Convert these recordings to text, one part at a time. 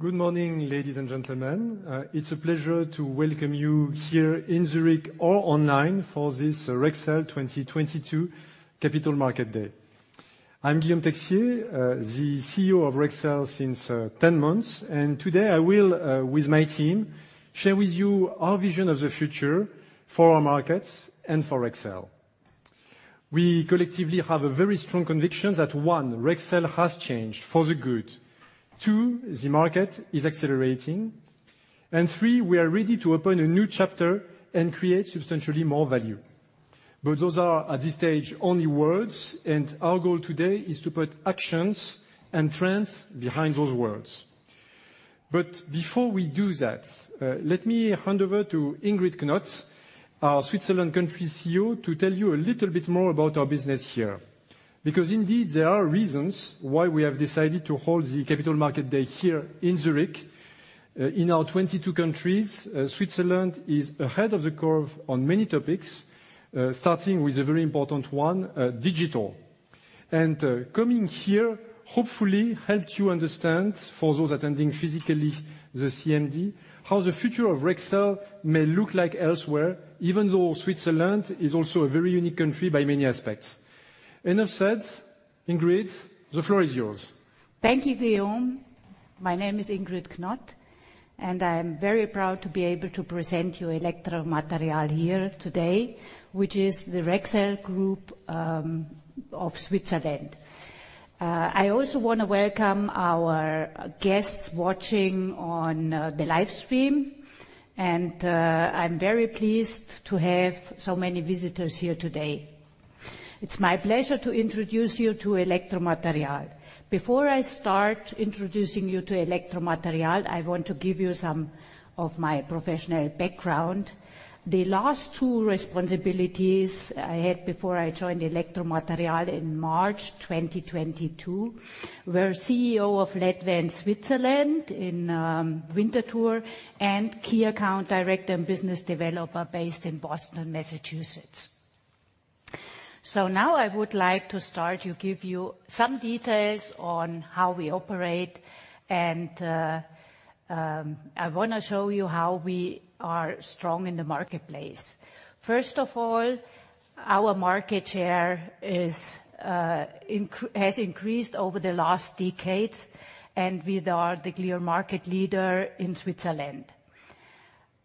Good morning, ladies and gentlemen. It's a pleasure to welcome you here in Zurich or online for this Rexel 2022 Capital Markets Day. I'm Guillaume Texier, the CEO of Rexel since 10 months. Today I will, with my team, share with you our vision of the future for our markets and for Rexel. We collectively have a very strong conviction that, one, Rexel has changed for the good. Two, the market is accelerating. Three, we are ready to open a new chapter and create substantially more value. Those are, at this stage, only words, and our goal today is to put actions and trends behind those words. Before we do that, let me hand over to Ingrid Knott, our Switzerland country CEO, to tell you a little bit more about our business here. Because indeed, there are reasons why we have decided to hold the Capital Market Day here in Zurich. In our 22 countries, Switzerland is ahead of the curve on many topics, starting with a very important one, digital. Coming here hopefully helps you understand, for those attending physically the CMD, how the future of Rexel may look like elsewhere, even though Switzerland is also a very unique country by many aspects. Enough said. Ingrid, the floor is yours. Thank you, Guillaume. My name is Ingrid Knott, and I am very proud to be able to present you Elektro-Material here today, which is the Rexel Group of Switzerland. I also wanna welcome our guests watching on the live stream, and I'm very pleased to have so many visitors here today. It's my pleasure to introduce you to Elektro-Material. Before I start introducing you to Elektro-Material, I want to give you some of my professional background. The last two responsibilities I had before I joined Elektro-Material in March 2022 were CEO of Ledvance Switzerland in Winterthur, and key account director and business developer based in Boston, Massachusetts. Now I would like to start to give you some details on how we operate and I wanna show you how we are strong in the marketplace. First of all, our market share has increased over the last decades, and we are the clear market leader in Switzerland.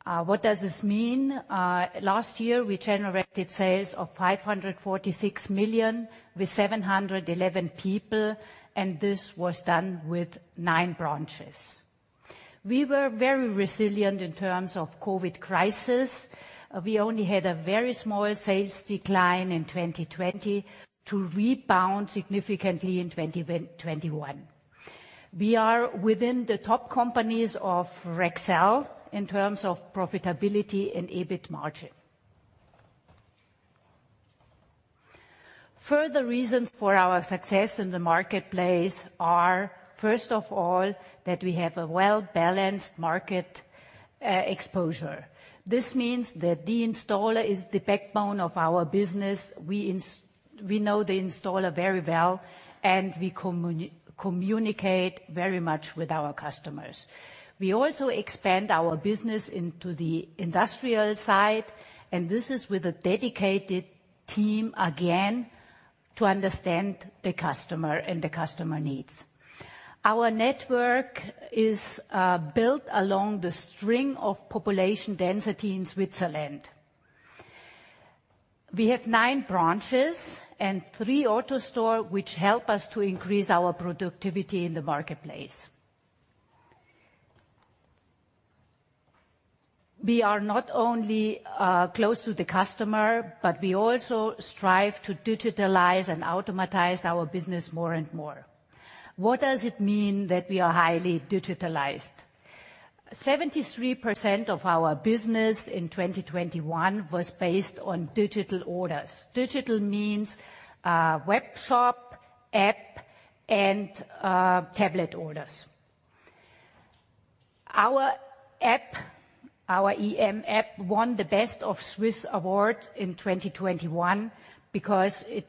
What does this mean? Last year we generated sales of 546 million with 711 people, and this was done with nine branches. We were very resilient in terms of COVID crisis. We only had a very small sales decline in 2020 to rebound significantly in 2021. We are within the top companies of Rexel in terms of profitability and EBIT margin. Further reasons for our success in the marketplace are, first of all, that we have a well-balanced market exposure. This means that the installer is the backbone of our business. We know the installer very well, and we communicate very much with our customers. We also expand our business into the industrial side, and this is with a dedicated team, again, to understand the customer and the customer needs. Our network is built along the string of population density in Switzerland. We have nine branches and three AutoStore which help us to increase our productivity in the marketplace. We are not only close to the customer, but we also strive to digitalize and automatize our business more and more. What does it mean that we are highly digitalized? 73% of our business in 2021 was based on digital orders. Digital means webshop, app, and tablet orders. Our app, our EM app, won the Best of Swiss Apps in 2021 because it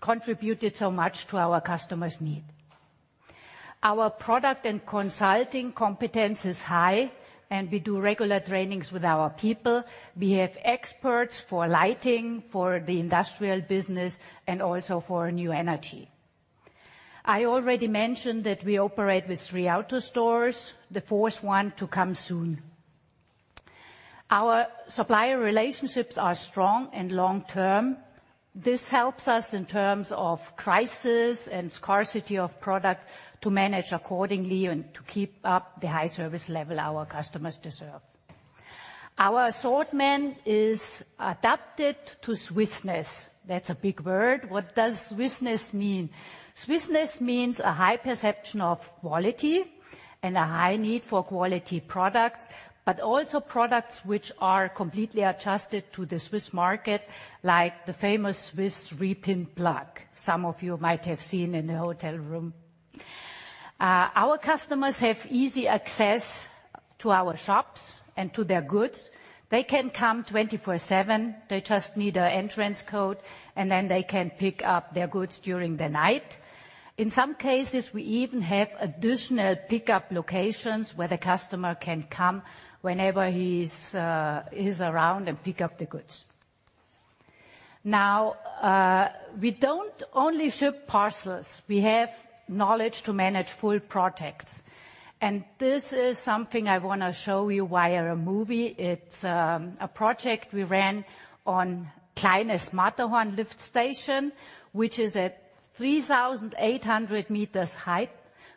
contributed so much to our customers' need. Our product and consulting competence is high, and we do regular trainings with our people. We have experts for lighting, for the industrial business, and also for new energy. I already mentioned that we operate with three AutoStores, the fourth one to come soon. Our supplier relationships are strong and long-term. This helps us in terms of crisis and scarcity of product to manage accordingly and to keep up the high service level our customers deserve. Our assortment is adapted to Swissness. That's a big word. What does Swissness mean? Swissness means a high perception of quality and a high need for quality products, but also products which are completely adjusted to the Swiss market, like the famous Swiss three-pin plug some of you might have seen in a hotel room. Our customers have easy access to our shops and to their goods. They can come 24/7. They just need an entrance code, and then they can pick up their goods during the night. In some cases, we even have additional pickup locations where the customer can come whenever he's around and pick up the goods. Now, we don't only ship parcels, we have knowledge to manage full projects, and this is something I wanna show you via a movie. It's a project we ran on Kleine Scheidegg lift station, which is at 3,800 meters height,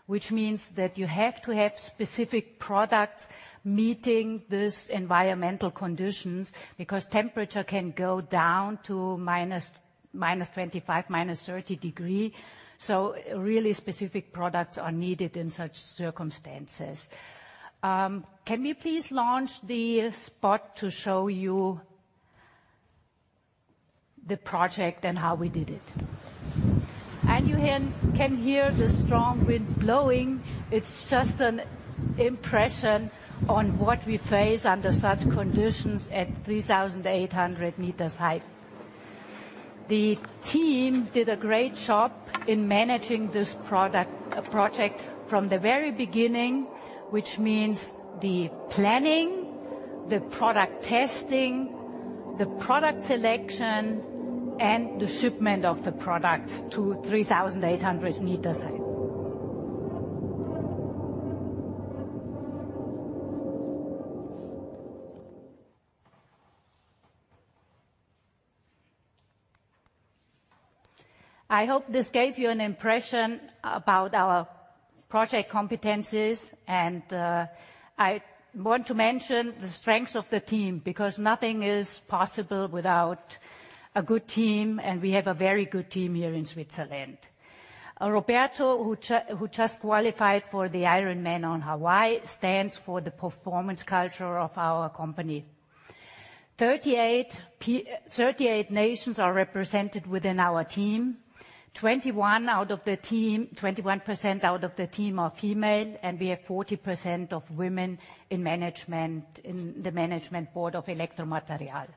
which means that you have to have specific products meeting these environmental conditions because temperature can go down to -25, -30 degrees. So really specific products are needed in such circumstances. Can we please launch the spot to show you the project and how we did it? You can hear the strong wind blowing. It's just an impression on what we face under such conditions at 3,800 meters height. The team did a great job in managing this project from the very beginning, which means the planning, the product testing, the product selection, and the shipment of the products to 3,800 meters height. I hope this gave you an impression about our project competencies. I want to mention the strength of the team because nothing is possible without a good team, and we have a very good team here in Switzerland. Roberto, who just qualified for the Ironman on Hawaii, stands for the performance culture of our company. 38 nations are represented within our team. 21% out of the team are female, and we have 40% of women in management, in the management board of Elektro-Material.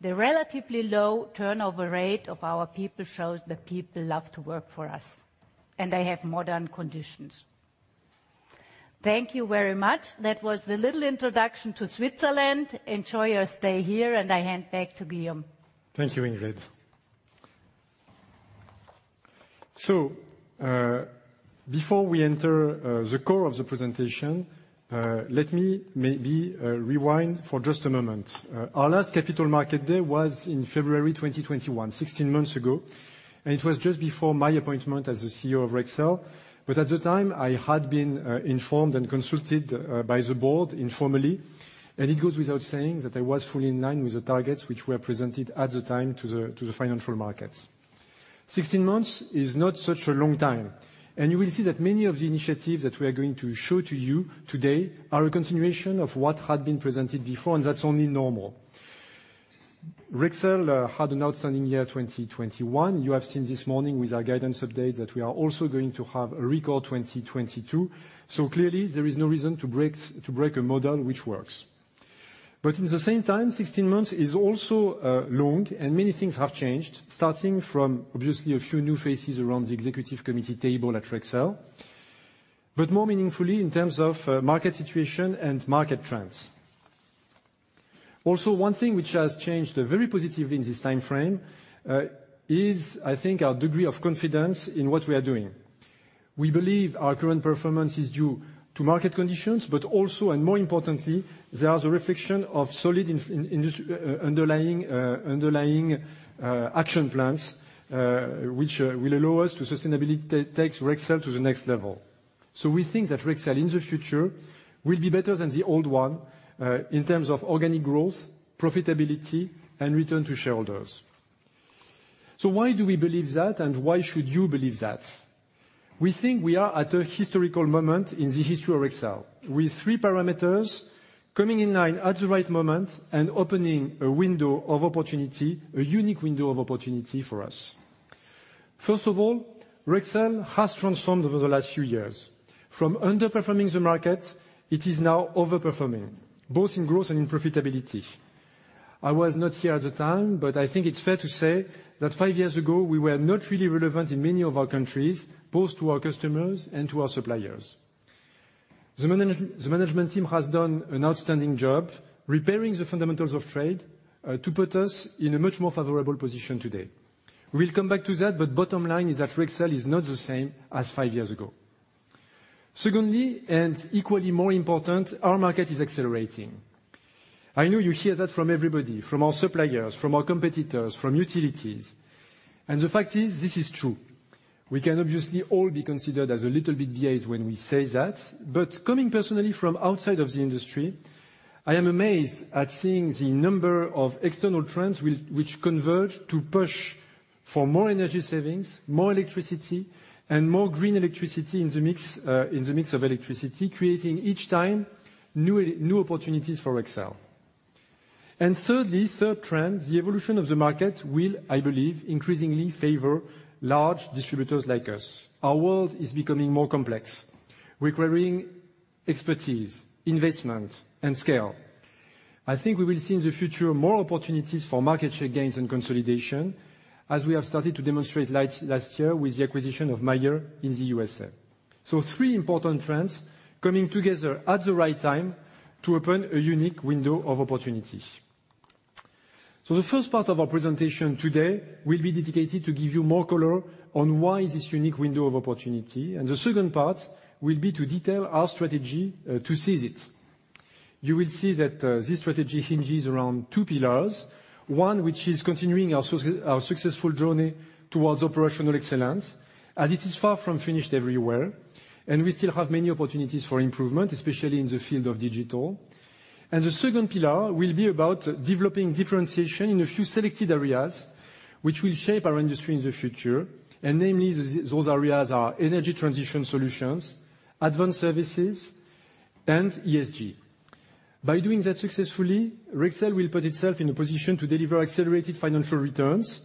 The relatively low turnover rate of our people shows that people love to work for us, and they have modern conditions. Thank you very much. That was the little introduction to Switzerland. Enjoy your stay here, and I hand back to Guillaume. Thank you, Ingrid. Before we enter the core of the presentation, let me maybe rewind for just a moment. Our last Capital Markets Day was in February 2021, 16 months ago, and it was just before my appointment as the CEO of Rexel. At the time, I had been informed and consulted by the board informally, and it goes without saying that I was fully in line with the targets which were presented at the time to the financial markets. 16 months is not such a long time, and you will see that many of the initiatives that we are going to show to you today are a continuation of what had been presented before, and that's only normal. Rexel had an outstanding year, 2021. You have seen this morning with our guidance update that we are also going to have a record 2022. Clearly there is no reason to break a model which works. At the same time, 16 months is also long, and many things have changed, starting from obviously a few new faces around the executive committee table at Rexel, but more meaningfully in terms of market situation and market trends. Also, one thing which has changed very positive in this timeframe is I think our degree of confidence in what we are doing. We believe our current performance is due to market conditions, but also and more importantly, they are the reflection of solid underlying action plans which will allow us to sustainably take Rexel to the next level. We think that Rexel in the future will be better than the old one, in terms of organic growth, profitability and return to shareholders. Why do we believe that, and why should you believe that? We think we are at a historical moment in the history of Rexel, with three parameters coming in line at the right moment and opening a window of opportunity, a unique window of opportunity for us. First of all, Rexel has transformed over the last few years. From underperforming the market, it is now over-performing, both in growth and in profitability. I was not here at the time, but I think it's fair to say that five years ago we were not really relevant in many of our countries, both to our customers and to our suppliers. The management team has done an outstanding job repairing the fundamentals of trade to put us in a much more favorable position today. We'll come back to that, but bottom line is that Rexel is not the same as five years ago. Secondly, and equally more important, our market is accelerating. I know you hear that from everybody, from our suppliers, from our competitors, from utilities, and the fact is, this is true. We can obviously all be considered as a little bit biased when we say that, but coming personally from outside of the industry, I am amazed at seeing the number of external trends which converge to push for more energy savings, more electricity, and more green electricity in the mix of electricity, creating each time new opportunities for Rexel. Thirdly, third trend, the evolution of the market will, I believe, increasingly favor large distributors like us. Our world is becoming more complex, requiring expertise, investment, and scale. I think we will see in the future more opportunities for market share gains and consolidation, as we have started to demonstrate last year with the acquisition of Mayer in the USA. Three important trends coming together at the right time to open a unique window of opportunity. The first part of our presentation today will be dedicated to give you more color on why this unique window of opportunity. The second part will be to detail our strategy to seize it. You will see that this strategy hinges around two pillars. One, which is continuing our successful journey towards operational excellence as it is far from finished everywhere, and we still have many opportunities for improvement, especially in the field of digital. The second pillar will be about developing differentiation in a few selected areas which will shape our industry in the future. Namely those areas are energy transition solutions, advanced services, and ESG. By doing that successfully, Rexel will put itself in a position to deliver accelerated financial returns,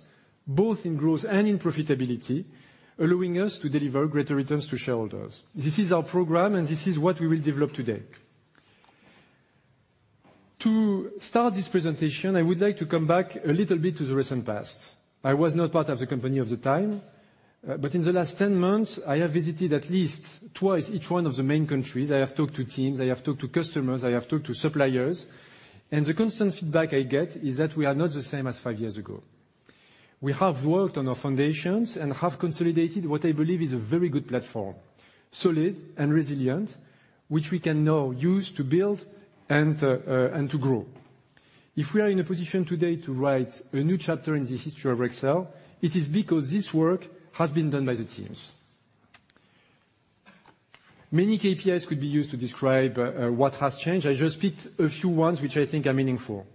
both in growth and in profitability, allowing us to deliver greater returns to shareholders. This is our program, and this is what we will develop today. To start this presentation, I would like to come back a little bit to the recent past. I was not part of the company at the time, but in the last 10 months, I have visited at least twice each one of the main countries. I have talked to teams, I have talked to customers, I have talked to suppliers. The constant feedback I get is that we are not the same as 5 years ago. We have worked on our foundations and have consolidated what I believe is a very good platform, solid and resilient, which we can now use to build and to grow. If we are in a position today to write a new chapter in the history of Rexel, it is because this work has been done by the teams. Many KPIs could be used to describe, what has changed. I just picked a few ones which I think are meaningful.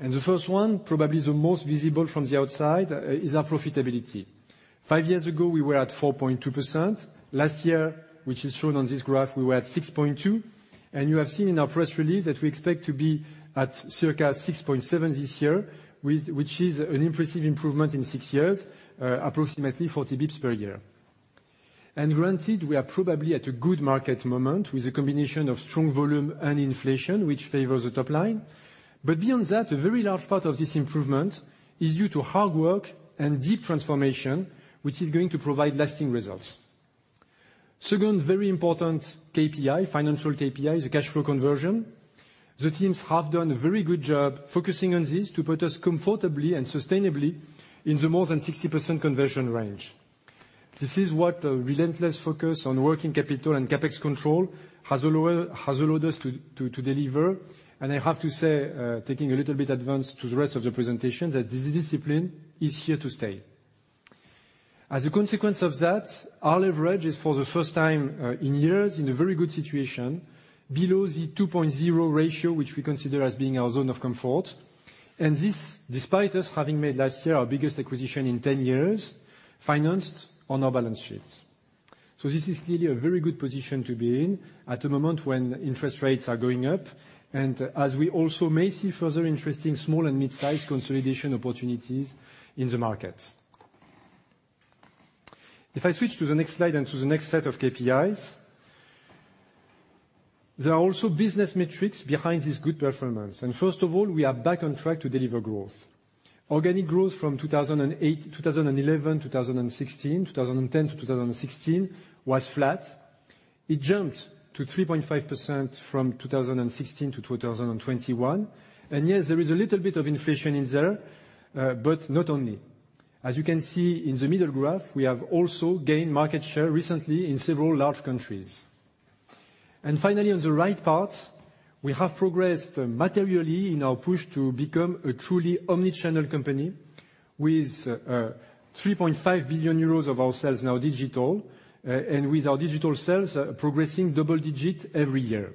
The first one, probably the most visible from the outside, is our profitability. Five years ago, we were at 4.2%. Last year, which is shown on this graph, we were at 6.2%. You have seen in our press release that we expect to be at circa 6.7% this year, with which is an impressive improvement in six years, approximately 40 BPS per year. Granted, we are probably at a good market moment with a combination of strong volume and inflation, which favors the top line. beyond that, a very large part of this improvement is due to hard work and deep transformation, which is going to provide lasting results. Second very important KPI, financial KPI, is the cash flow conversion. The teams have done a very good job focusing on this to put us comfortably and sustainably in the more than 60% conversion range. This is what a relentless focus on working capital and CapEx control has allowed us to deliver. I have to say, taking a little bit in advance to the rest of the presentation, that this discipline is here to stay. As a consequence of that, our leverage is, for the first time, in years, in a very good situation, below the 2.0 ratio, which we consider as being our zone of comfort. This, despite us having made last year our biggest acquisition in 10 years, financed on our balance sheets. This is clearly a very good position to be in at a moment when interest rates are going up and as we also may see further interesting small and mid-sized consolidation opportunities in the market. If I switch to the next slide and to the next set of KPIs, there are also business metrics behind this good performance. First of all, we are back on track to deliver growth. Organic growth from 2011 to 2016 was flat. It jumped to 3.5% from 2016 to 2021. Yes, there is a little bit of inflation in there, but not only. As you can see in the middle graph, we have also gained market share recently in several large countries. Finally, on the right part, we have progressed materially in our push to become a truly omnichannel company with EUR 3.5 billion of our sales now digital, and with our digital sales progressing double digit every year.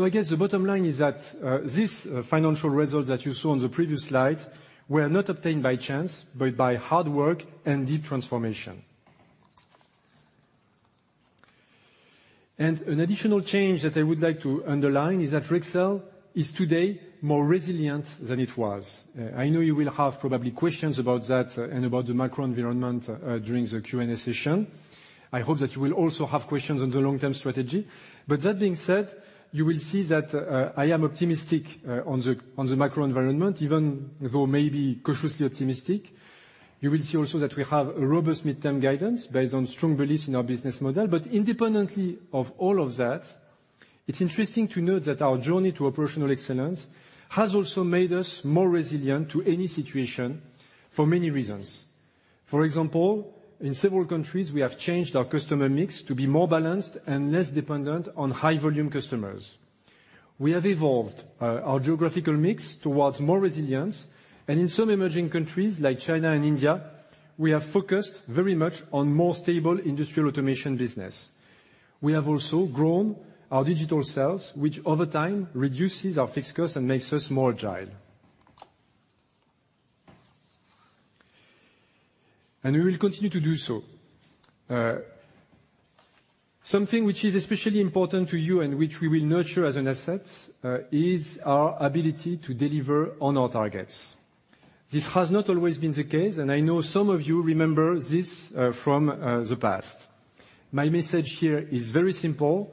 I guess the bottom line is that this financial results that you saw on the previous slide were not obtained by chance, but by hard work and deep transformation. An additional change that I would like to underline is that Rexel is today more resilient than it was. I know you will have probably questions about that and about the macro environment during the Q&A session. I hope that you will also have questions on the long-term strategy. That being said, you will see that I am optimistic on the macro environment, even though maybe cautiously optimistic. You will see also that we have a robust midterm guidance based on strong belief in our business model. Independently of all of that, it's interesting to note that our journey to operational excellence has also made us more resilient to any situation for many reasons. For example, in several countries, we have changed our customer mix to be more balanced and less dependent on high volume customers. We have evolved our geographical mix towards more resilience. In some emerging countries like China and India, we have focused very much on more stable industrial automation business. We have also grown our digital sales, which over time reduces our fixed costs and makes us more agile. We will continue to do so. Something which is especially important to you and which we will nurture as an asset is our ability to deliver on our targets. This has not always been the case, and I know some of you remember this from the past. My message here is very simple.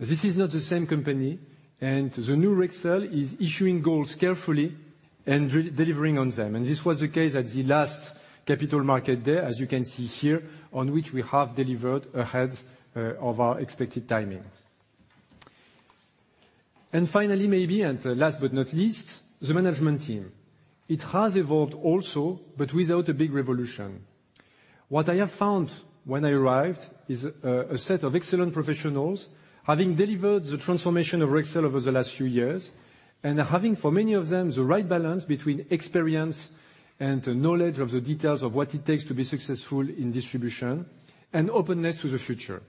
This is not the same company, and the new Rexel is setting goals carefully and over-delivering on them. This was the case at the last Capital Markets Day, as you can see here, on which we have delivered ahead of our expected timing. Finally, maybe and last but not least, the management team. It has evolved also, but without a big revolution. What I have found when I arrived is a set of excellent professionals having delivered the transformation of Rexel over the last few years, and having, for many of them, the right balance between experience and the knowledge of the details of what it takes to be successful in distribution and openness to the future.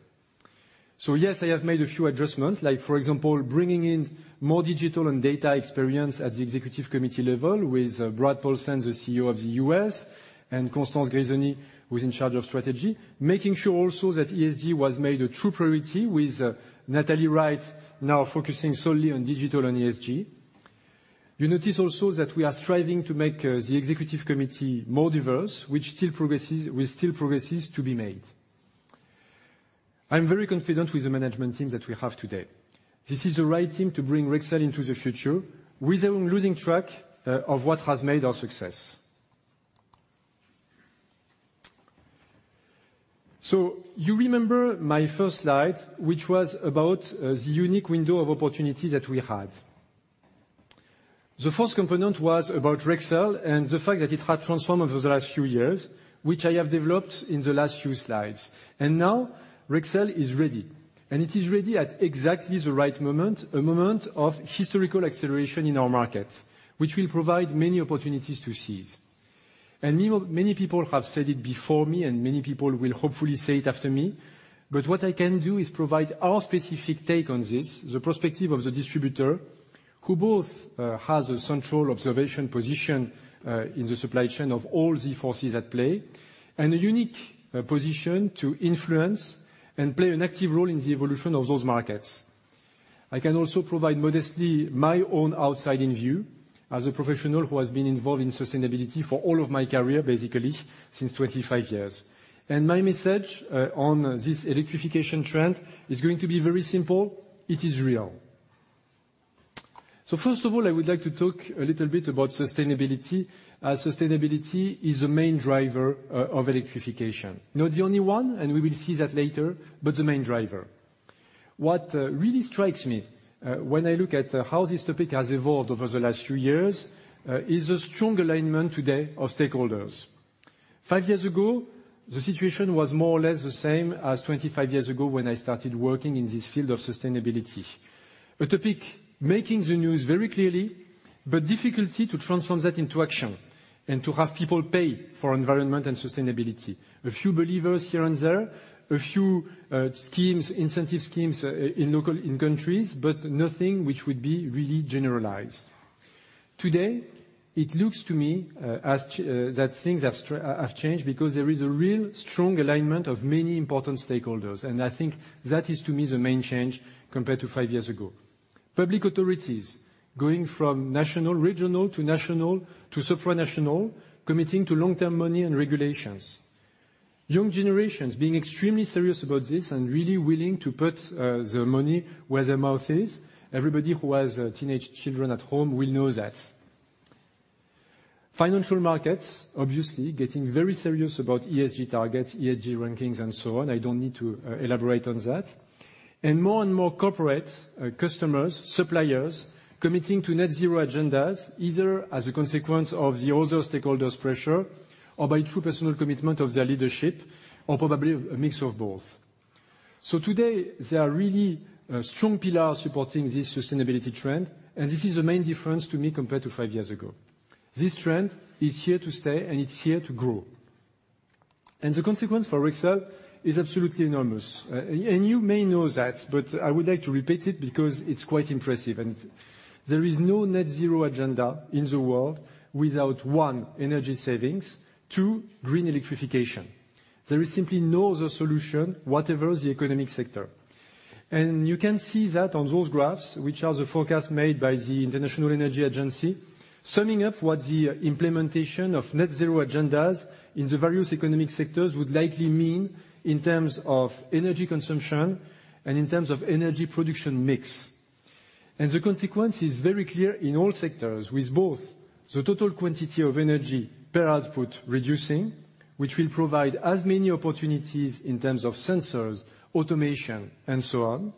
Yes, I have made a few adjustments, like for example, bringing in more digital and data experience at the executive committee level with Brad Paulsen, the CEO of the U.S., and Constance Grisoni, who is in charge of strategy. Making sure also that ESG was made a true priority with Nathalie Wright now focusing solely on digital and ESG. You notice also that we are striving to make the executive committee more diverse, which still has progress to be made. I'm very confident with the management team that we have today. This is the right team to bring Rexel into the future without losing track, of what has made our success. You remember my first slide, which was about, the unique window of opportunity that we had. The first component was about Rexel and the fact that it had transformed over the last few years, which I have developed in the last few slides. Now Rexel is ready, and it is ready at exactly the right moment, a moment of historical acceleration in our markets, which will provide many opportunities to seize. Many people have said it before me, and many people will hopefully say it after me, but what I can do is provide our specific take on this, the perspective of the distributor, who both has a central observation position in the supply chain of all the forces at play, and a unique position to influence and play an active role in the evolution of those markets. I can also provide modestly my own outside-in view as a professional who has been involved in sustainability for all of my career, basically since 25 years. My message on this electrification trend is going to be very simple. It is real. First of all, I would like to talk a little bit about sustainability, as sustainability is the main driver of electrification. Not the only one, and we will see that later, but the main driver. What really strikes me when I look at how this topic has evolved over the last few years is a strong alignment today of stakeholders. 5 years ago, the situation was more or less the same as 25 years ago when I started working in this field of sustainability. A topic making the news very clearly, but difficulty to transform that into action and to have people pay for environment and sustainability. A few believers here and there. A few schemes, incentive schemes in countries, but nothing which would be really generalized. Today, it looks to me that things have changed because there is a real strong alignment of many important stakeholders, and I think that is to me the main change compared to five years ago. Public authorities going from national, regional to supranational, committing to long-term money and regulations. Young generations being extremely serious about this and really willing to put their money where their mouth is. Everybody who has teenage children at home will know that. Financial markets obviously getting very serious about ESG targets, ESG rankings and so on. I don't need to elaborate on that. More and more corporates, customers, suppliers committing to net zero agendas, either as a consequence of the other stakeholders' pressure or by true personal commitment of their leadership, or probably a mix of both. Today, there are really strong pillars supporting this sustainability trend, and this is the main difference to me compared to five years ago. This trend is here to stay, and it's here to grow. The consequence for Rexel is absolutely enormous. You may know that, but I would like to repeat it because it's quite impressive. There is no net zero agenda in the world without 1, energy savings, 2, green electrification. There is simply no other solution, whatever the economic sector. You can see that on those graphs, which are the forecasts made by the International Energy Agency, summing up what the implementation of net zero agendas in the various economic sectors would likely mean in terms of energy consumption and in terms of energy production mix. The consequence is very clear in all sectors, with both the total quantity of energy per output reducing, which will provide as many opportunities in terms of sensors, automation and so on,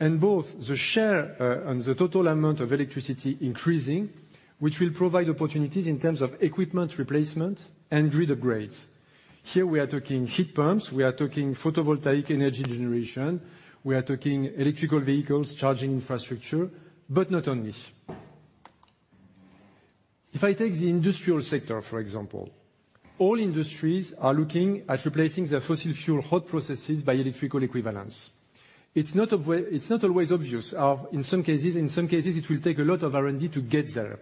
and both the share and the total amount of electricity increasing, which will provide opportunities in terms of equipment replacement and grid upgrades. Here we are talking heat pumps, we are talking photovoltaic energy generation, we are talking electric vehicles, charging infrastructure, but not only. If I take the industrial sector, for example. All industries are looking at replacing their fossil fuel hot processes by electrical equivalents. It's not always obvious in some cases. In some cases, it will take a lot of R&D to get there,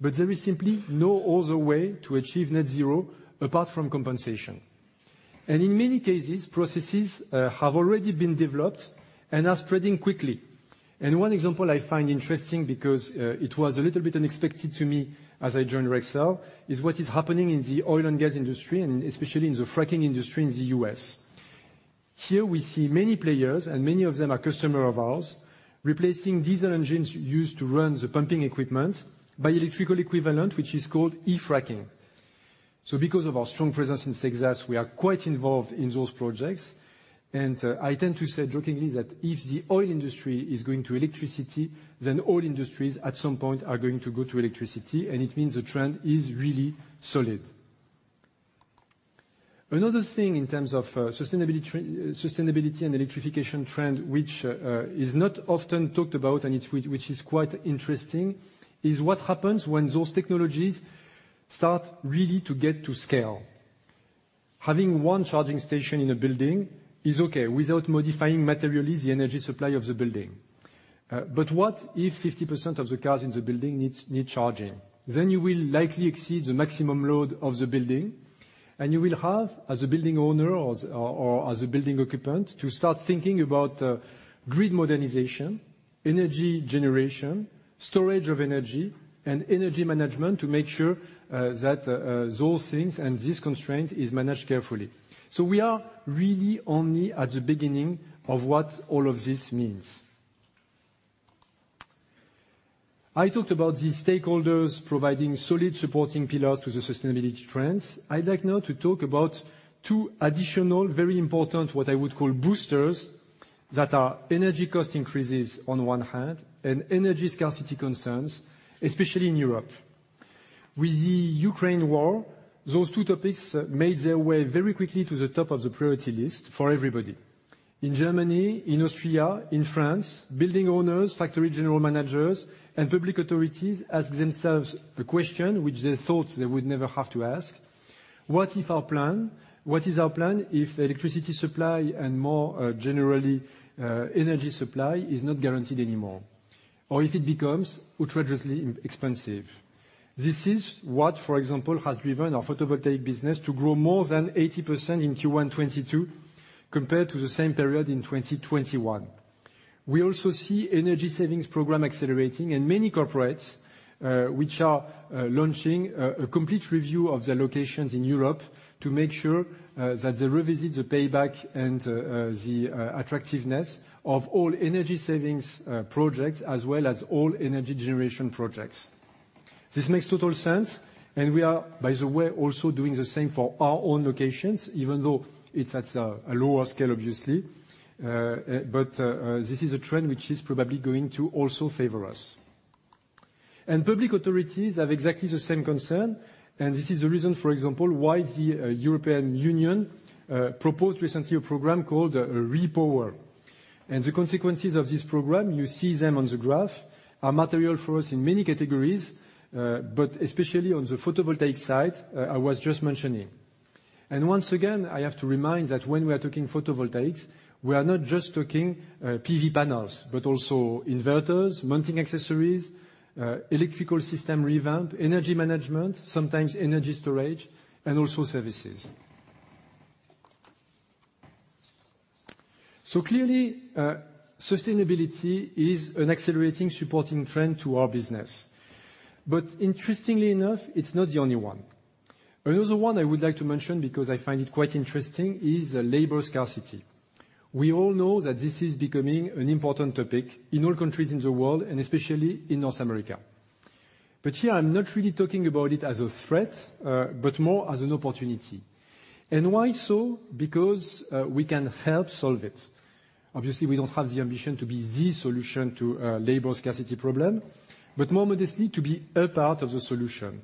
but there is simply no other way to achieve net zero apart from compensation. In many cases, processes have already been developed and are spreading quickly. One example I find interesting because it was a little bit unexpected to me as I joined Rexel is what is happening in the oil and gas industry, and especially in the fracking industry in the US. Here we see many players, and many of them are customer of ours, replacing diesel engines used to run the pumping equipment by electrical equivalent, which is called e-frac. Because of our strong presence in Texas, we are quite involved in those projects, and I tend to say jokingly that if the oil industry is going to electricity, then all industries at some point are going to go to electricity, and it means the trend is really solid. Another thing in terms of sustainability and electrification trend, which is not often talked about, which is quite interesting, is what happens when those technologies start really to get to scale. Having one charging station in a building is okay without modifying materially the energy supply of the building. But what if 50% of the cars in the building needs charging? Then you will likely exceed the maximum load of the building, and you will have, as a building owner or as a building occupant, to start thinking about grid modernization, energy generation, storage of energy, and energy management to make sure that those things and this constraint is managed carefully. We are really only at the beginning of what all of this means. I talked about the stakeholders providing solid supporting pillars to the sustainability trends. I'd like now to talk about two additional very important, what I would call boosters, that are energy cost increases on one hand, and energy scarcity concerns, especially in Europe. With the Ukraine war, those two topics made their way very quickly to the top of the priority list for everybody. In Germany, in Austria, in France, building owners, factory general managers, and public authorities ask themselves a question which they thought they would never have to ask. What is our plan if electricity supply and more, generally, energy supply is not guaranteed anymore, or if it becomes outrageously expensive? This is what, for example, has driven our photovoltaic business to grow more than 80% in Q1 2022 compared to the same period in 2021. We also see energy savings program accelerating and many corporates, which are launching a complete review of their locations in Europe to make sure that they revisit the payback and the attractiveness of all energy savings projects as well as all energy generation projects. This makes total sense, and we are, by the way, also doing the same for our own locations, even though it's at a lower scale, obviously. This is a trend which is probably going to also favor us. Public authorities have exactly the same concern, and this is the reason, for example, why the European Union proposed recently a program called REPowerEU. The consequences of this program, you see them on the graph, are material for us in many categories, but especially on the photovoltaic side, I was just mentioning. Once again, I have to remind that when we are talking photovoltaics, we are not just talking, PV panels, but also inverters, mounting accessories, electrical system revamp, energy management, sometimes energy storage, and also services. Clearly, sustainability is an accelerating supporting trend to our business. Interestingly enough, it's not the only one. Another one I would like to mention because I find it quite interesting is labor scarcity. We all know that this is becoming an important topic in all countries in the world and especially in North America. Here I'm not really talking about it as a threat, but more as an opportunity. Why so? Because we can help solve it. Obviously, we don't have the ambition to be the solution to labor scarcity problem, but more modestly to be a part of the solution.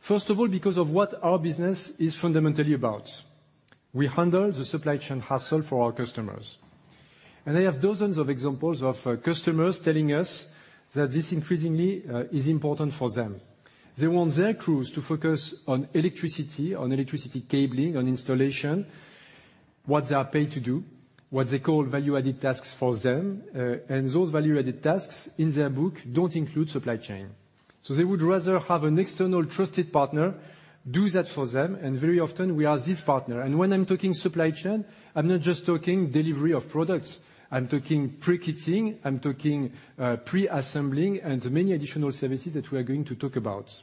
First of all, because of what our business is fundamentally about. We handle the supply chain hassle for our customers, and they have dozens of examples of customers telling us that this increasingly is important for them. They want their crews to focus on electricity cabling, on installation, what they are paid to do, what they call value-added tasks for them. Those value-added tasks in their book don't include supply chain. They would rather have an external trusted partner do that for them, and very often we are this partner. When I'm talking supply chain, I'm not just talking delivery of products, I'm talking pre-kitting, I'm talking pre-assembling and many additional services that we are going to talk about.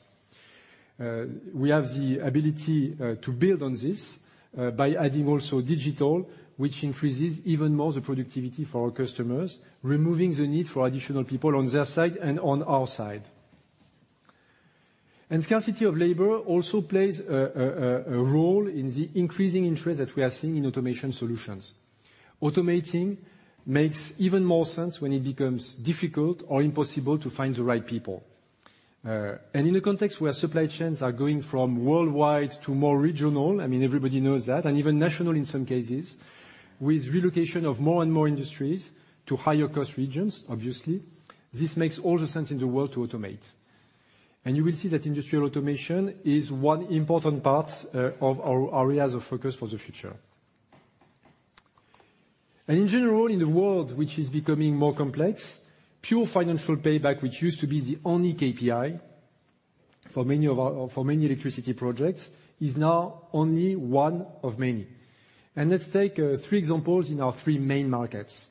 We have the ability to build on this by adding also digital, which increases even more the productivity for our customers, removing the need for additional people on their side and on our side. Scarcity of labor also plays a role in the increasing interest that we are seeing in automation solutions. Automating makes even more sense when it becomes difficult or impossible to find the right people. In a context where supply chains are going from worldwide to more regional, I mean, everybody knows that, and even national in some cases, with relocation of more and more industries to higher cost regions, obviously, this makes all the sense in the world to automate. You will see that industrial automation is one important part of our areas of focus for the future. In general, in the world which is becoming more complex, pure financial payback, which used to be the only KPI for many of our electricity projects, is now only one of many. Let's take three examples in our three main markets.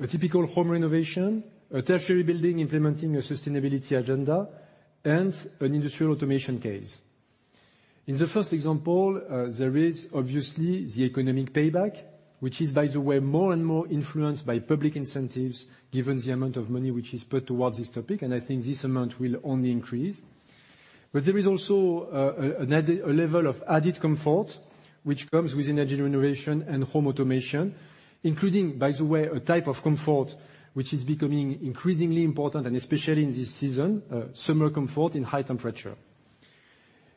A typical home renovation, a tertiary building implementing a sustainability agenda, and an industrial automation case. In the first example, there is obviously the economic payback, which is, by the way, more and more influenced by public incentives given the amount of money which is put towards this topic, and I think this amount will only increase. There is also a level of added comfort which comes with energy renovation and home automation, including, by the way, a type of comfort which is becoming increasingly important, and especially in this season, summer comfort in high temperature.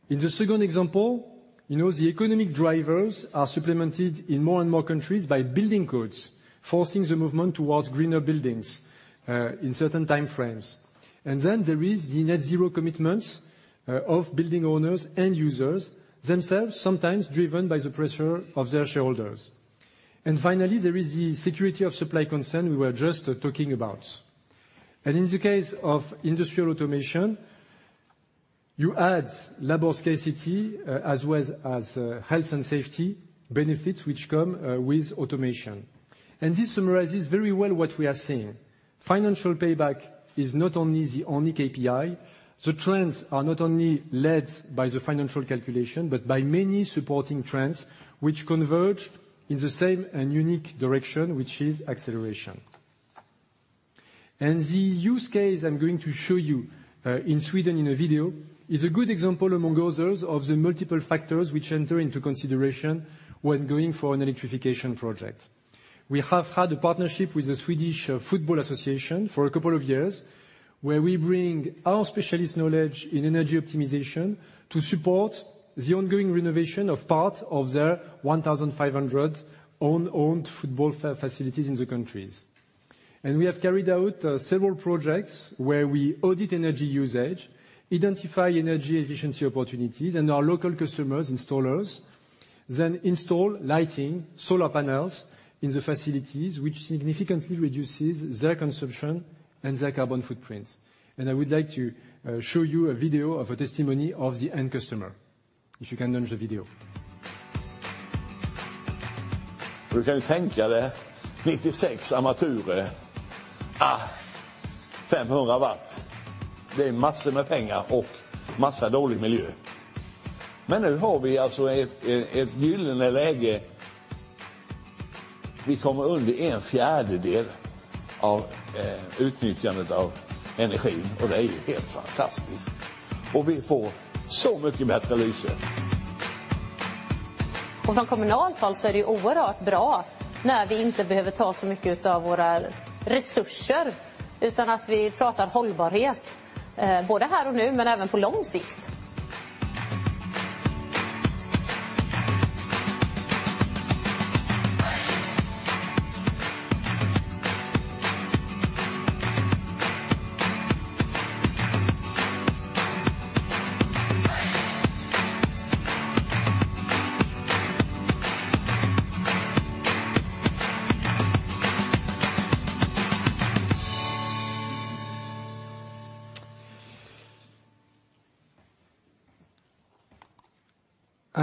In the second example, you know the economic drivers are supplemented in more and more countries by building codes, forcing the movement towards greener buildings, in certain time frames. There is the net zero commitments of building owners and users, themselves sometimes driven by the pressure of their shareholders. Finally, there is the security of supply concern we were just talking about. In the case of industrial automation, you add labor scarcity as well as health and safety benefits, which come with automation. This summarizes very well what we are seeing. Financial payback is not only the only KPI. The trends are not only led by the financial calculation, but by many supporting trends which converge in the same and unique direction, which is acceleration. The use case I'm going to show you in Sweden in a video is a good example among others of the multiple factors which enter into consideration when going for an electrification project. We have had a partnership with the Swedish Football Association for a couple of years, where we bring our specialist knowledge in energy optimization to support the ongoing renovation of part of their 1,500 owned football facilities in the countries. We have carried out several projects where we audit energy usage, identify energy efficiency opportunities, and our local customers, installers, then install lighting, solar panels in the facilities, which significantly reduces their consumption and their carbon footprint. I would like to show you a video of a testimony of the end customer. If you can launch the video.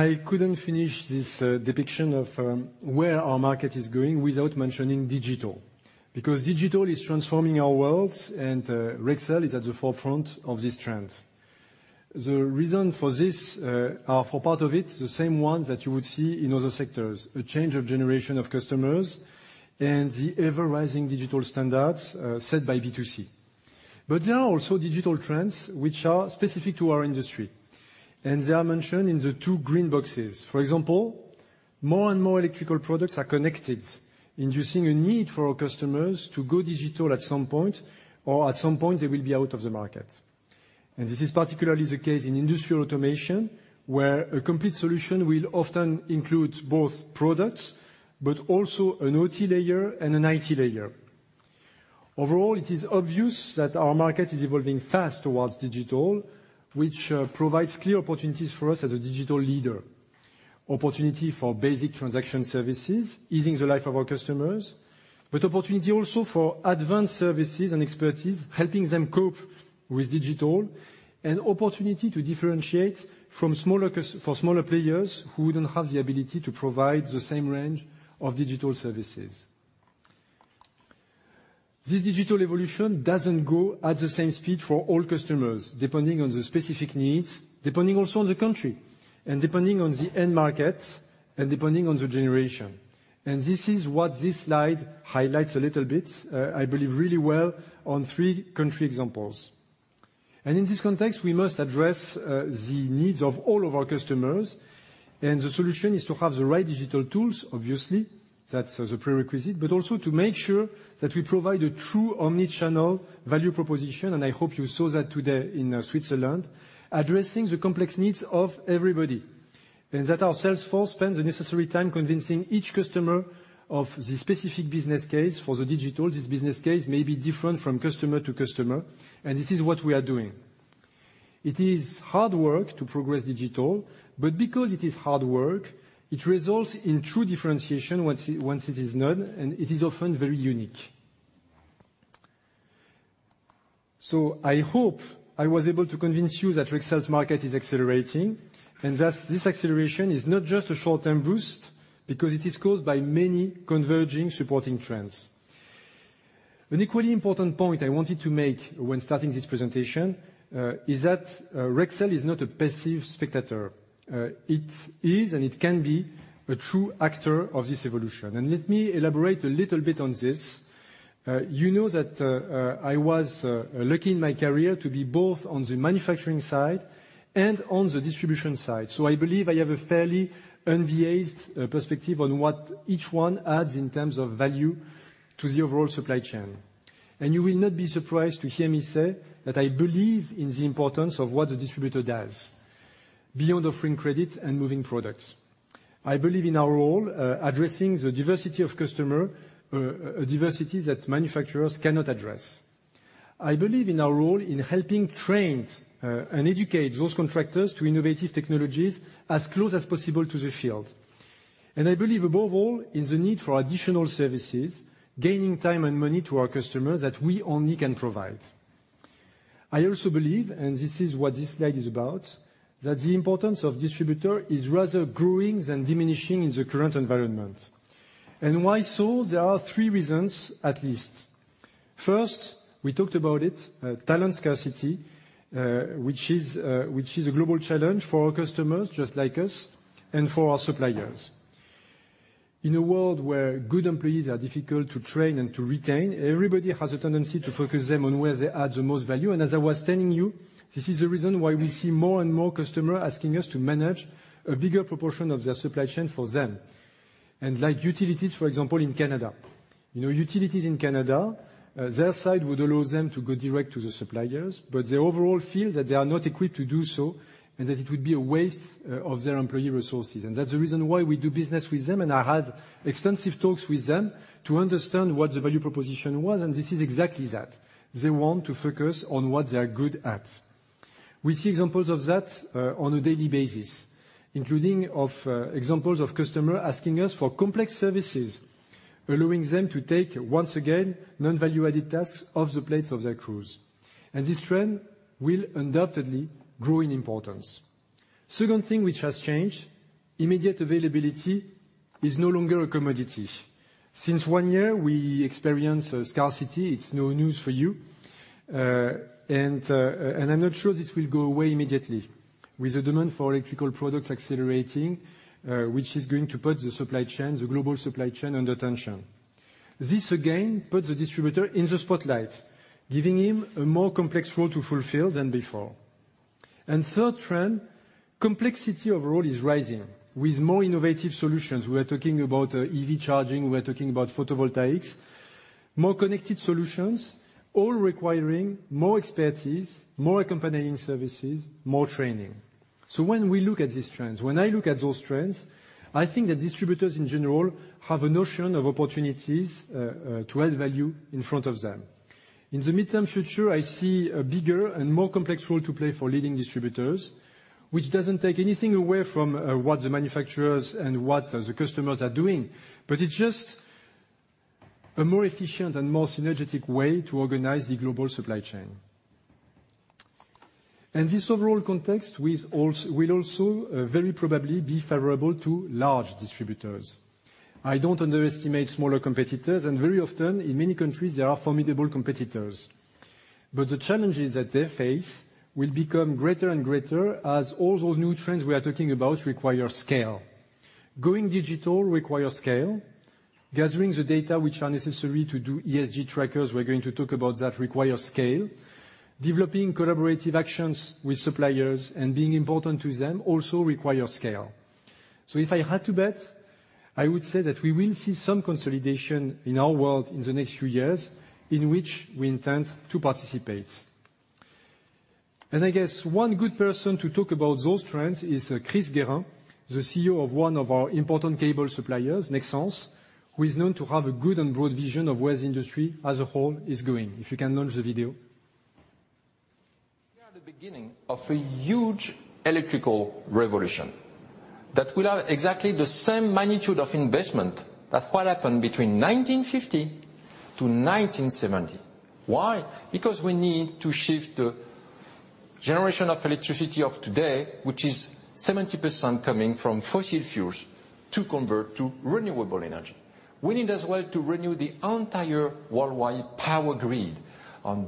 I couldn't finish this depiction of where our market is going without mentioning digital. Because digital is transforming our world, and Rexel is at the forefront of this trend. The reason for this, or for part of it, the same ones that you would see in other sectors, a change of generation of customers and the ever-rising digital standards set by B2C. There are also digital trends which are specific to our industry, and they are mentioned in the two green boxes. For example, more and more electrical products are connected, inducing a need for our customers to go digital at some point they will be out of the market. This is particularly the case in industrial automation, where a complete solution will often include both products but also an OT layer and an IT layer. Overall, it is obvious that our market is evolving fast towards digital, which provides clear opportunities for us as a digital leader. Opportunity for basic transaction services, easing it results in true differentiation once it is known, and it is often very unique. I hope I was able to convince you that Rexel's market is accelerating, and that this acceleration is not just a short-term boost because it is caused by many converging supporting trends. An equally important point I wanted to make when starting this presentation is that Rexel is not a passive spectator. It is and it can be a true actor of this evolution. Let me elaborate a little bit on this. You know that I was lucky in my career to be both on the manufacturing side and on the distribution side. I believe I have a fairly unbiased perspective on what each one adds in terms of value to the overall supply chain. You will not be surprised to hear me say that I believe in the importance of what the distributor does beyond offering credit and moving products. I believe in our role addressing the diversity of customer, a diversity that manufacturers cannot address. I believe in our role in helping train and educate those contractors to innovative technologies as close as possible to the field. I believe above all in the need for additional services, gaining time and money to our customers that we only can provide. I also believe, and this is what this slide is about, that the importance of distributor is rather growing than diminishing in the current environment. Why so? There are three reasons at least. First, we talked about it, talent scarcity, which is a global challenge for our customers just like us and for our suppliers. In a world where good employees are difficult to train and to retain, everybody has a tendency to focus them on where they add the most value. As I was telling you, this is the reason why we see more and more customers asking us to manage a bigger proportion of their supply chain for them. Like utilities, for example, in Canada. You know, utilities in Canada, their side would allow them to go direct to the suppliers, but they overall feel that they are not equipped to do so and that it would be a waste of their employee resources. That's the reason why we do business with them and I had extensive talks with them to understand what the value proposition was, and this is exactly that. They want to focus on what they are good at. We see examples of that on a daily basis, including examples of customers asking us for complex services allowing them to take, once again, non-value added tasks off the plates of their crews. This trend will undoubtedly grow in importance. Second thing which has changed, immediate availability is no longer a commodity. Since one year we experience a scarcity, it's no news for you. I'm not sure this will go away immediately with the demand for electrical products accelerating, which is going to put the supply chain, the global supply chain under tension. This again put the distributor in the spotlight, giving him a more complex role to fulfill than before. Third trend, complexity overall is rising with more innovative solutions. We're talking about EV charging, we're talking about photovoltaics. More connected solutions, all requiring more expertise, more accompanying services, more training. When I look at these trends, I think the distributors in general have a notion of opportunities to add value in front of them. In the medium-term future, I see a bigger and more complex role to play for leading distributors, which doesn't take anything away from what the manufacturers and the customers are doing, but it's just a more efficient and more synergistic way to organize the global supply chain. This overall context will also very probably be favorable to large distributors. I don't underestimate smaller competitors, and very often in many countries there are formidable competitors, but the challenges that they face will become greater and greater as all those new trends we are talking about require scale. Going digital requires scale. Gathering the data which are necessary to do ESG trackers, we're going to talk about that, require scale. Developing collaborative actions with suppliers and being important to them also require scale. If I had to bet, I would say that we will see some consolidation in our world in the next few years in which we intend to participate. I guess one good person to talk about those trends is Chris Guérin, the CEO of one of our important cable suppliers, Nexans, who is known to have a good and broad vision of where the industry as a whole is going. If you can launch the video. We are at the beginning of a huge electrical revolution that will have exactly the same magnitude of investment as what happened between 1950 to 1970. Why? Because we need to shift the generation of electricity of today, which is 70% coming from fossil fuels to convert to renewable energy. We need as well to renew the entire worldwide power grid,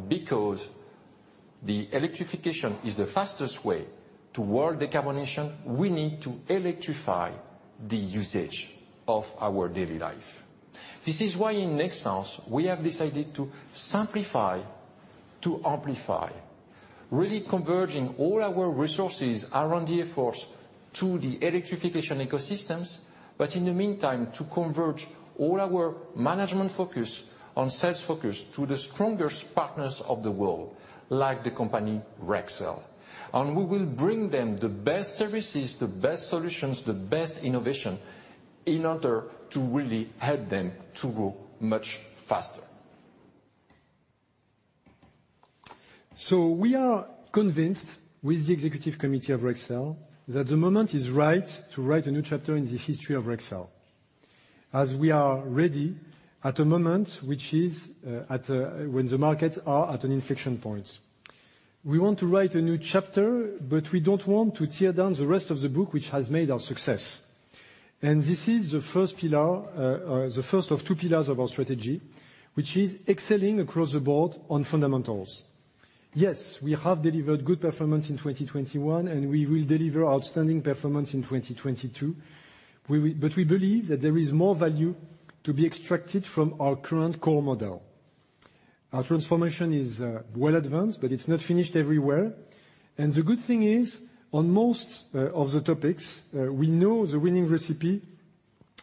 because the electrification is the fastest way to world decarbonization. We need to electrify the usage of our daily life. This is why in Nexans we have decided to simplify to amplify, really converging all our resources R&D efforts to the electrification ecosystems. In the meantime, to converge all our management focus on sales focus to the strongest partners of the world, like the company Rexel. We will bring them the best services, the best solutions, the best innovation in order to really help them to grow much faster. We are convinced with the executive committee of Rexel that the moment is right to write a new chapter in the history of Rexel, as we are ready at a moment when the markets are at an inflection point. We want to write a new chapter, but we don't want to tear down the rest of the book which has made our success. This is the first pillar, the first of two pillars of our strategy, which is excelling across the board on fundamentals. Yes, we have delivered good performance in 2021, and we will deliver outstanding performance in 2022. We believe that there is more value to be extracted from our current core model. Our transformation is well advanced, but it's not finished everywhere. The good thing is, on most of the topics, we know the winning recipe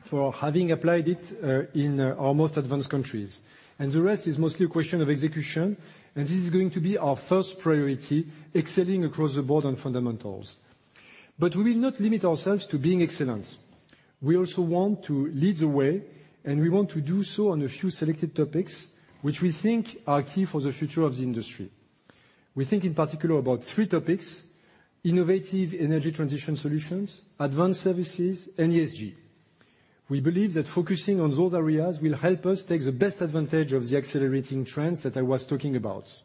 for having applied it in our most advanced countries. The rest is mostly a question of execution, and this is going to be our first priority, excelling across the board on fundamentals. We will not limit ourselves to being excellent. We also want to lead the way, and we want to do so on a few selected topics which we think are key for the future of the industry. We think in particular about three topics, innovative energy transition solutions, advanced services, and ESG. We believe that focusing on those areas will help us take the best advantage of the accelerating trends that I was talking about.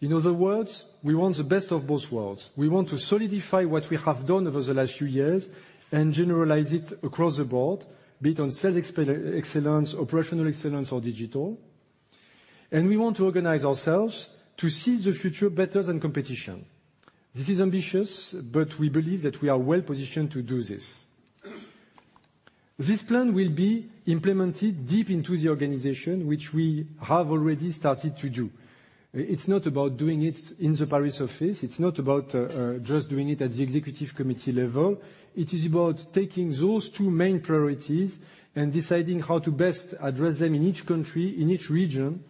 In other words, we want the best of both worlds. We want to solidify what we have done over the last few years and generalize it across the board, be it on sales excellence, operational excellence or digital. We want to organize ourselves to seize the future better than competition. This is ambitious, but we believe that we are well positioned to do this. This plan will be implemented deep into the organization, which we have already started to do. It's not about doing it in the Paris office. It's not about just doing it at the executive committee level. It is about taking those two main priorities and deciding how to best address them in each country, in each region,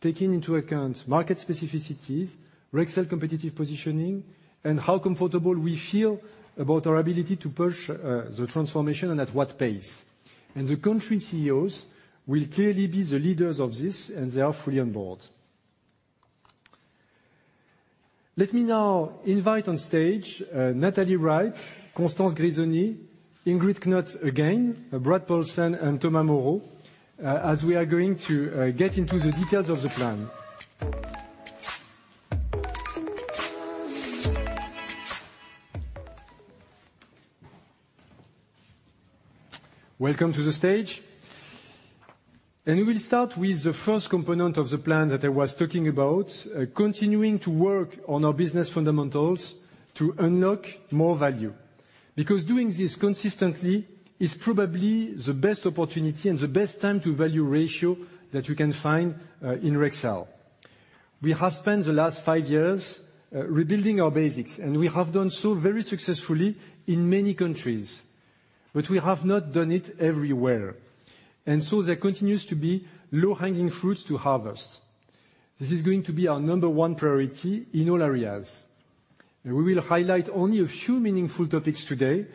taking into account market specificities, Rexel competitive positioning, and how comfortable we feel about our ability to push the transformation and at what pace. The country CEOs will clearly be the leaders of this, and they are fully on board. Let me now invite on stage, Nathalie Wright, Constance Grisoni, Ingrid Knott again, Brad Paulsen, and Thomas Moreau, as we are going to get into the details of the plan. Welcome to the stage. We will start with the first component of the plan that I was talking about, continuing to work on our business fundamentals to unlock more value. Because doing this consistently is probably the best opportunity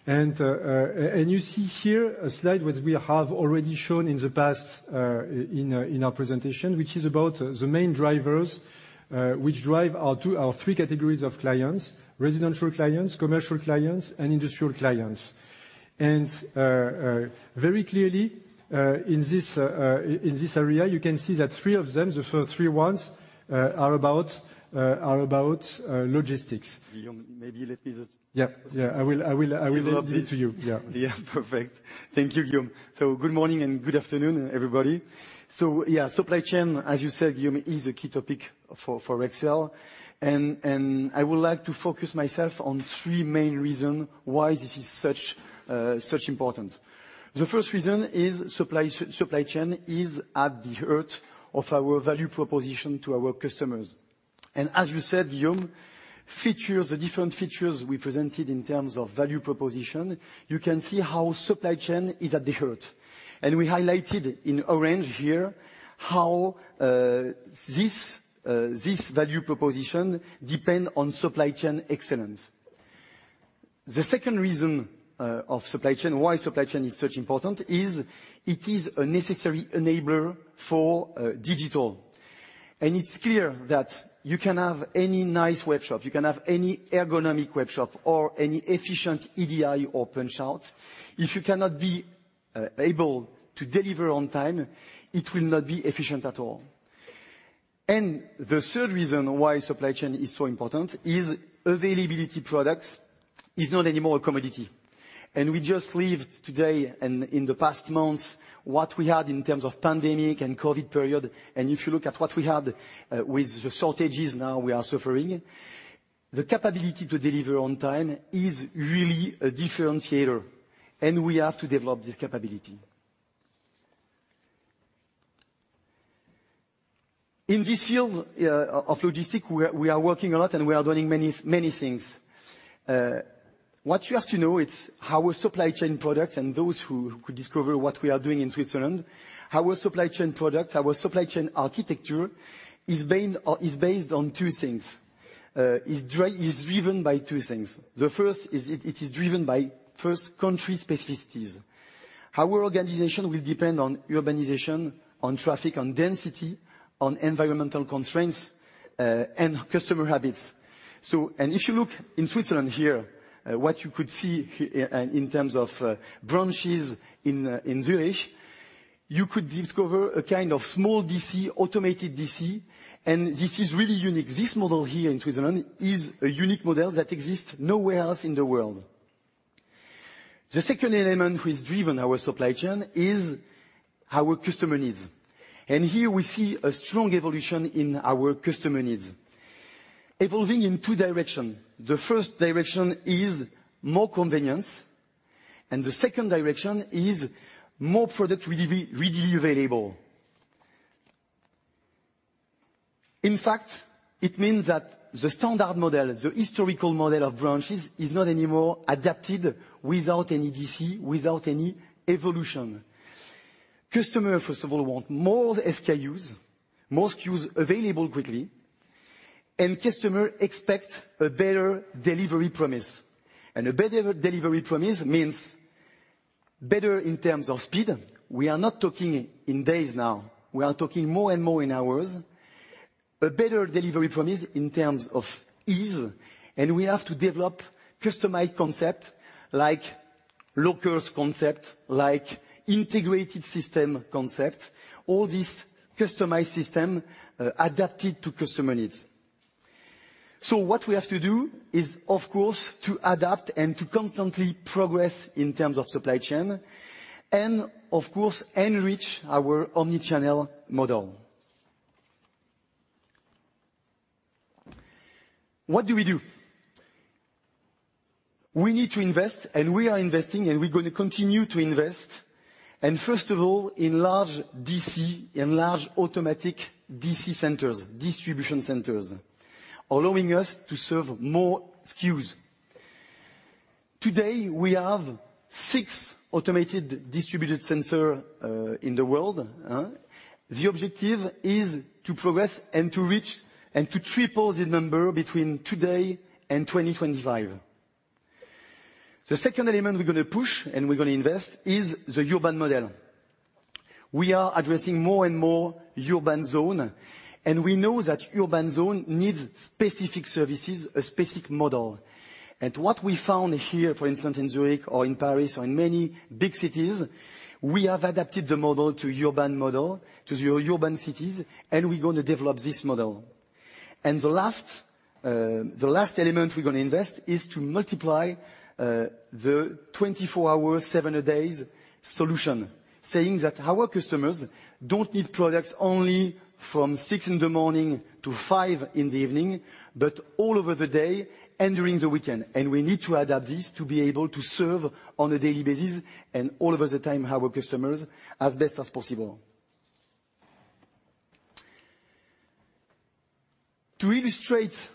and the best time to value ratio that you can find, in Rexel. We have spent the last five years, rebuilding our basics, and we have done so very successfully in many countries. We have not done it everywhere. There continues to be low-hanging fruits to harvest. This is going to be our number one priority in all areas. We will highlight only a few meaningful topics today, but this goal of excelling everywhere touches all of our operations. Logistic excellence is clearly the first topic I want to talk about. You see here a slide which we have already shown in the past in our presentation, which is about the main drivers which drive our three categories of clients, residential clients, commercial clients, and industrial clients. Very clearly, in this area, you can see that three of them, the first three ones, are about logistics. Guillaume, maybe let me just. Yeah. I will leave it to you. Yeah. Yeah. Perfect. Thank you, Guillaume. Good morning and good afternoon, everybody. Yeah, supply chain, as you said, Guillaume, is a key topic for Rexel. I would like to focus myself on three main reason why this is such important. The first reason is supply chain is at the heart of our value proposition to our customers. As you said, Guillaume, features, the different features we presented in terms of value proposition, you can see how supply chain is at the heart. We highlighted in orange here how this value proposition depend on supply chain excellence. The second reason of supply chain, why supply chain is such important is it is a necessary enabler for digital. It's clear that you can have any nice webshop, you can have any ergonomic webshop or any efficient EDI or PunchOut. If you cannot be able to deliver on time, it will not be efficient at all. The third reason why supply chain is so important is availability products is not anymore a commodity. We just lived today and in the past months what we had in terms of pandemic and COVID period, and if you look at what we had with the shortages now we are suffering, the capability to deliver on time is really a differentiator, and we have to develop this capability. In this field of logistics, we are working a lot, and we are doing many, many things. What you have to know, it's our supply chain products and those who discover what we are doing in Switzerland, our supply chain products, our supply chain architecture is based on two things, is driven by two things. The first is it is driven by first country specificities. Our organization will depend on urbanization, on traffic and density, on environmental constraints, and customer habits. If you look in Switzerland here, what you could see in terms of branches in Zurich, you could discover a kind of small DC, automated DC, and this is really unique. This model here in Switzerland is a unique model that exists nowhere else in the world. The second element which driven our supply chain is our customer needs. Here we see a strong evolution in our customer needs. Evolving in two directions. The first direction is more convenience, and the second direction is more product-ready, readily available. In fact, it means that the standard model, the historical model of branches, is not anymore adapted without any DC, without any evolution. Customers, first of all, want more SKUs, more SKUs available quickly, and customers expect a better delivery promise. A better delivery promise means better in terms of speed. We are not talking in days now, we are talking more and more in hours. A better delivery promise in terms of ease, and we have to develop customized concepts like local concepts, like integrated system concepts, all this customized systems, adapted to customer needs. What we have to do is, of course, to adapt and to constantly progress in terms of supply chain and of course enrich our omnichannel model. What do we do? We need to invest, and we are investing, and we're gonna continue to invest. First of all, in large DC, in large automatic DC centers, distribution centers, allowing us to serve more SKUs. Today, we have six automated distribution center in the world. The objective is to progress and to reach and to triple the number between today and 2025. The second element we're gonna push and we're gonna invest is the urban model. We are addressing more and more urban zone, and we know that urban zone needs specific services, a specific model. What we found here, for instance, in Zurich or in Paris or in many big cities, we have adapted the model to urban model, to the urban cities, and we're gonna develop this model. The last element we're gonna invest is to multiply the 24 hours, 7 days solution. Saying that our customers don't need products only from 6:00 A.M. to 5:00 P.M., but all over the day and during the weekend. We need to adapt this to be able to serve on a daily basis and all of the time our customers as best as possible. To illustrate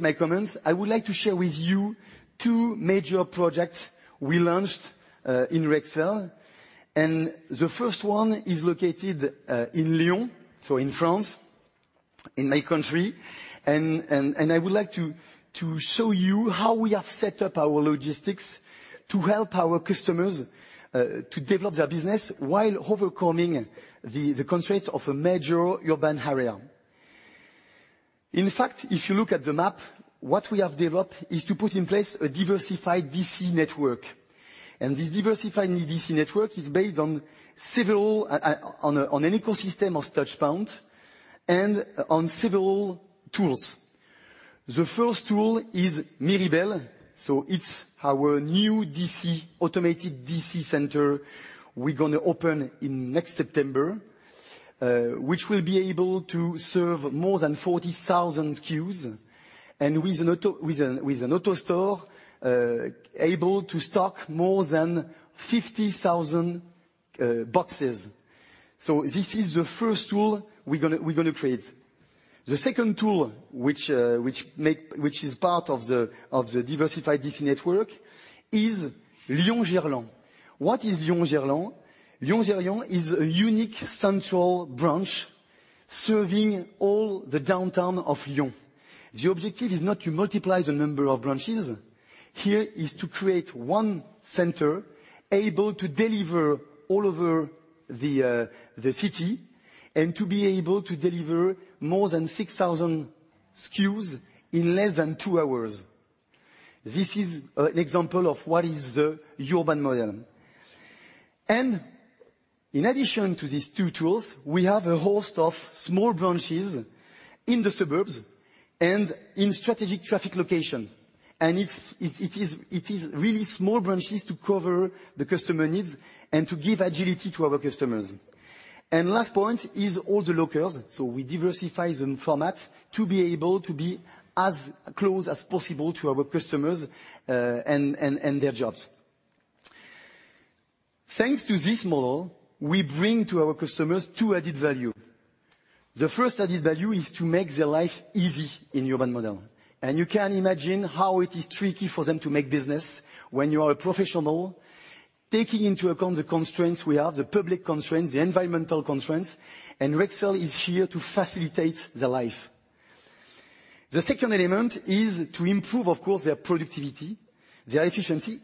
my comments, I would like to share with you 2 major projects we launched in Rexel. The first one is located in Lyon, so in France, in my country. I would like to show you how we have set up our logistics to help our customers to develop their business while overcoming the constraints of a major urban area. In fact, if you look at the map, what we have developed is to put in place a diversified DC network. This diversified DC network is based on an ecosystem of touchpoint and on several tools. The first tool is Miribel. It's our new DC, automated DC center we're gonna open in next September, which will be able to serve more than 40,000 SKUs. With an AutoStore able to stock more than 50,000 boxes. This is the first tool we're gonna create. The second tool which is part of the diversified DC network is Lyon Gerland. What is Lyon Gerland? Lyon Gerland is a unique central branch serving all the downtown of Lyon. The objective is not to multiply the number of branches. Here is to create one center able to deliver all over the city and to be able to deliver more than 6,000 SKUs in less than 2 hours. This is an example of what is the urban model. In addition to these two tools, we have a host of small branches in the suburbs and in strategic traffic locations. It is really small branches to cover the customer needs and to give agility to our customers. Last point is all the locals. We diversify the format to be able to be as close as possible to our customers, and their jobs. Thanks to this model, we bring to our customers two added value. The first added value is to make their life easy in urban model. You can imagine how it is tricky for them to make business when you are a professional, taking into account the constraints we have, the public constraints, the environmental constraints, and Rexel is here to facilitate their life. The second element is to improve, of course, their productivity, their efficiency.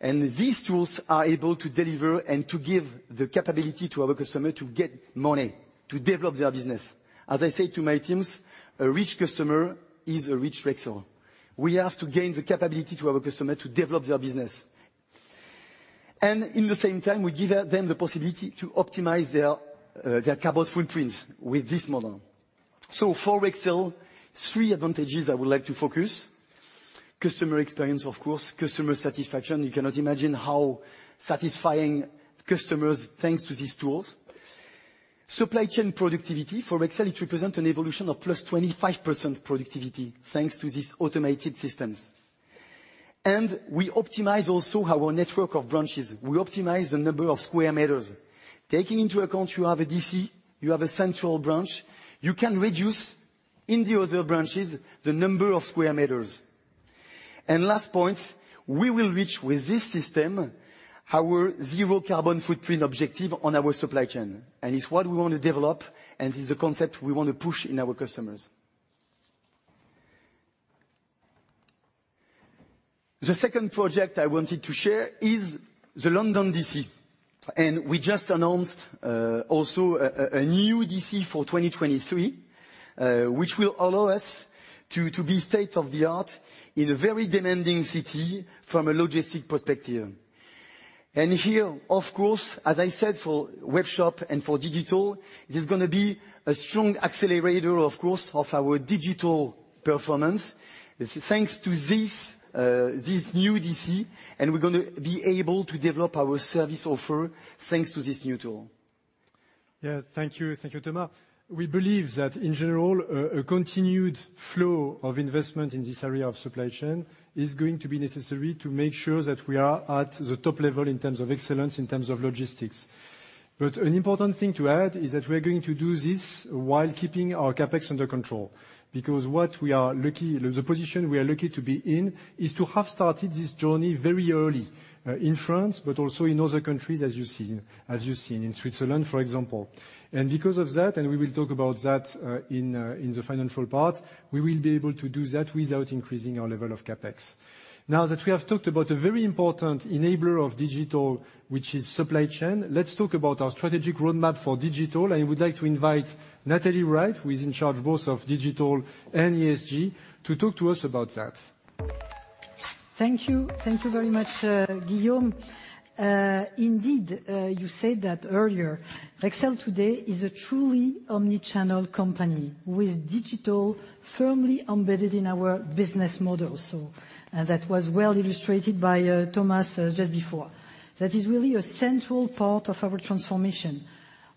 These tools are able to deliver and to give the capability to our customer to get money to develop their business. As I say to my teams, a rich customer is a rich Rexel. We have to gain the capability to our customer to develop their business. In the same time, we give them the possibility to optimize their carbon footprint with this model. For Rexel, three advantages I would like to focus: customer experience, of course, customer satisfaction, you cannot imagine how satisfying customers thanks to these tools. Supply chain productivity. For Rexel, it represent an evolution of plus 25% productivity thanks to these automated systems. We optimize also our network of branches. We optimize the number of square meters. Taking into account you have a DC, you have a central branch, you can reduce in the other branches the number of square meters. Last point, we will reach with this system our zero carbon footprint objective on our supply chain. It's what we want to develop, and it's a concept we want to push in our customers. The second project I wanted to share is the London DC, and we just announced also a new DC for 2023, which will allow us to be state-of-the-art in a very demanding city from a logistics perspective. Here, of course, as I said, for webshop and for digital, this is gonna be a strong accelerator, of course, of our digital performance. This is thanks to this new DC, and we're gonna be able to develop our service offer thanks to this new tool. Yeah. Thank you. Thank you, Thomas. We believe that, in general, a continued flow of investment in this area of supply chain is going to be necessary to make sure that we are at the top level in terms of excellence, in terms of logistics. But an important thing to add is that we're going to do this while keeping our CapEx under control, because the position we are lucky to be in is to have started this journey very early in France, but also in other countries as you've seen in Switzerland, for example. Because of that, we will talk about that in the financial part, we will be able to do that without increasing our level of CapEx. Now that we have talked about a very important enabler of digital, which is supply chain, let's talk about our strategic roadmap for digital. I would like to invite Nathalie Wright, who is in charge both of digital and ESG, to talk to us about that. Thank you. Thank you very much, Guillaume. Indeed, you said that earlier. Rexel today is a truly omnichannel company with digital firmly embedded in our business model. That was well illustrated by Thomas just before. That is really a central part of our transformation.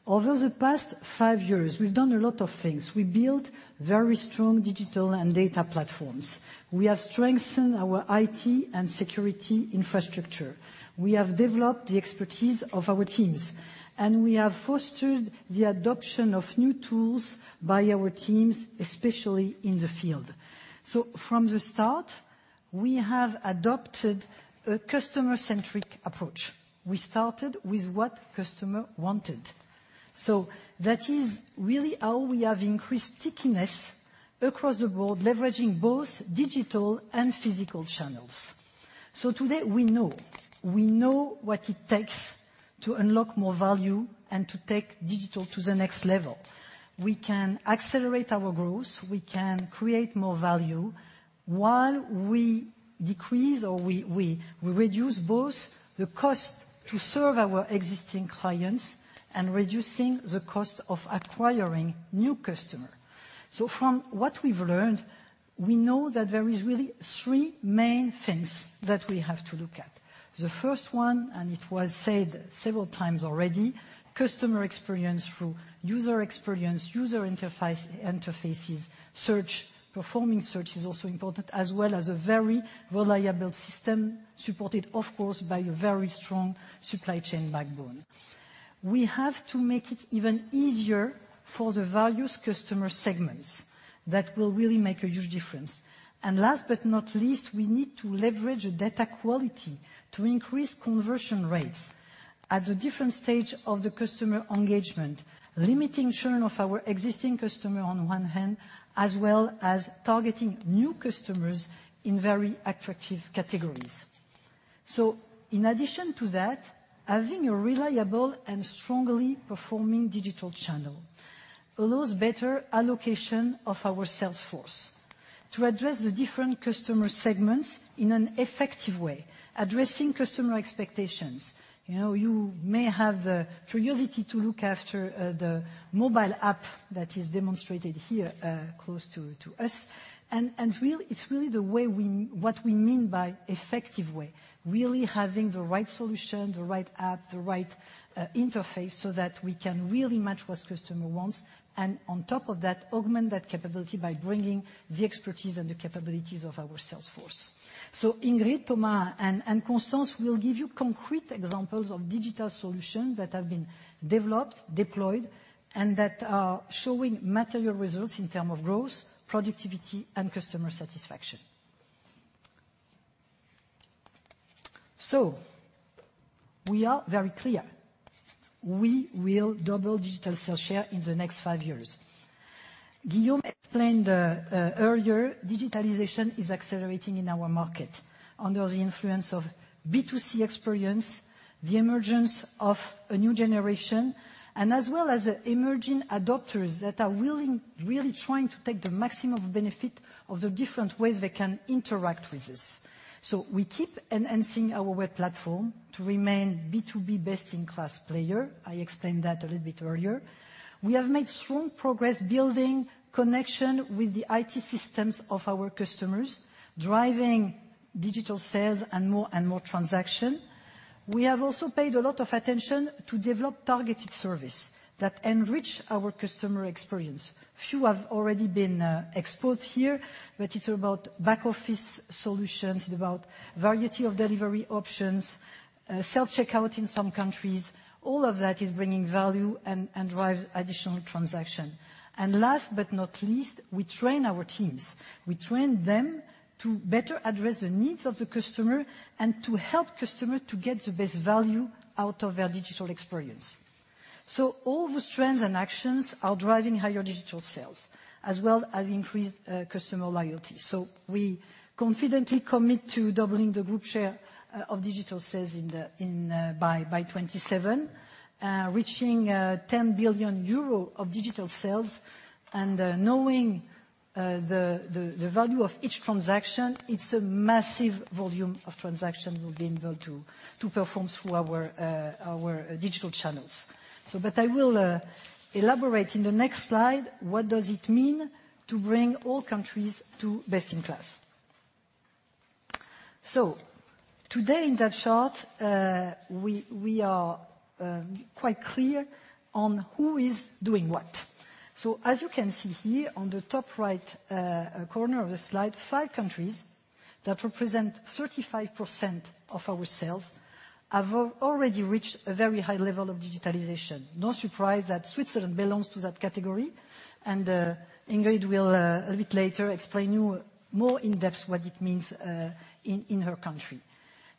Over the past five years, we've done a lot of things. We built very strong digital and data platforms. We have strengthened our IT and security infrastructure. We have developed the expertise of our teams, and we have fostered the adoption of new tools by our teams, especially in the field. From the start, we have adopted a customer-centric approach. We started with what customer wanted. That is really how we have increased stickiness across the board, leveraging both digital and physical channels. Today, we know. We know what it takes to unlock more value and to take digital to the next level. We can accelerate our growth. We can create more value while we decrease or we reduce both the cost to serve our existing clients and reducing the cost of acquiring new customer. From what we've learned, we know that there is really three main things that we have to look at. The first one, and it was said several times already, customer experience through user experience, user interface, interfaces, search. Performing search is also important, as well as a very reliable system supported, of course, by a very strong supply chain backbone. We have to make it even easier for the various customer segments. That will really make a huge difference. Last but not least, we need to leverage data quality to increase conversion rates at the different stage of the customer engagement, limiting churn of our existing customer on one hand, as well as targeting new customers in very attractive categories. In addition to that, having a reliable and strongly performing digital channel allows better allocation of our sales force to address the different customer segments in an effective way, addressing customer expectations. You know, you may have the curiosity to look after the mobile app that is demonstrated here close to us. It's really the way we... What we mean by effective way, really having the right solution, the right app, the right interface, so that we can really match what customer wants and on top of that, augment that capability by bringing the expertise and the capabilities of our sales force. Ingrid, Thomas, and Constance will give you concrete examples of digital solutions that have been developed, deployed, and that are showing material results in terms of growth, productivity, and customer satisfaction. We are very clear. We will double digital sales share in the next five years. Guillaume explained earlier, digitalization is accelerating in our market under the influence of B2C experience, the emergence of a new generation, and as well as the emerging adopters that are willing really trying to take the maximum benefit of the different ways they can interact with this. We keep enhancing our web platform to remain B2B best-in-class player. I explained that a little bit earlier. We have made strong progress building connection with the IT systems of our customers, driving digital sales and more and more transaction. We have also paid a lot of attention to develop targeted service that enrich our customer experience. Few have already been exposed here, but it's about back office solutions. It's about variety of delivery options, self-checkout in some countries. All of that is bringing value and drives additional transaction. Last but not least, we train our teams. We train them to better address the needs of the customer and to help customer to get the best value out of their digital experience. All the strengths and actions are driving higher digital sales as well as increased customer loyalty. We confidently commit to doubling the group share of digital sales in by 2027, reaching 10 billion euro of digital sales and knowing the value of each transaction, it's a massive volume of transaction we'll be able to perform through our digital channels. I will elaborate in the next slide what does it mean to bring all countries to best-in-class. Today in that chart, we are quite clear on who is doing what. As you can see here on the top right corner of the slide, five countries that represent 35% of our sales have already reached a very high level of digitalization. No surprise that Switzerland belongs to that category. Ingrid will a little bit later explain to you more in depth what it means in her country.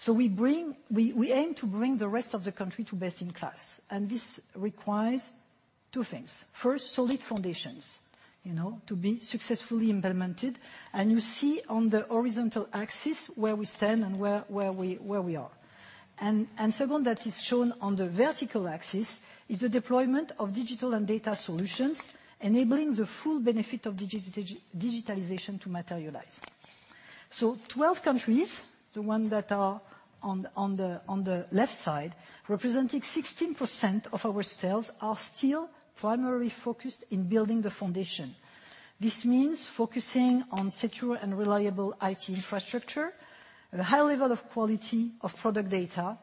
We aim to bring the rest of the country to best-in-class, and this requires two things. First, solid foundations, you know, to be successfully implemented. You see on the horizontal axis where we stand and where we are. Second, that is shown on the vertical axis, is the deployment of digital and data solutions enabling the full benefit of digitalization to materialize. 12 countries, the ones that are on the left side, representing 16% of our sales, are still primarily focused on building the foundation. This means focusing on secure and reliable IT infrastructure, the high level of quality of product data,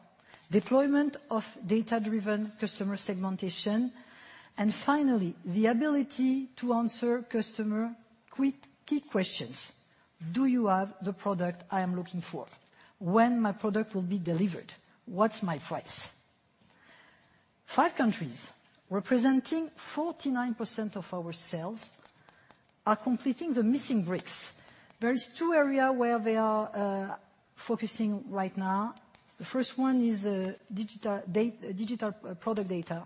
deployment of data-driven customer segmentation, and finally, the ability to answer customer key questions. Do you have the product I am looking for? When my product will be delivered? What's my price? Five countries representing 49% of our sales are completing the missing bricks. There is two area where they are focusing right now. The first one is digital product data,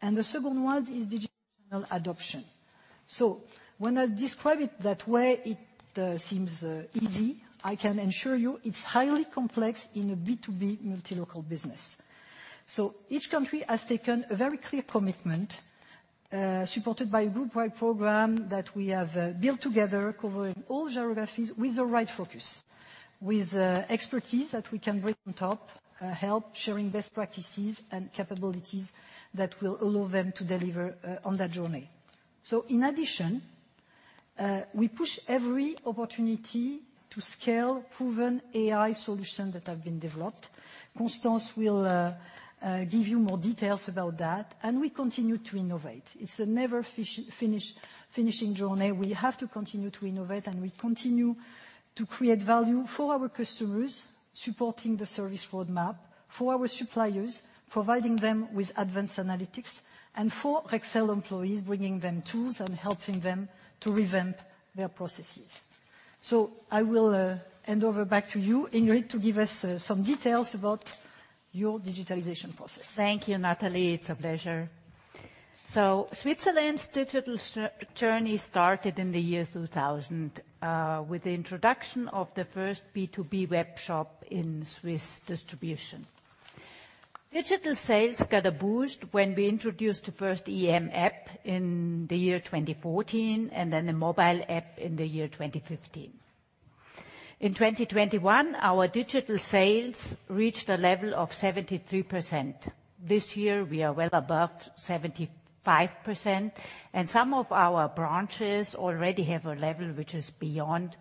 and the second one is digital adoption. When I describe it that way, it seems easy. I can assure you it's highly complex in a B2B multi-local business. Each country has taken a very clear commitment, supported by a groupwide program that we have built together covering all geographies with the right focus, with expertise that we can bring on top, help sharing best practices and capabilities that will allow them to deliver on that journey. In addition, we push every opportunity to scale proven AI solution that have been developed. Constance will give you more details about that, and we continue to innovate. It's a never-finishing journey. We have to continue to innovate, and we continue to create value for our customers, supporting the service roadmap, for our suppliers, providing them with advanced analytics and for Rexel employees, bringing them tools and helping them to revamp their processes. I will hand over back to you, Ingrid, to give us some details about your digitalization process. Thank you, Nathalie. It's a pleasure. Switzerland's digital journey started in the year 2000 with the introduction of the first B2B webshop in Swiss distribution. Digital sales got a boost when we introduced the first EM app in the year 2014, and then a mobile app in the year 2015. In 2021, our digital sales reached a level of 73%. This year we are well above 75%, and some of our branches already have a level which is beyond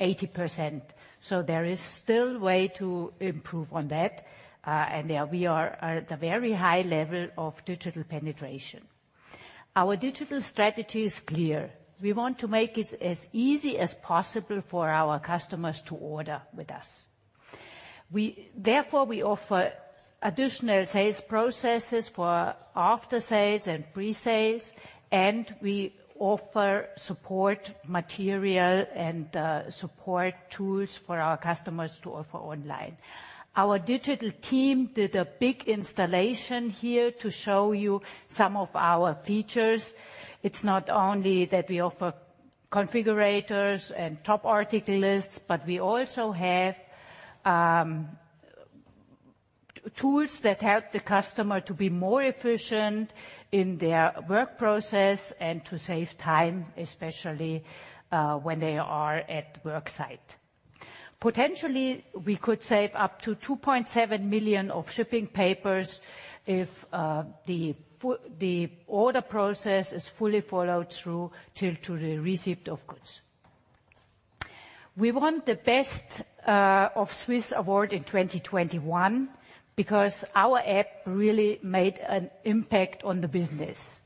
80%, so there is still way to improve on that. We are at a very high level of digital penetration. Our digital strategy is clear. We want to make it as easy as possible for our customers to order with us. Therefore, we offer additional sales processes for after sales and pre-sales, and we offer support material and support tools for our customers to offer online. Our digital team did a big installation here to show you some of our features. It's not only that we offer configurators and top article lists, but we also have tools that help the customer to be more efficient in their work process and to save time, especially when they are at work site. Potentially, we could save up to 2.7 million of shipping papers if the order process is fully followed through till to the receipt of goods. We won Best of Swiss Apps award in 2021 because our app really made an impact on the business.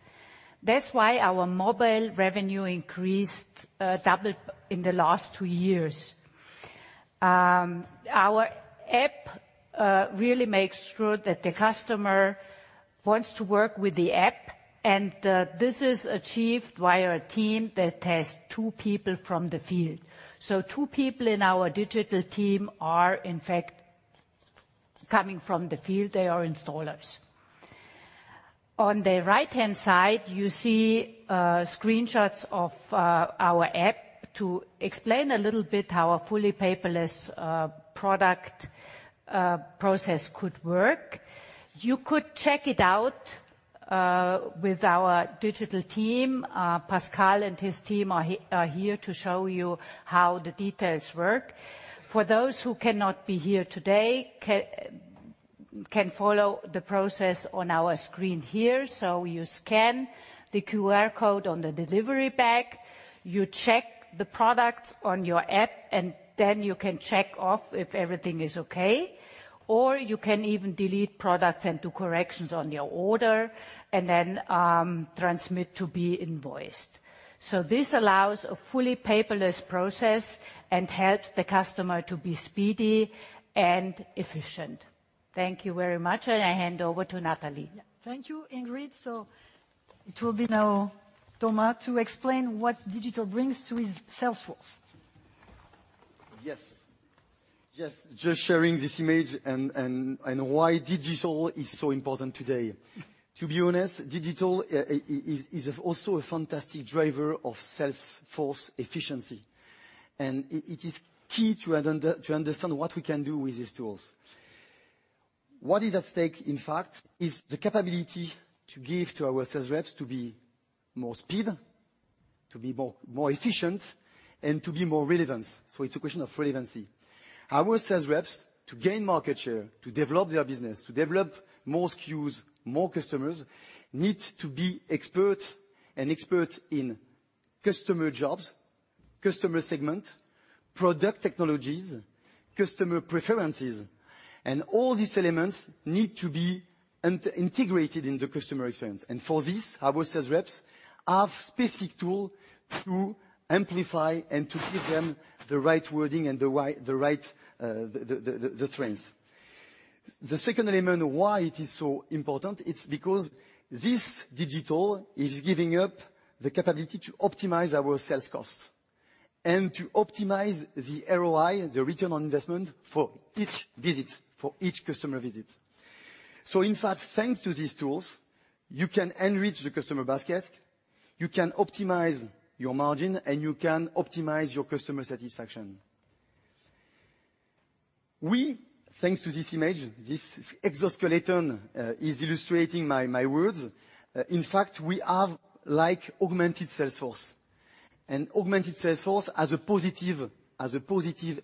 That's why our mobile revenue increased double in the last two years. Our app really makes sure that the customer wants to work with the app, and this is achieved by our team that has two people from the field. Two people in our digital team are, in fact, coming from the field. They are installers. On the right-hand side, you see screenshots of our app to explain a little bit how a fully paperless product process could work. You could check it out with our digital team. Pascal and his team are here to show you how the details work. For those who cannot be here today, can follow the process on our screen here. You scan the QR code on the delivery bag, you check the product on your app, and then you can check off if everything is okay, or you can even delete products and do corrections on your order and then transmit to be invoiced. This allows a fully paperless process and helps the customer to be speedy and efficient. Thank you very much. I hand over to Nathalie. Yeah. Thank you, Ingrid. It will be now Thomas to explain what digital brings to his sales force. Yes. Just sharing this image and why digital is so important today. To be honest, digital is also a fantastic driver of sales force efficiency, and it is key to understand what we can do with these tools. What is at stake, in fact, is the capability to give to our sales reps to be more speed, to be more efficient, and to be more relevant. It's a question of relevancy. Our sales reps, to gain market share, to develop their business, to develop more SKUs, more customers, need to be expert in customer jobs, customer segment, product technologies, customer preferences, and all these elements need to be integrated in the customer experience. For this, our sales reps have specific tool to amplify and to give them the right wording and the right trends. The second element why it is so important, it's because this digital is giving us the capability to optimize our sales costs and to optimize the ROI, the return on investment, for each visit, for each customer visit. In fact, thanks to these tools, you can enrich the customer basket, you can optimize your margin, and you can optimize your customer satisfaction. Thanks to this image, this exoskeleton is illustrating my words. In fact, we are like augmented sales force. An augmented sales force has a positive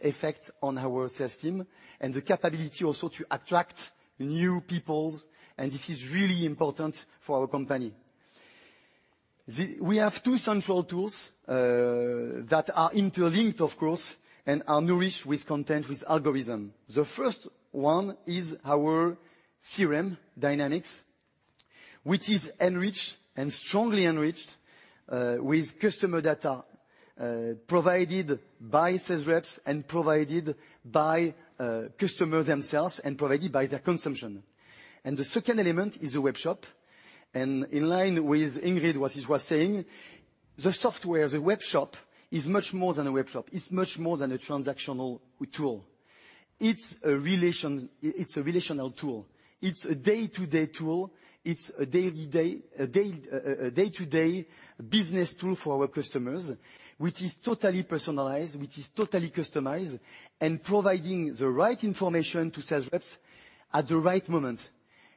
effect on our sales team and the capability also to attract new people, and this is really important for our company. We have two central tools, that are interlinked, of course, and are nourished with content, with algorithm. The first one is our Dynamics 365, which is enriched and strongly enriched, with customer data, provided by sales reps and provided by, customers themselves and provided by their consumption. The second element is the webshop. In line with Ingrid, what she was saying. The software, the webshop is much more than a webshop. It's much more than a transactional tool. It's a relational tool. It's a day-to-day tool. It's a day-to-day business tool for our customers, which is totally personalized, which is totally customized, and providing the right information to sales reps at the right moment.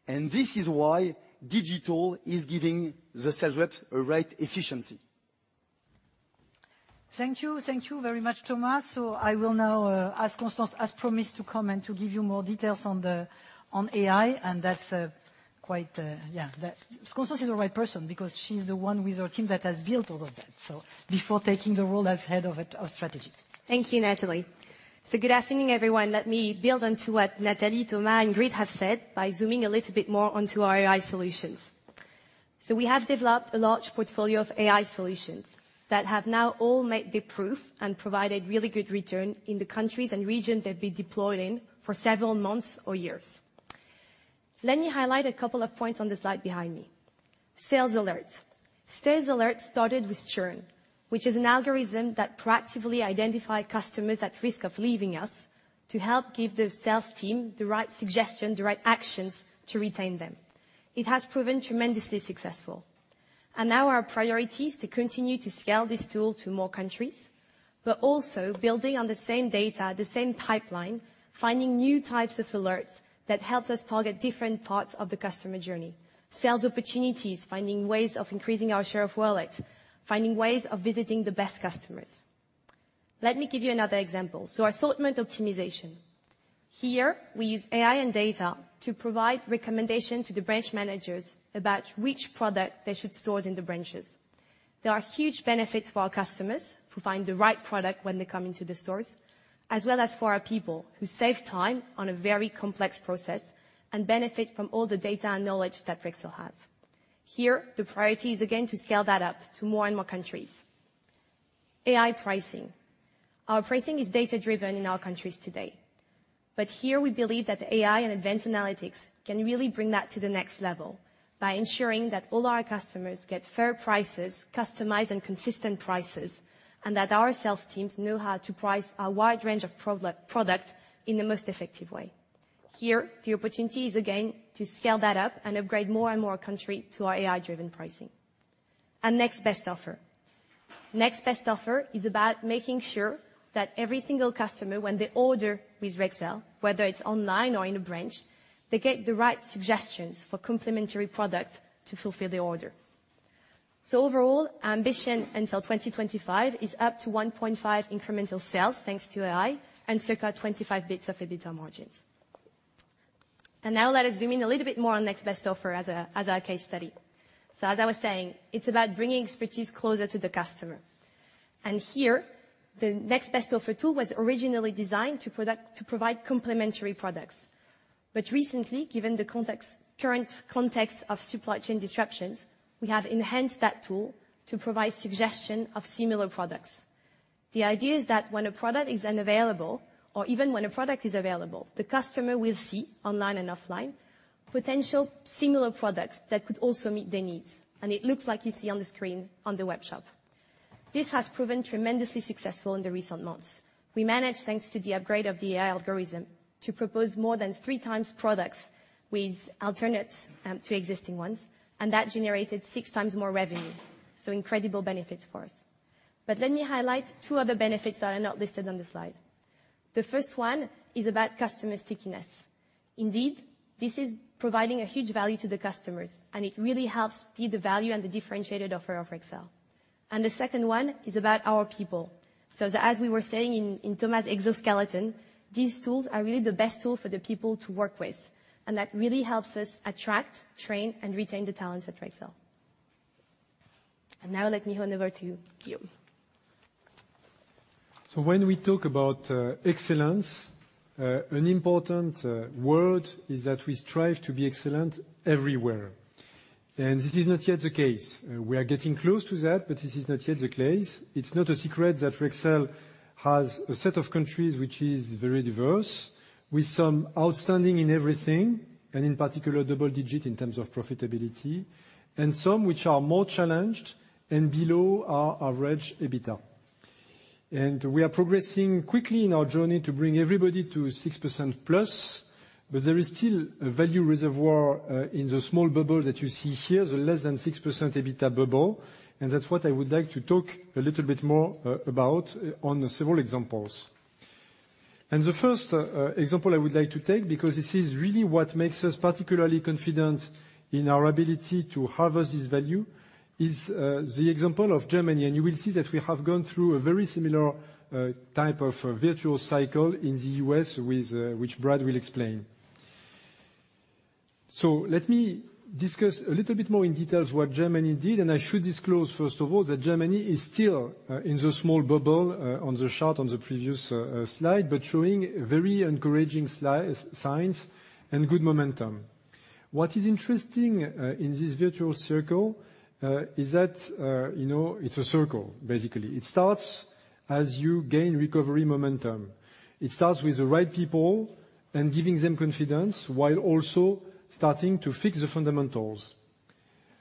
This is why digital is giving the sales reps the right efficiency. Thank you. Thank you very much, Thomas. I will now ask Constance as promised to come and to give you more details on AI, and that's quite yeah. Constance is the right person because she's the one with her team that has built all of that, before taking the role as head of IT, of strategy. Thank you, Nathalie. Good afternoon, everyone. Let me build on to what Nathalie, Thomas, and Ingrid have said by zooming a little bit more onto our AI solutions. We have developed a large portfolio of AI solutions that have now all made the proof and provided really good return in the countries and regions they've been deployed in for several months or years. Let me highlight a couple of points on the slide behind me. Sales alerts. Sales alerts started with churn, which is an algorithm that proactively identify customers at risk of leaving us to help give the sales team the right suggestion, the right actions to retain them. It has proven tremendously successful. Now our priority is to continue to scale this tool to more countries, but also building on the same data, the same pipeline, finding new types of alerts that help us target different parts of the customer journey, sales opportunities, finding ways of increasing our share of wallet, finding ways of visiting the best customers. Let me give you another example. Assortment optimization. Here, we use AI and data to provide recommendation to the branch managers about which product they should store in the branches. There are huge benefits for our customers who find the right product when they come into the stores, as well as for our people who save time on a very complex process and benefit from all the data and knowledge that Rexel has. Here, the priority is again to scale that up to more and more countries. AI pricing. Our pricing is data-driven in our countries today. Here we believe that AI and advanced analytics can really bring that to the next level by ensuring that all our customers get fair prices, customized and consistent prices, and that our sales teams know how to price a wide range of products in the most effective way. Here the opportunity is again to scale that up and upgrade more and more countries to our AI-driven pricing. Next best offer. Next best offer is about making sure that every single customer when they order with Rexel, whether it's online or in a branch, they get the right suggestions for complementary product to fulfill the order. Overall, our ambition until 2025 is up to 1.5 incremental sales, thanks to AI, and circa 25 basis points of EBITDA margins. Now let us zoom in a little bit more on next best offer as a, as our case study. As I was saying, it's about bringing expertise closer to the customer. Here the next best offer tool was originally designed to provide complementary products. Recently, given the context, current context of supply chain disruptions, we have enhanced that tool to provide suggestion of similar products. The idea is that when a product is unavailable or even when a product is available, the customer will see online and offline potential similar products that could also meet their needs. It looks like you see on the screen on the webshop. This has proven tremendously successful in the recent months. We managed, thanks to the upgrade of the AI algorithm, to propose more than 3 times products with alternates to existing ones, and that generated 6 times more revenue, so incredible benefits for us. Let me highlight two other benefits that are not listed on the slide. The first one is about customer stickiness. Indeed, this is providing a huge value to the customers, and it really helps give the value and the differentiated offer of Rexel. The second one is about our people. As we were saying in Thomas' exoskeleton, these tools are really the best tool for the people to work with. That really helps us attract, train, and retain the talents at Rexel. Now let me hand over to Guillaume. When we talk about excellence, an important word is that we strive to be excellent everywhere. This is not yet the case. We are getting close to that, but this is not yet the case. It's not a secret that Rexel has a set of countries which is very diverse, with some outstanding in everything, and in particular double-digit in terms of profitability, and some which are more challenged and below our average EBITDA. We are progressing quickly in our journey to bring everybody to 6%+, but there is still a value reservoir in the small bubble that you see here, the less than 6% EBITDA bubble. That's what I would like to talk a little bit more about on several examples. The first example I would like to take, because this is really what makes us particularly confident in our ability to harvest this value, is the example of Germany. You will see that we have gone through a very similar type of virtuous cycle in the US with which Brad will explain. Let me discuss a little bit more in detail what Germany did. I should disclose, first of all, that Germany is still in the small bubble on the chart on the previous slide, but showing very encouraging signs and good momentum. What is interesting in this virtuous circle is that, you know, it's a circle, basically. It starts as you gain recovery momentum. It starts with the right people and giving them confidence while also starting to fix the fundamentals.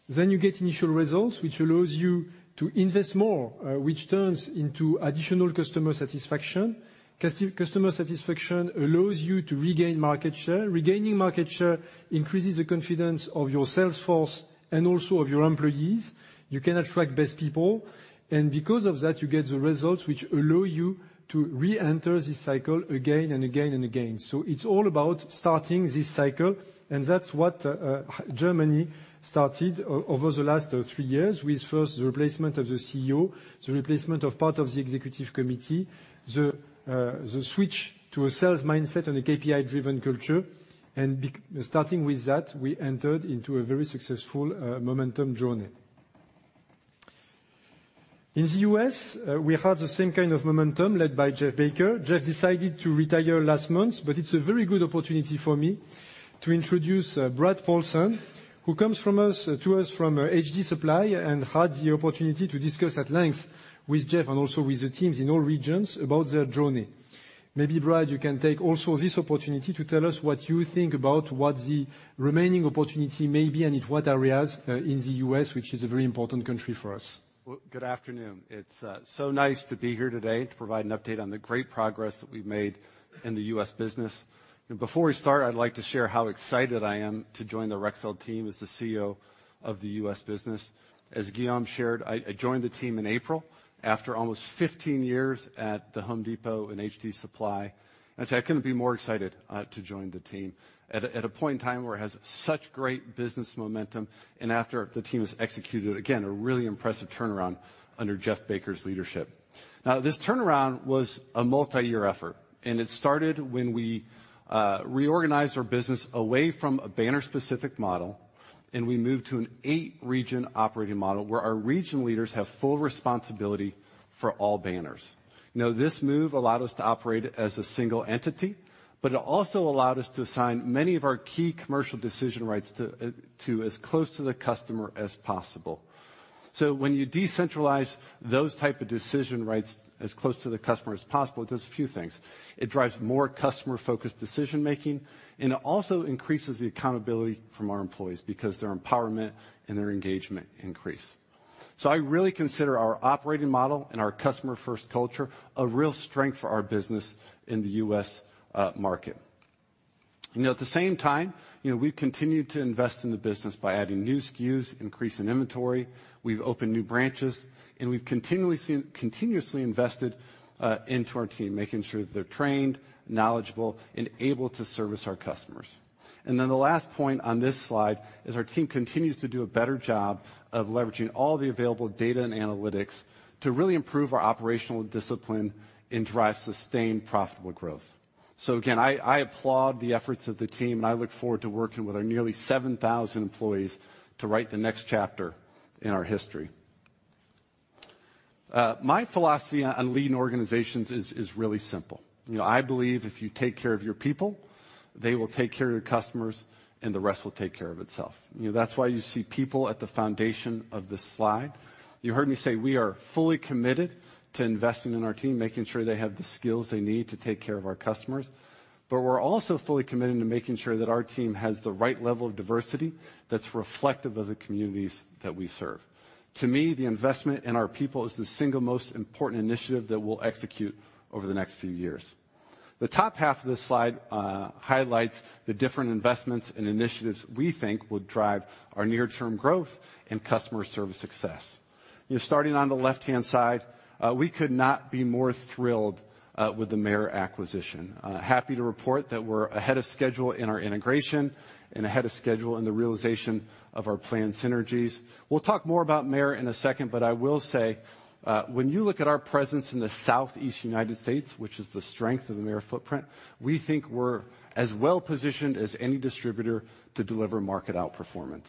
You get initial results, which allows you to invest more, which turns into additional customer satisfaction. Customer satisfaction allows you to regain market share. Regaining market share increases the confidence of your sales force and also of your employees. You can attract best people, and because of that, you get the results which allow you to reenter the cycle again and again and again. It's all about starting this cycle, and that's what Germany started over the last three years, with first the replacement of the CEO, the replacement of part of the executive committee, the switch to a sales mindset and a KPI-driven culture. Starting with that, we entered into a very successful momentum journey. In the U.S., we have the same kind of momentum led by Jeff Baker. Jeff decided to retire last month, but it's a very good opportunity for me to introduce Brad Paulsen, who comes to us from HD Supply and had the opportunity to discuss at length with Jeff and also with the teams in all regions about their journey. Maybe, Brad, you can take also this opportunity to tell us what you think about what the remaining opportunity may be and in what areas in the U.S. which is a very important country for us. Well, good afternoon. It's so nice to be here today to provide an update on the great progress that we've made in the U.S. business. Before we start, I'd like to share how excited I am to join the Rexel team as the CEO of the U.S. business. As Guillaume shared, I joined the team in April after almost 15 years at the Home Depot and HD Supply. I'd say I couldn't be more excited to join the team at a point in time where it has such great business momentum, and after the team has executed, again, a really impressive turnaround under Jeff Baker's leadership. Now, this turnaround was a multiyear effort, and it started when we reorganized our business away from a banner-specific model, and we moved to an eight-region operating model where our region leaders have full responsibility for all banners. Now, this move allowed us to operate as a single entity, but it also allowed us to assign many of our key commercial decision rights to as close to the customer as possible. When you decentralize those type of decision rights as close to the customer as possible, it does a few things. It drives more customer-focused decision-making, and it also increases the accountability from our employees because their empowerment and their engagement increase. I really consider our operating model and our customer-first culture a real strength for our business in the U.S. market. You know, at the same time, you know, we've continued to invest in the business by adding new SKUs, increasing inventory, we've opened new branches, and we've continuously invested into our team, making sure that they're trained, knowledgeable and able to service our customers. Then the last point on this slide is our team continues to do a better job of leveraging all the available data and analytics to really improve our operational discipline and drive sustained profitable growth. Again, I applaud the efforts of the team, and I look forward to working with our nearly 7,000 employees to write the next chapter in our history. My philosophy on leading organizations is really simple. You know, I believe if you take care of your people, they will take care of your customers, and the rest will take care of itself. You know, that's why you see people at the foundation of this slide. You heard me say we are fully committed to investing in our team, making sure they have the skills they need to take care of our customers. We're also fully committed to making sure that our team has the right level of diversity that's reflective of the communities that we serve. To me, the investment in our people is the single most important initiative that we'll execute over the next few years. The top half of this slide highlights the different investments and initiatives we think will drive our near-term growth and customer service success. You know, starting on the left-hand side, we could not be more thrilled with the Mayer acquisition. Happy to report that we're ahead of schedule in our integration and ahead of schedule in the realization of our planned synergies. We'll talk more about Mayer in a second, but I will say, when you look at our presence in the Southeast United States, which is the strength of the Mayer footprint, we think we're as well-positioned as any distributor to deliver market outperformance.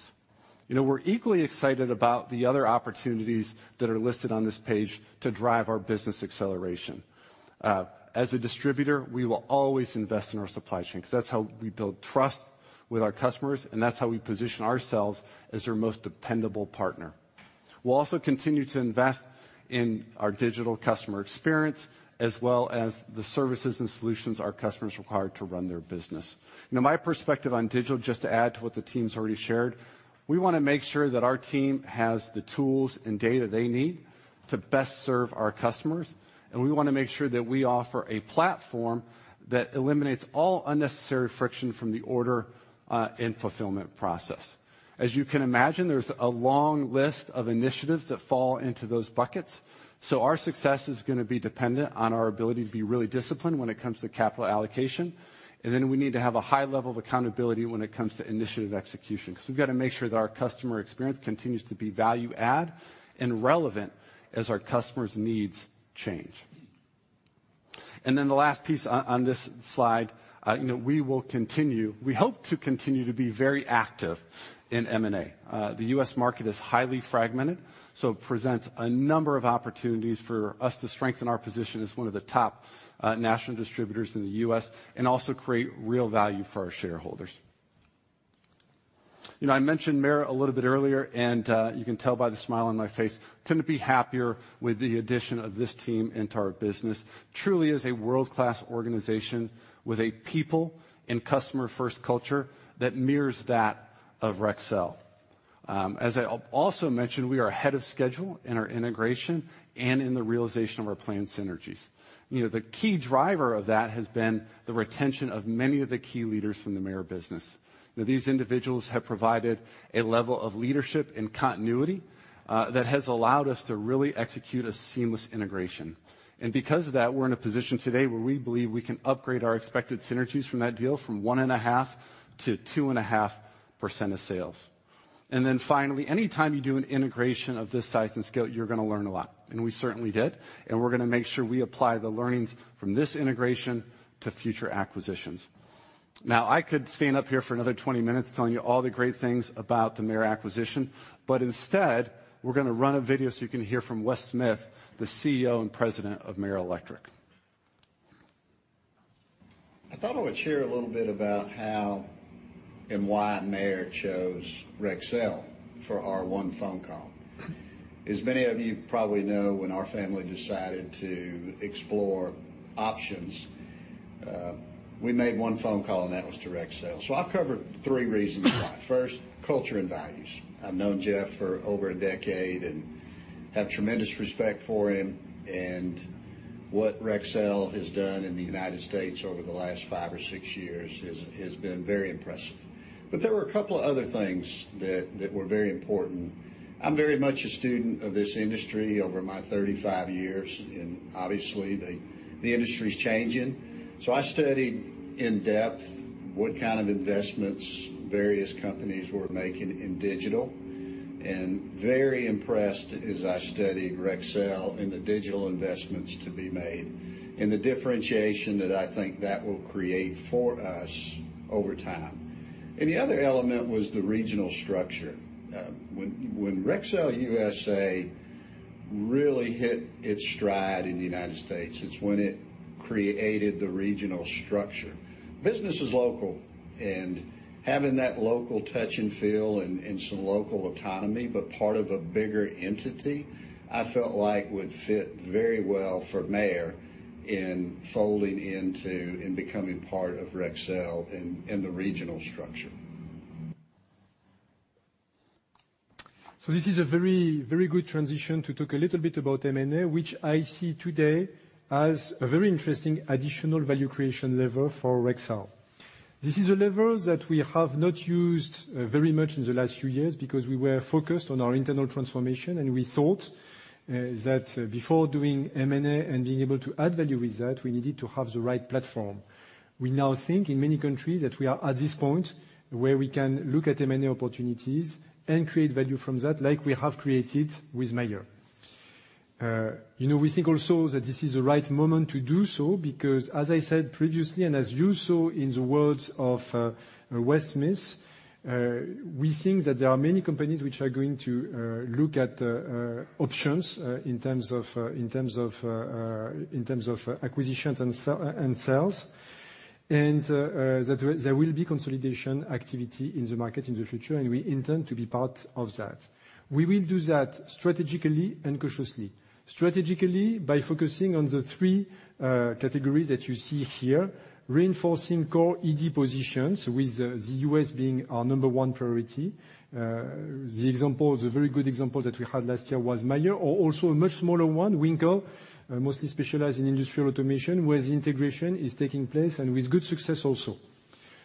You know, we're equally excited about the other opportunities that are listed on this page to drive our business acceleration. As a distributor, we will always invest in our supply chain 'cause that's how we build trust with our customers, and that's how we position ourselves as their most dependable partner. We'll also continue to invest in our digital customer experience as well as the services and solutions our customers require to run their business. Now, my perspective on digital, just to add to what the team's already shared, we wanna make sure that our team has the tools and data they need to best serve our customers, and we wanna make sure that we offer a platform that eliminates all unnecessary friction from the order, and fulfillment process. As you can imagine, there's a long list of initiatives that fall into those buckets. Our success is gonna be dependent on our ability to be really disciplined when it comes to capital allocation, and then we need to have a high level of accountability when it comes to initiative execution 'cause we've gotta make sure that our customer experience continues to be value add and relevant as our customers' needs change. Then the last piece on this slide, you know, we hope to continue to be very active in M&A. The U.S. market is highly fragmented, so it presents a number of opportunities for us to strengthen our position as one of the top national distributors in the U.S. and also create real value for our shareholders. You know, I mentioned Mayer a little bit earlier, and you can tell by the smile on my face, couldn't be happier with the addition of this team into our business. Truly is a world-class organization with a people and customer-first culture that mirrors that of Rexel. As I also mentioned, we are ahead of schedule in our integration and in the realization of our planned synergies. You know, the key driver of that has been the retention of many of the key leaders from the Mayer business. Now, these individuals have provided a level of leadership and continuity that has allowed us to really execute a seamless integration. Because of that, we're in a position today where we believe we can upgrade our expected synergies from that deal from 1.5%-2.5% of sales. Finally, anytime you do an integration of this size and scale, you're gonna learn a lot, and we certainly did, and we're gonna make sure we apply the learnings from this integration to future acquisitions. Now, I could stand up here for another 20 minutes telling you all the great things about the Mayer acquisition, but instead, we're gonna run a video so you can hear from Wes Smith, the CEO and President of Mayer Electric. I thought I would share a little bit about how and why Mayer chose Rexel for our one phone call. As many of you probably know, when our family decided to explore options, we made one phone call, and that was to Rexel. I'll cover three reasons why. First, culture and values. I've known Jeff for over a decade and have tremendous respect for him, and what Rexel has done in the United States over the last 5 or 6 years has been very impressive. But there were a couple other things that were very important. I'm very much a student of this industry over my 35 years, and obviously the industry's changing. I studied in depth what kind of investments various companies were making in digital, and very impressed as I studied Rexel and the digital investments to be made, and the differentiation that I think that will create for us over time. The other element was the regional structure. When Rexel USA really hit its stride in the United States is when it created the regional structure. Business is local, and having that local touch and feel and some local autonomy, but part of a bigger entity, I felt like would fit very well for Mayer in folding into and becoming part of Rexel in the regional structure. This is a very, very good transition to talk a little bit about M&A, which I see today as a very interesting additional value creation lever for Rexel. This is a lever that we have not used very much in the last few years because we were focused on our internal transformation, and we thought that before doing M&A and being able to add value with that, we needed to have the right platform. We now think in many countries that we are at this point where we can look at M&A opportunities and create value from that like we have created with Mayer. You know, we think also that this is the right moment to do so, because as I said previously, and as you saw in the words of Wes Smith, we think that there are many companies which are going to look at options in terms of acquisitions and sales, and that there will be consolidation activity in the market in the future, and we intend to be part of that. We will do that strategically and cautiously. Strategically by focusing on the three categories that you see here, reinforcing core ED positions, with the U.S. being our number one priority. The example, the very good example that we had last year was Mayer or also a much smaller one, Winkle, mostly specialized in industrial automation, where the integration is taking place and with good success also.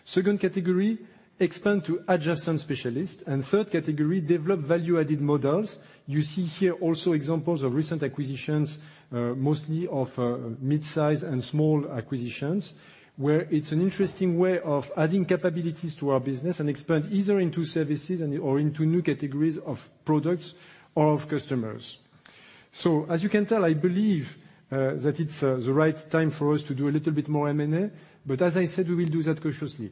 Second category, expand to adjacent specialists. Third category, develop value-added models. You see here also examples of recent acquisitions, mostly of mid-size and small acquisitions, where it's an interesting way of adding capabilities to our business and expand either into services, or into new categories of products or of customers. As you can tell, I believe that it's the right time for us to do a little bit more M&A, but as I said, we will do that cautiously.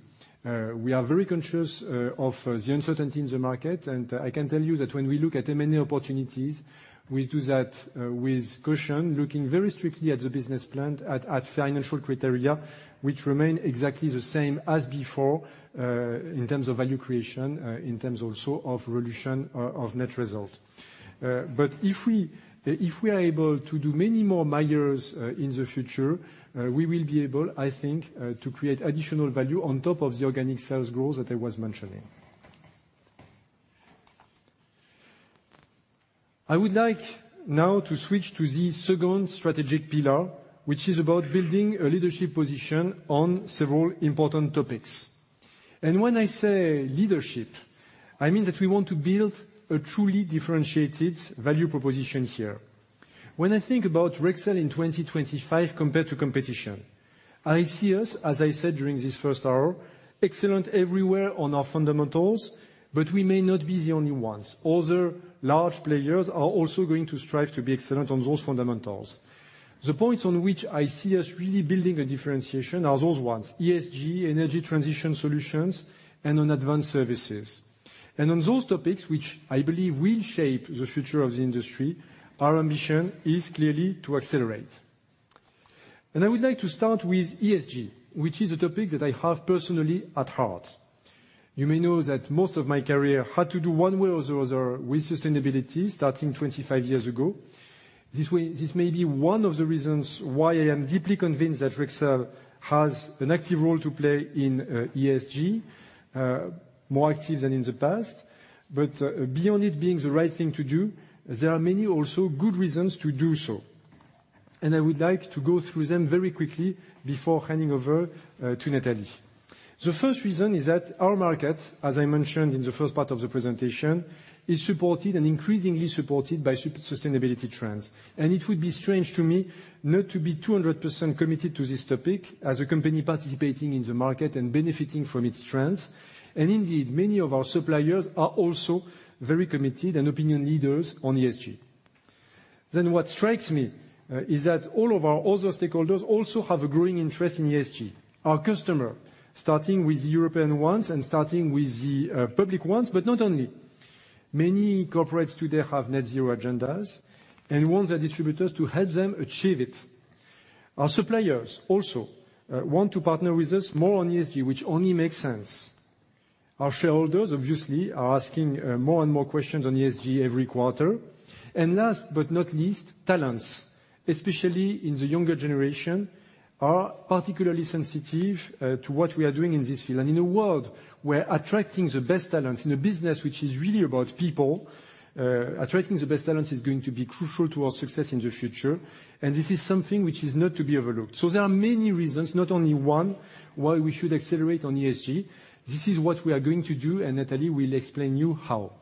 We are very conscious of the uncertainty in the market, and I can tell you that when we look at M&A opportunities, we do that with caution, looking very strictly at the business plan, at financial criteria, which remain exactly the same as before, in terms of value creation, in terms also of reduction of net result. But if we are able to do many more Mayer in the future, we will be able, I think, to create additional value on top of the organic sales growth that I was mentioning. I would like now to switch to the second strategic pillar, which is about building a leadership position on several important topics. When I say leadership, I mean that we want to build a truly differentiated value proposition here. When I think about Rexel in 2025 compared to competition, I see us, as I said during this first hour, excellent everywhere on our fundamentals, but we may not be the only ones. Other large players are also going to strive to be excellent on those fundamentals. The points on which I see us really building a differentiation are those ones, ESG, energy transition solutions, and on advanced services. On those topics, which I believe will shape the future of the industry, our ambition is clearly to accelerate. I would like to start with ESG, which is a topic that I have personally at heart. You may know that most of my career had to do one way or the other with sustainability, starting 25 years ago. This way, this may be one of the reasons why I am deeply convinced that Rexel has an active role to play in ESG, more active than in the past, but beyond it being the right thing to do, there are many also good reasons to do so, and I would like to go through them very quickly before handing over to Nathalie. The first reason is that our market, as I mentioned in the first part of the presentation, is supported and increasingly supported by sustainability trends. It would be strange to me not to be 200% committed to this topic as a company participating in the market and benefiting from its trends. Indeed, many of our suppliers are also very committed and opinion leaders on ESG. What strikes me is that all of our other stakeholders also have a growing interest in ESG. Our customer, starting with the European ones and starting with the public ones, but not only. Many corporates today have net zero agendas and want their distributors to help them achieve it. Our suppliers also want to partner with us more on ESG, which only makes sense. Our shareholders obviously are asking more and more questions on ESG every quarter. Last but not least, talents, especially in the younger generation, are particularly sensitive to what we are doing in this field. In a world where attracting the best talents in a business which is really about people, attracting the best talents is going to be crucial to our success in the future, and this is something which is not to be overlooked. There are many reasons, not only one, why we should accelerate on ESG. This is what we are going to do, and Nathalie will explain you how.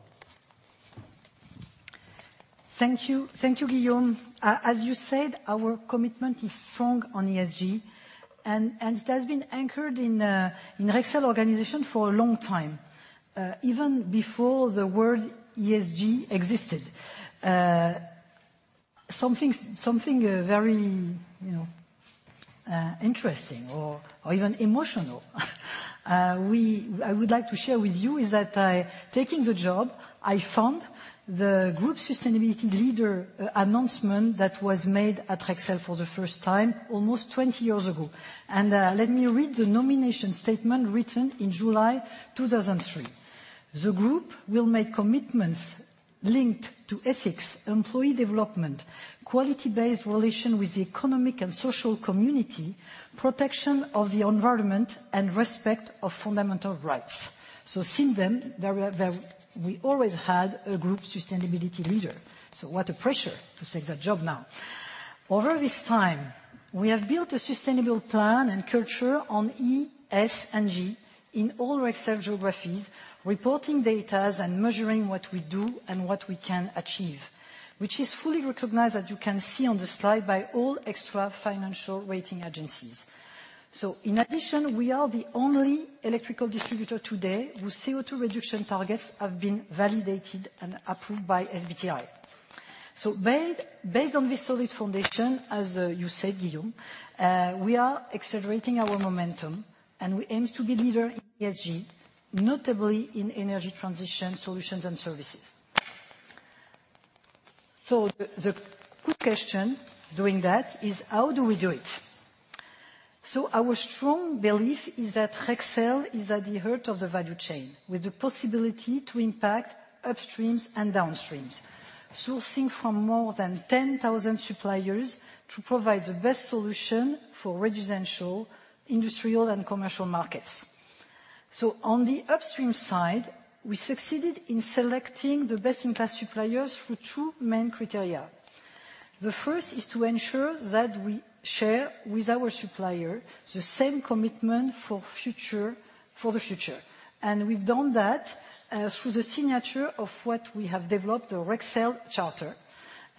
Thank you. Thank you, Guillaume. As you said, our commitment is strong on ESG and it has been anchored in Rexel organization for a long time, even before the word ESG existed. Something very, you know, interesting or even emotional I would like to share with you is that I, taking the job, I found the group sustainability leader announcement that was made at Rexel for the first time almost 20 years ago. Let me read the nomination statement written in July 2003. The group will make commitments linked to ethics, employee development, quality-based relation with the economic and social community, protection of the environment, and respect of fundamental rights. Since then, we always had a group sustainability leader, so what a pressure to take that job now. Over this time, we have built a sustainable plan and culture on E, S, and G in all Rexel geographies, reporting data and measuring what we do and what we can achieve, which is fully recognized, as you can see on the slide, by all extra-financial rating agencies. In addition, we are the only electrical distributor today whose CO2 reduction targets have been validated and approved by SBTi. Based on this solid foundation, as you said, Guillaume, we are accelerating our momentum and we aim to be leader in ESG, notably in energy transition solutions and services. The good question doing that is, how do we do it? Our strong belief is that Rexel is at the heart of the value chain, with the possibility to impact upstreams and downstreams, sourcing from more than 10,000 suppliers to provide the best solution for residential, industrial, and commercial markets. On the upstream side, we succeeded in selecting the best-in-class suppliers through two main criteria. The first is to ensure that we share with our supplier the same commitment for the future. We've done that through the signature of what we have developed, the Rexel Charter.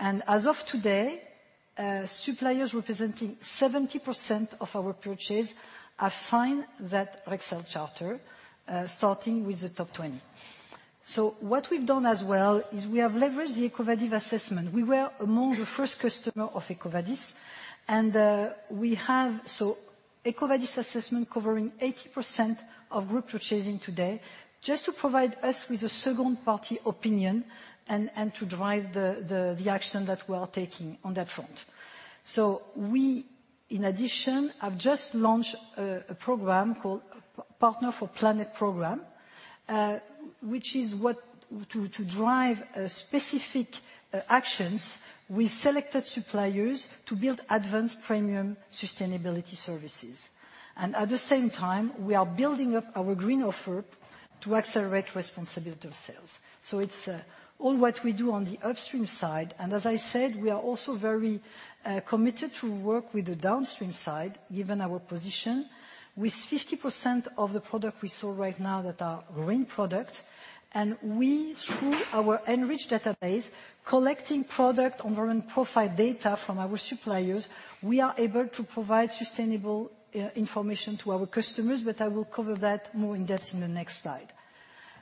As of today, suppliers representing 70% of our purchase have signed that Rexel Charter, starting with the top 20. What we've done as well is we have leveraged the EcoVadis assessment. We were among the first customer of EcoVadis, and we have EcoVadis assessment covering 80% of group purchasing today just to provide us with a second-party opinion and to drive the action that we are taking on that front. We, in addition, have just launched a program called Partner for Planet Program, which is to drive specific actions with selected suppliers to build advanced premium sustainability services. At the same time, we are building up our green offer to accelerate responsible sales. It's all what we do on the upstream side. As I said, we are also very committed to work with the downstream side, given our position, with 50% of the product we sell right now that are green product. We, through our Enrich database, collecting product environment profile data from our suppliers, are able to provide sustainable information to our customers, but I will cover that more in depth in the next slide.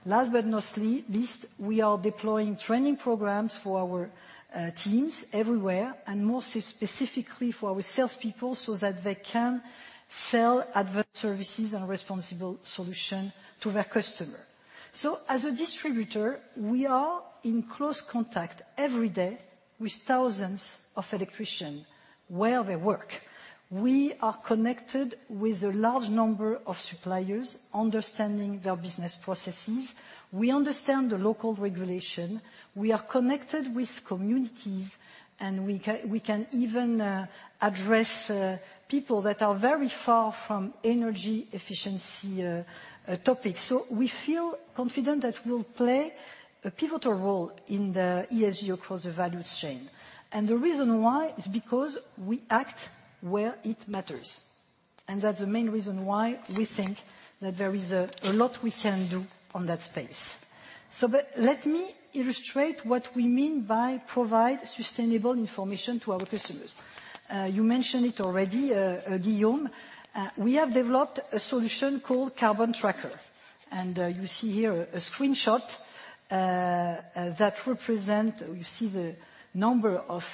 Last but not least, we are deploying training programs for our teams everywhere, and more specifically for our salespeople, so that they can sell advanced services and responsible solutions to their customers. As a distributor, we are in close contact every day with thousands of electricians where they work. We are connected with a large number of suppliers, understanding their business processes. We understand the local regulations. We are connected with communities, and we can even address people that are very far from energy efficiency topics. We feel confident that we'll play a pivotal role in the ESG across the value chain. The reason why is because we act where it matters, and that's the main reason why we think that there is a lot we can do on that space. Let me illustrate what we mean by provide sustainable information to our customers. You mentioned it already, Guillaume, we have developed a solution called Carbon Tracker. You see here a screenshot that represent. You see the number of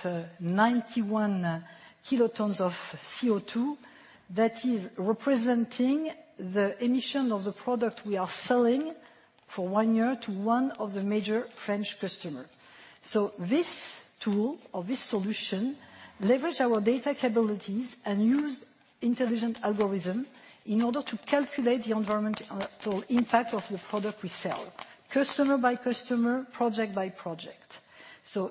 91 kilotons of CO2 that is representing the emission of the product we are selling for one year to one of the major French customer. This tool or this solution leverage our data capabilities and use intelligent algorithm in order to calculate the environmental impact of the product we sell, customer by customer, project by project.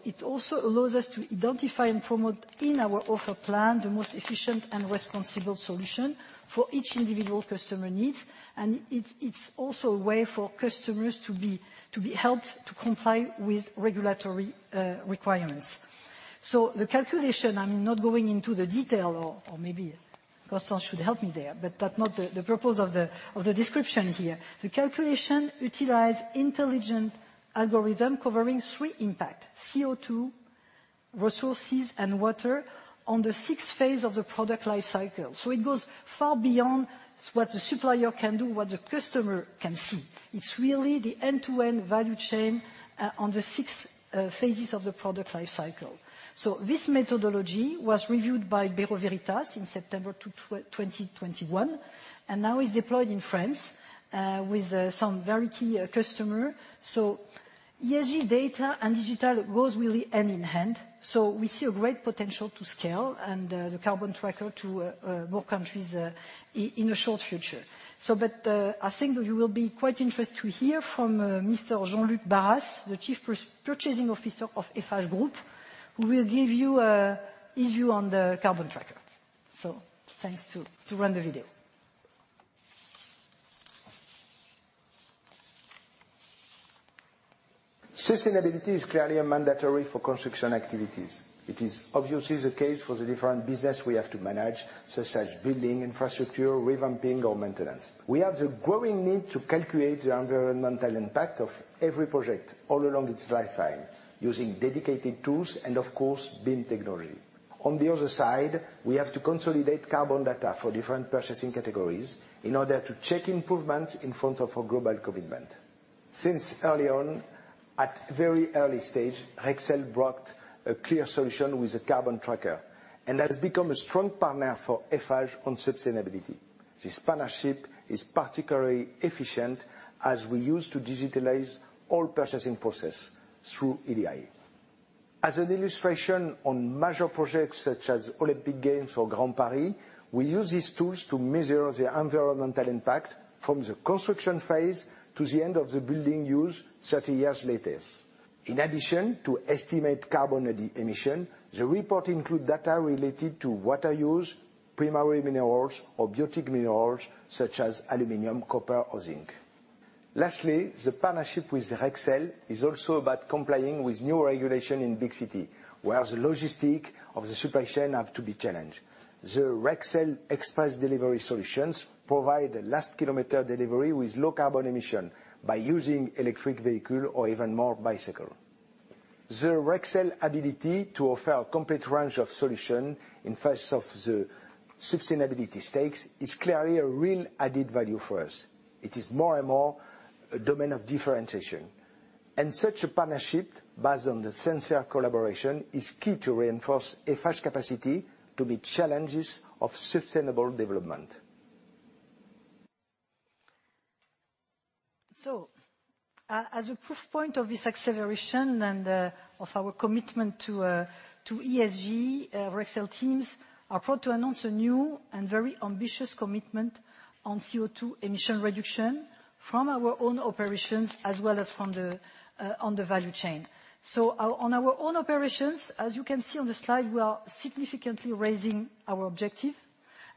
It also allows us to identify and promote in our offer plan the most efficient and responsible solution for each individual customer needs, and it's also a way for customers to be helped to comply with regulatory requirements. The calculation, I'm not going into the detail or maybe Constance should help me there, but that's not the purpose of the description here. The calculation utilizes intelligent algorithms covering three impacts, CO2, resources, and water on the six phases of the product life cycle. It goes far beyond what the supplier can do, what the customer can see. It's really the end-to-end value chain on the six phases of the product life cycle. This methodology was reviewed by Bureau Veritas in September 2021, and now is deployed in France with some very key customer. ESG data and digital goes really hand in hand, we see a great potential to scale and the Carbon Tracker to more countries in the short future. I think that you will be quite interested to hear from Mr. Jean-Luc Baras, the Chief Procurement Officer of Eiffage Group, who will give you his view on the Carbon Tracker. Thanks to run the video. Sustainability is clearly a mandatory for construction activities. It is obviously the case for the different business we have to manage, such as building infrastructure, revamping, or maintenance. We have the growing need to calculate the environmental impact of every project all along its lifetime using dedicated tools and of course, BIM technology. On the other side, we have to consolidate carbon data for different purchasing categories in order to check improvement in front of our global commitment. Since early on, at very early stage, Rexel brought a clear solution with the Carbon Tracker, and has become a strong partner for Eiffage on sustainability. This partnership is particularly efficient as we use to digitalize all purchasing process through EDI. As an illustration on major projects such as Olympic Games or Grand Paris, we use these tools to measure the environmental impact from the construction phase to the end of the building use 30 years later. In addition to estimating carbon emissions, the report includes data related to water use, primary minerals or biotic minerals such as aluminum, copper or zinc. Lastly, the partnership with Rexel is also about complying with new regulations in big cities, where the logistics of the supply chain have to be challenged. The Rexel express delivery solutions provide a last kilometer delivery with low carbon emissions by using electric vehicles or even more bicycles. Rexel's ability to offer a complete range of solutions in the face of the sustainability stakes is clearly a real added value for us. It is more and more a domain of differentiation. Such a partnership based on the sincere collaboration is key to reinforce Eiffage capacity to meet challenges of sustainable development. As a proof point of this acceleration and of our commitment to ESG, Rexel teams are proud to announce a new and very ambitious commitment on CO2 emission reduction from our own operations as well as on the value chain. On our own operations, as you can see on the slide, we are significantly raising our objective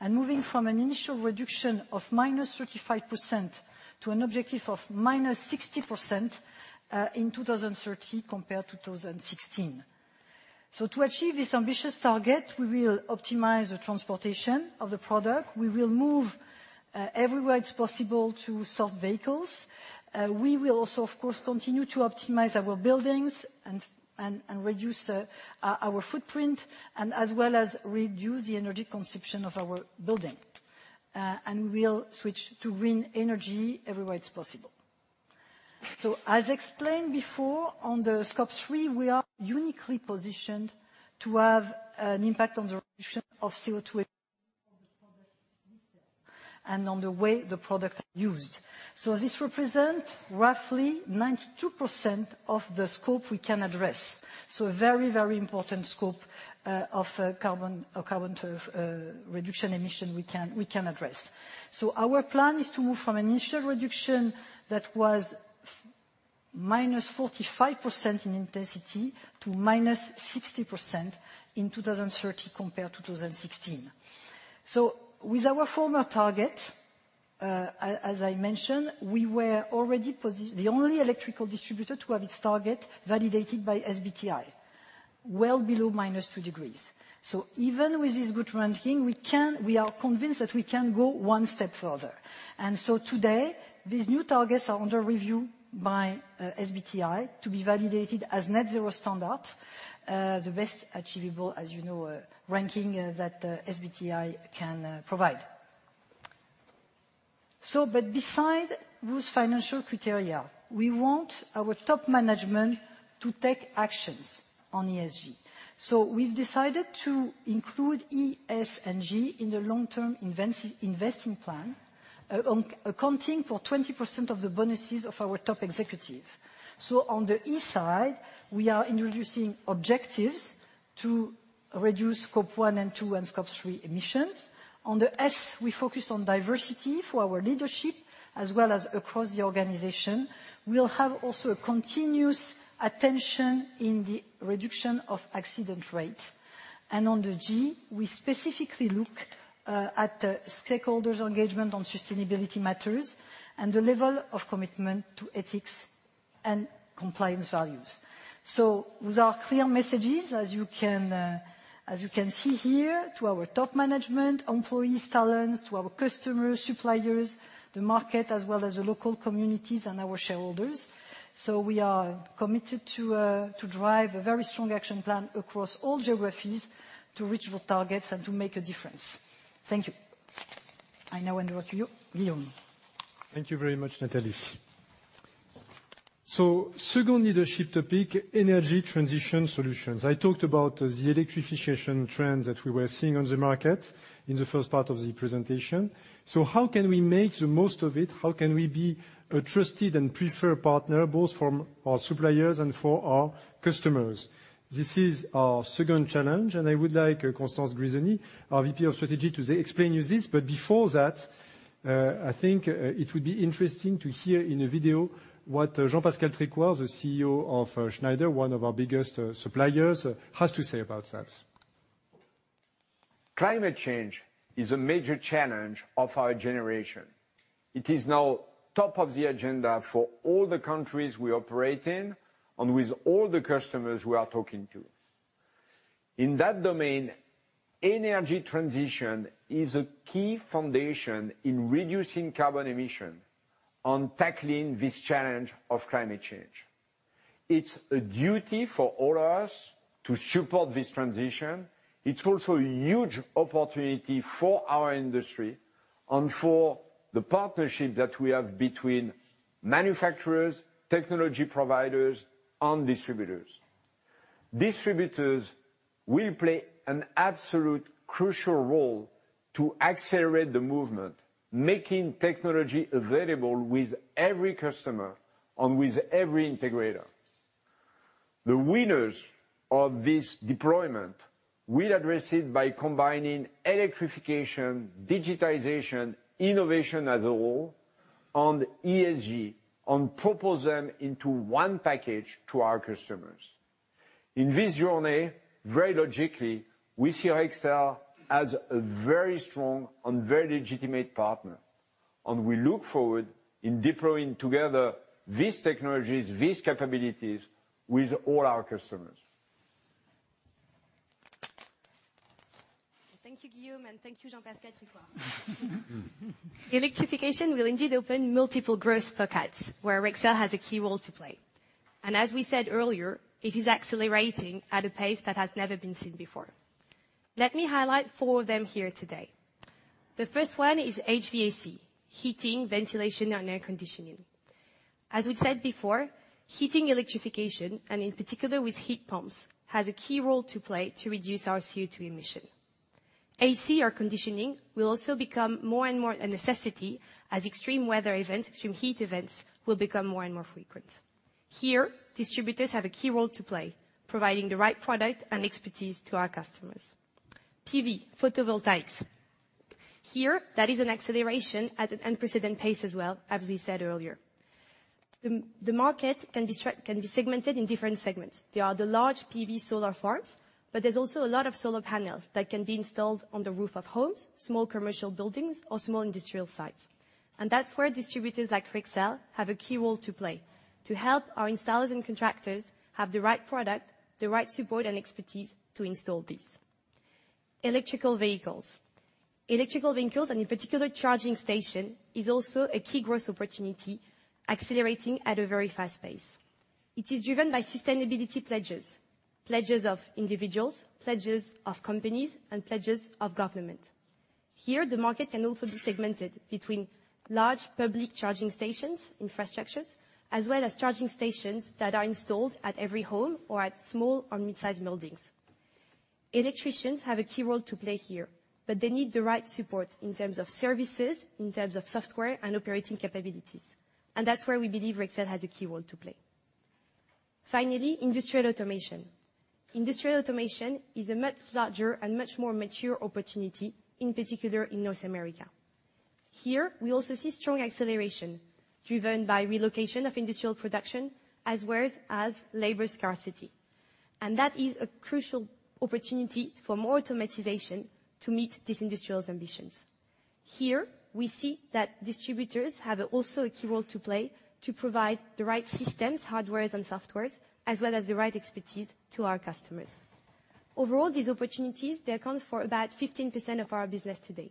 and moving from an initial reduction of minus 35% to an objective of minus 60% in 2030 compared to 2016. To achieve this ambitious target, we will optimize the transportation of the product. We will move everywhere it's possible to EVs. We will also, of course, continue to optimize our buildings and reduce our footprint and as well as reduce the energy consumption of our building. We'll switch to green energy everywhere it's possible. As explained before, on the Scope 3, we are uniquely positioned to have an impact on the reduction of CO2 emissions and on the way the product used. This represents roughly 92% of the scope we can address. A very important scope of carbon footprint reduction emissions we can address. Our plan is to move from initial reduction that was minus 45% in intensity to minus 60% in 2030 compared to 2016. With our former target, as I mentioned, we were already the only electrical distributor to have its target validated by SBTi, well below minus 2 degrees. Even with this good ranking, we are convinced that we can go one step further. Today, these new targets are under review by SBTi to be validated as net zero standard, the best achievable, as you know, ranking that SBTi can provide. But besides those financial criteria, we want our top management to take actions on ESG. We've decided to include E, S, and G in the long-term investing plan, accounting for 20% of the bonuses of our top executive. On the E side, we are introducing objectives to reduce Scope 1 and 2 and Scope 3 emissions. On the S, we focus on diversity for our leadership as well as across the organization. We'll have also a continuous attention in the reduction of accident rate. On the G, we specifically look at stakeholders' engagement on sustainability matters and the level of commitment to ethics and compliance values. With our clear messages, as you can see here, to our top management, employees, talents, to our customers, suppliers, the market, as well as the local communities and our shareholders. We are committed to drive a very strong action plan across all geographies to reach the targets and to make a difference. Thank you. I now hand over to you, Guillaume. Thank you very much, Nathalie. Second leadership topic, energy transition solutions. I talked about the electrification trends that we were seeing on the market in the first part of the presentation. How can we make the most of it? How can we be a trusted and preferred partner, both from our suppliers and for our customers? This is our second challenge, and I would like Constance Grisoni, our VP of Strategy, to explain to you this. Before that, I think it would be interesting to hear in a video what Jean-Pascal Tricoire, the CEO of Schneider, one of our biggest suppliers, has to say about that. Climate change is a major challenge of our generation. It is now top of the agenda for all the countries we operate in and with all the customers we are talking to. In that domain, energy transition is a key foundation in reducing carbon emissions and tackling this challenge of climate change. It's a duty for all of us to support this transition. It's also a huge opportunity for our industry and for the partnership that we have between manufacturers, technology providers, and distributors. Distributors will play an absolutely crucial role to accelerate the movement, making technology available to every customer and to every integrator. The winners of this deployment will address it by combining electrification, digitization, innovation as a whole and ESG, and propose them into one package to our customers. In this journey, very logically, we see Rexel as a very strong and very legitimate partner, and we look forward in deploying together these technologies, these capabilities with all our customers. Thank you, Guillaume, and thank you, Jean-Pascal Tricoire. Electrification will indeed open multiple growth pockets where Rexel has a key role to play. As we said earlier, it is accelerating at a pace that has never been seen before. Let me highlight four of them here today. The first one is HVAC, heating, ventilation, and air conditioning. As we said before, heating electrification, and in particular with heat pumps, has a key role to play to reduce our CO2 emission. AC, or conditioning, will also become more and more a necessity as extreme weather events, extreme heat events will become more and more frequent. Here, distributors have a key role to play, providing the right product and expertise to our customers. PV, photovoltaics. Here, that is an acceleration at an unprecedented pace as well, as we said earlier. The market can be segmented in different segments. There are the large PV solar farms, but there's also a lot of solar panels that can be installed on the roof of homes, small commercial buildings or small industrial sites. That's where distributors like Rexel have a key role to play, to help our installers and contractors have the right product, the right support and expertise to install these. Electric vehicles, and in particular charging station, is also a key growth opportunity accelerating at a very fast pace. It is driven by sustainability pledges of individuals, pledges of companies, and pledges of government. Here, the market can also be segmented between large public charging stations, infrastructures, as well as charging stations that are installed at every home or at small or mid-sized buildings. Electricians have a key role to play here, but they need the right support in terms of services, in terms of software and operating capabilities. That's where we believe Rexel has a key role to play. Finally, industrial automation. Industrial automation is a much larger and much more mature opportunity, in particular in North America. Here, we also see strong acceleration driven by relocation of industrial production as well as labor scarcity. That is a crucial opportunity for more automation to meet these industrial ambitions. Here, we see that distributors have also a key role to play to provide the right systems, hardware and software, as well as the right expertise to our customers. Overall, these opportunities, they account for about 15% of our business today,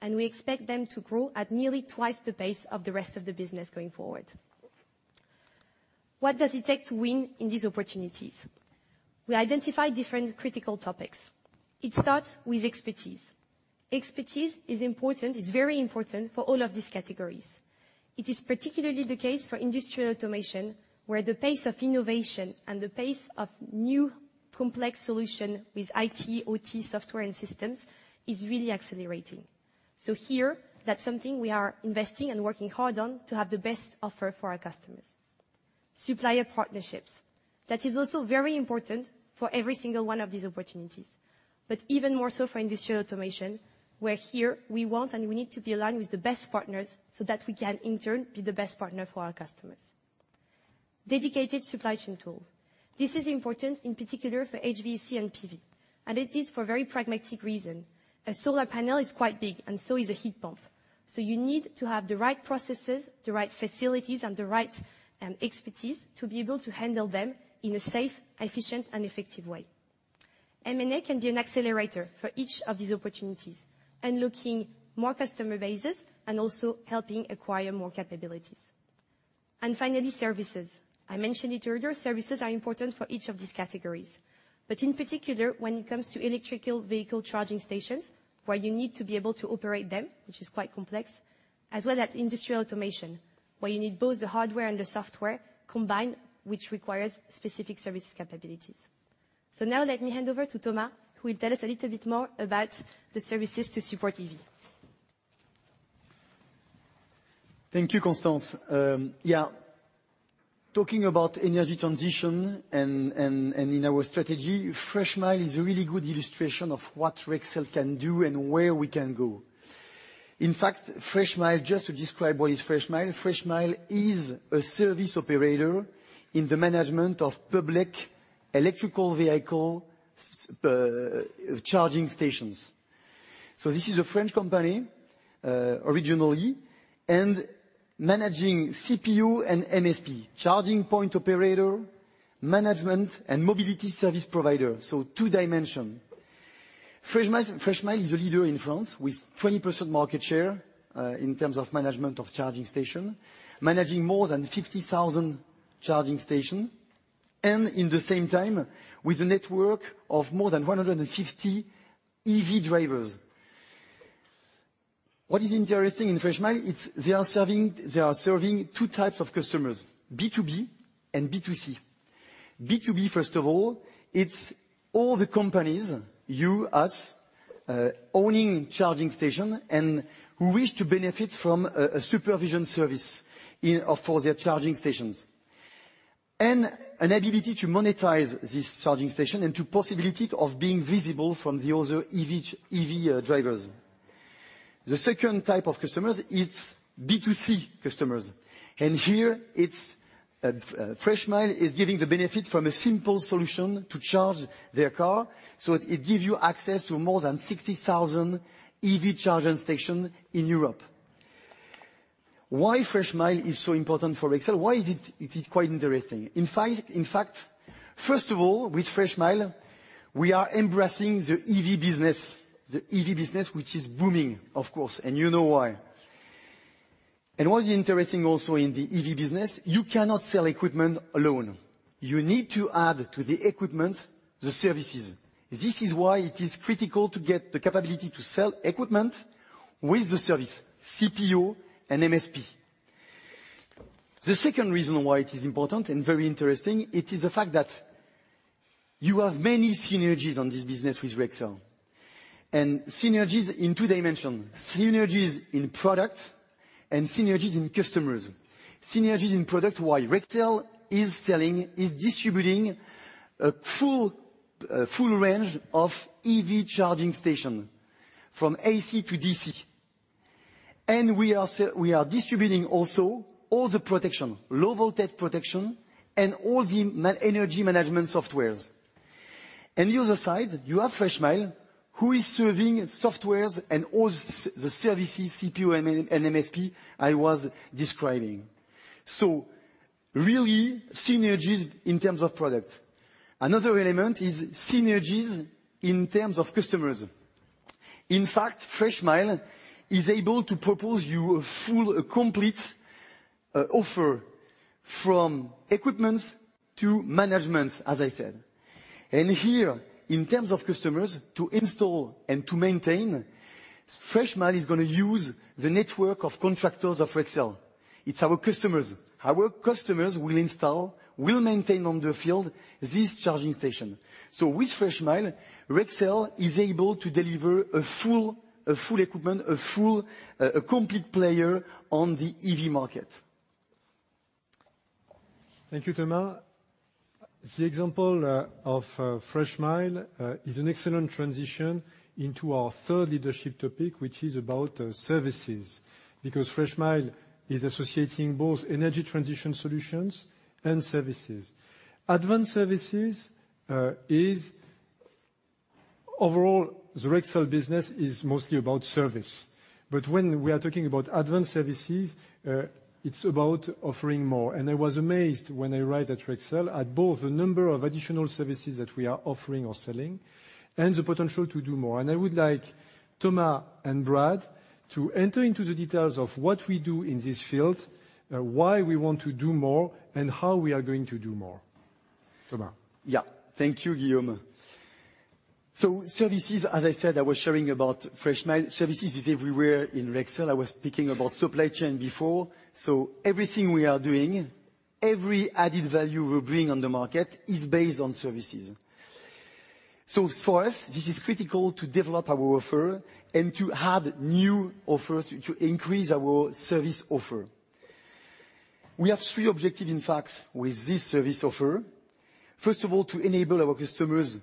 and we expect them to grow at nearly twice the pace of the rest of the business going forward. What does it take to win in these opportunities? We identify different critical topics. It starts with expertise. Expertise is important. It's very important for all of these categories. It is particularly the case for industrial automation, where the pace of innovation and the pace of new complex solution with IT, OT software and systems is really accelerating. Here, that's something we are investing and working hard on to have the best offer for our customers. Supplier partnerships. That is also very important for every single one of these opportunities. Even more so for industrial automation, where here we want and we need to be aligned with the best partners so that we can in turn be the best partner for our customers. Dedicated supply chain tool. This is important in particular for HVAC and PV, and it is for very pragmatic reason. A solar panel is quite big and so is a heat pump. You need to have the right processes, the right facilities and the right expertise to be able to handle them in a safe, efficient and effective way. M&A can be an accelerator for each of these opportunities and looking more customer bases and also helping acquire more capabilities. Finally, services. I mentioned it earlier, services are important for each of these categories. In particular, when it comes to electric vehicle charging stations, where you need to be able to operate them, which is quite complex, as well as industrial automation, where you need both the hardware and the software combined, which requires specific services capabilities. Now let me hand over to Thomas, who will tell us a little bit more about the services to support EV. Thank you, Constance. Talking about energy transition and in our strategy, Freshmile is a really good illustration of what Rexel can do and where we can go. In fact, Freshmile, just to describe what is Freshmile is a service operator in the management of public electric vehicle charging stations. This is a French company, originally, and managing CPO and MSP, charging point operator, management and mobility service provider. Two dimensions. Freshmile is a leader in France with 20% market share, in terms of management of charging station, managing more than 50,000 charging station, and at the same time, with a network of more than 150 EV drivers. What is interesting in Freshmile, it's they are serving two types of customers, B2B and B2C. B2B, first of all, it's all the companies, you, us, owning charging station and who wish to benefit from a supervision service for their charging stations. An ability to monetize this charging station into possibility of being visible from the other EV drivers. The second type of customers, it's B2C customers. Here it's Freshmile is giving the benefit from a simple solution to charge their car, so it gives you access to more than 60,000 EV charging station in Europe. Why Freshmile is so important for Rexel? Why is it quite interesting? In fact, first of all, with Freshmile, we are embracing the EV business. The EV business which is booming, of course, and you know why. What is interesting also in the EV business, you cannot sell equipment alone. You need to add to the equipment the services. This is why it is critical to get the capability to sell equipment with the service, CPO and MSP. The second reason why it is important and very interesting, it is the fact that you have many synergies on this business with Rexel. Synergies in two dimensions. Synergies in product and synergies in customers. Synergies in product, why? Rexel is distributing a full range of EV charging station from AC to DC. We are distributing also all the protection, low voltage protection and all the energy management softwares. On the other side, you have Freshmile, who is serving softwares and all the services, CPO and MSP I was describing. Really synergies in terms of product. Another element is synergies in terms of customers. In fact, Freshmile is able to propose you a full, complete offer from equipment to management, as I said. Here, in terms of customers, to install and to maintain, Freshmile is gonna use the network of contractors of Rexel. It’s our customers. Our customers will install, will maintain on the field this charging station. With Freshmile, Rexel is able to deliver a full equipment, a complete player on the EV market. Thank you, Thomas. The example of Freshmile is an excellent transition into our third leadership topic, which is about services. Because Freshmile is associating both energy transition solutions and services. Advanced services. Overall, the Rexel business is mostly about service. When we are talking about advanced services, it's about offering more. I was amazed when I arrived at Rexel at both the number of additional services that we are offering or selling and the potential to do more. I would like Thomas and Brad to enter into the details of what we do in this field, why we want to do more, and how we are going to do more. Thomas. Yeah. Thank you, Guillaume. Services, as I said, I was sharing about Freshmile. Services is everywhere in Rexel. I was speaking about supply chain before. Everything we are doing, every added value we bring on the market is based on services. For us, this is critical to develop our offer and to add new offers to increase our service offer. We have three objective, in fact, with this service offer. First of all, to enable our customers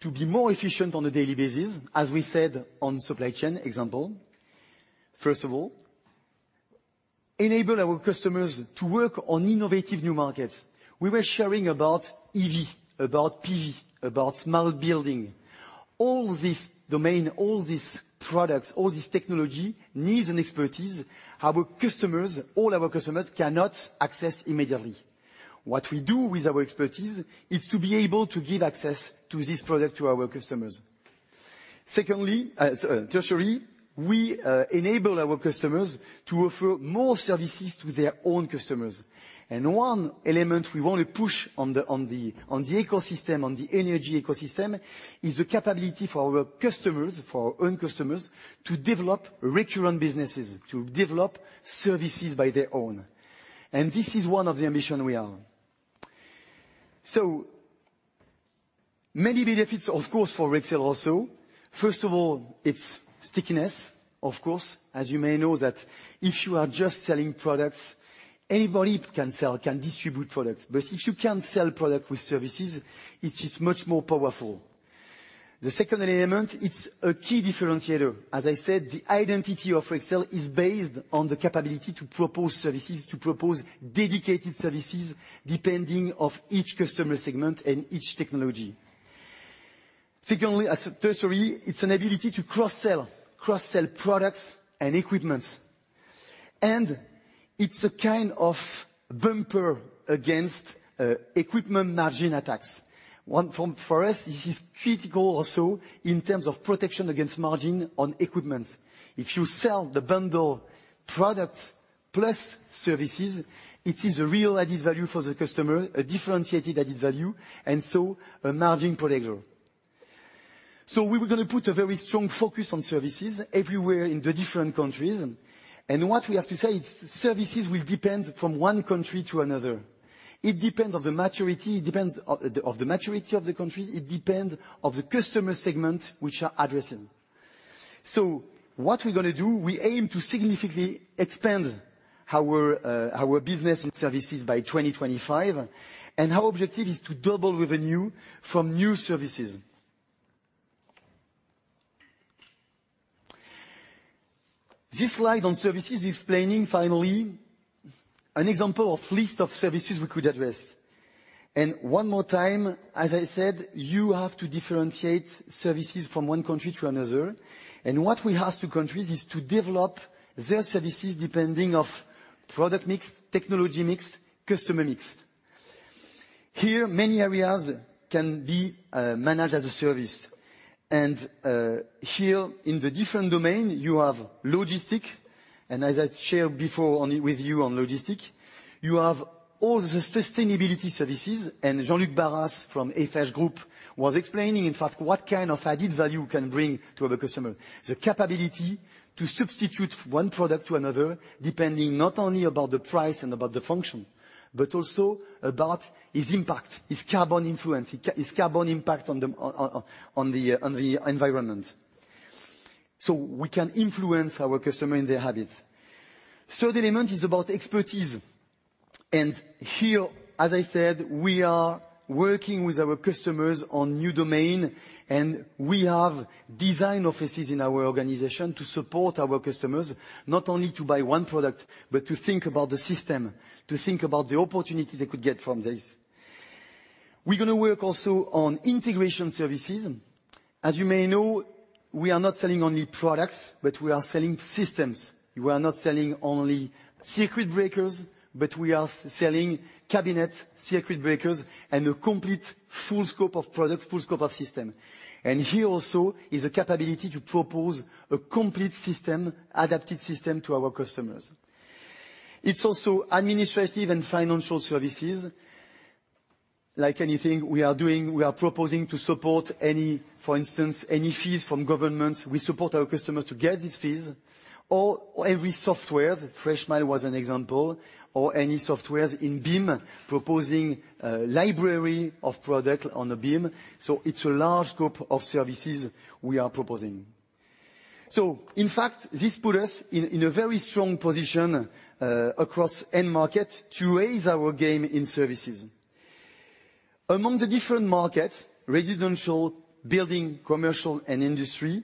to be more efficient on a daily basis, as we said on supply chain example. First of all, enable our customers to work on innovative new markets. We were sharing about EV, about PV, about smart building. All this domain, all these products, all this technology needs an expertise our customers, all our customers cannot access immediately. What we do with our expertise is to be able to give access to this product to our customers. Secondly, tertiary, we enable our customers to offer more services to their own customers. One element we wanna push on the energy ecosystem is the capability for our customers, for our own customers to develop return businesses, to develop services by their own. This is one of the ambition we have. Many benefits, of course, for Rexel also. First of all, it's stickiness. Of course, as you may know that if you are just selling products, anybody can sell, can distribute products. But if you can sell product with services, it's much more powerful. The second element, it's a key differentiator. As I said, the identity of Rexel is based on the capability to propose services, to propose dedicated services depending on each customer segment and each technology. Secondly, thirdly, it's an ability to cross-sell products and equipment. It's a kind of bumper against equipment margin attacks. For us, this is critical also in terms of protection against margin on equipment. If you sell the bundle product plus services, it is a real added value for the customer, a differentiated added value, and so a margin protector. We were gonna put a very strong focus on services everywhere in the different countries. What we have to say is services will depend on one country to another. It depends on the maturity. It depends on the maturity of the country. It depends on the customer segment which we are addressing. What we're gonna do, we aim to significantly expand our business and services by 2025, and our objective is to double revenue from new services. This slide on services explaining finally an example of list of services we could address. One more time, as I said, you have to differentiate services from one country to another. What we ask to countries is to develop their services depending on product mix, technology mix, customer mix. Here, many areas can be managed as a service. Here in the different domain, you have logistics, and as I'd shared before with you on logistics, you have all the sustainability services. Jean-Luc Baras from Eiffage Group was explaining, in fact, what kind of added value we can bring to the customer. The capability to substitute one product to another, depending not only on the price and on the function, but also on its impact, its carbon impact on the environment. We can influence our customers and their habits. Third element is about expertise. Here, as I said, we are working with our customers on new domains, and we have design offices in our organization to support our customers, not only to buy one product, but to think about the system, to think about the opportunity they could get from this. We're gonna work also on integration services. As you may know, we are not selling only products, but we are selling systems. We are not selling only circuit breakers, but we are selling cabinet circuit breakers and a complete full scope of product, full scope of system. Here also is a capability to propose a complete system, adapted system to our customers. It's also administrative and financial services. Like anything we are doing, we are proposing to support any, for instance, fees from governments. We support our customer to get these fees or every software, Freshmile was an example, or any software in BIM proposing a library of product on the BIM. It's a large group of services we are proposing. In fact, this put us in a very strong position across end market to raise our game in services. Among the different markets, residential, building, commercial and industry,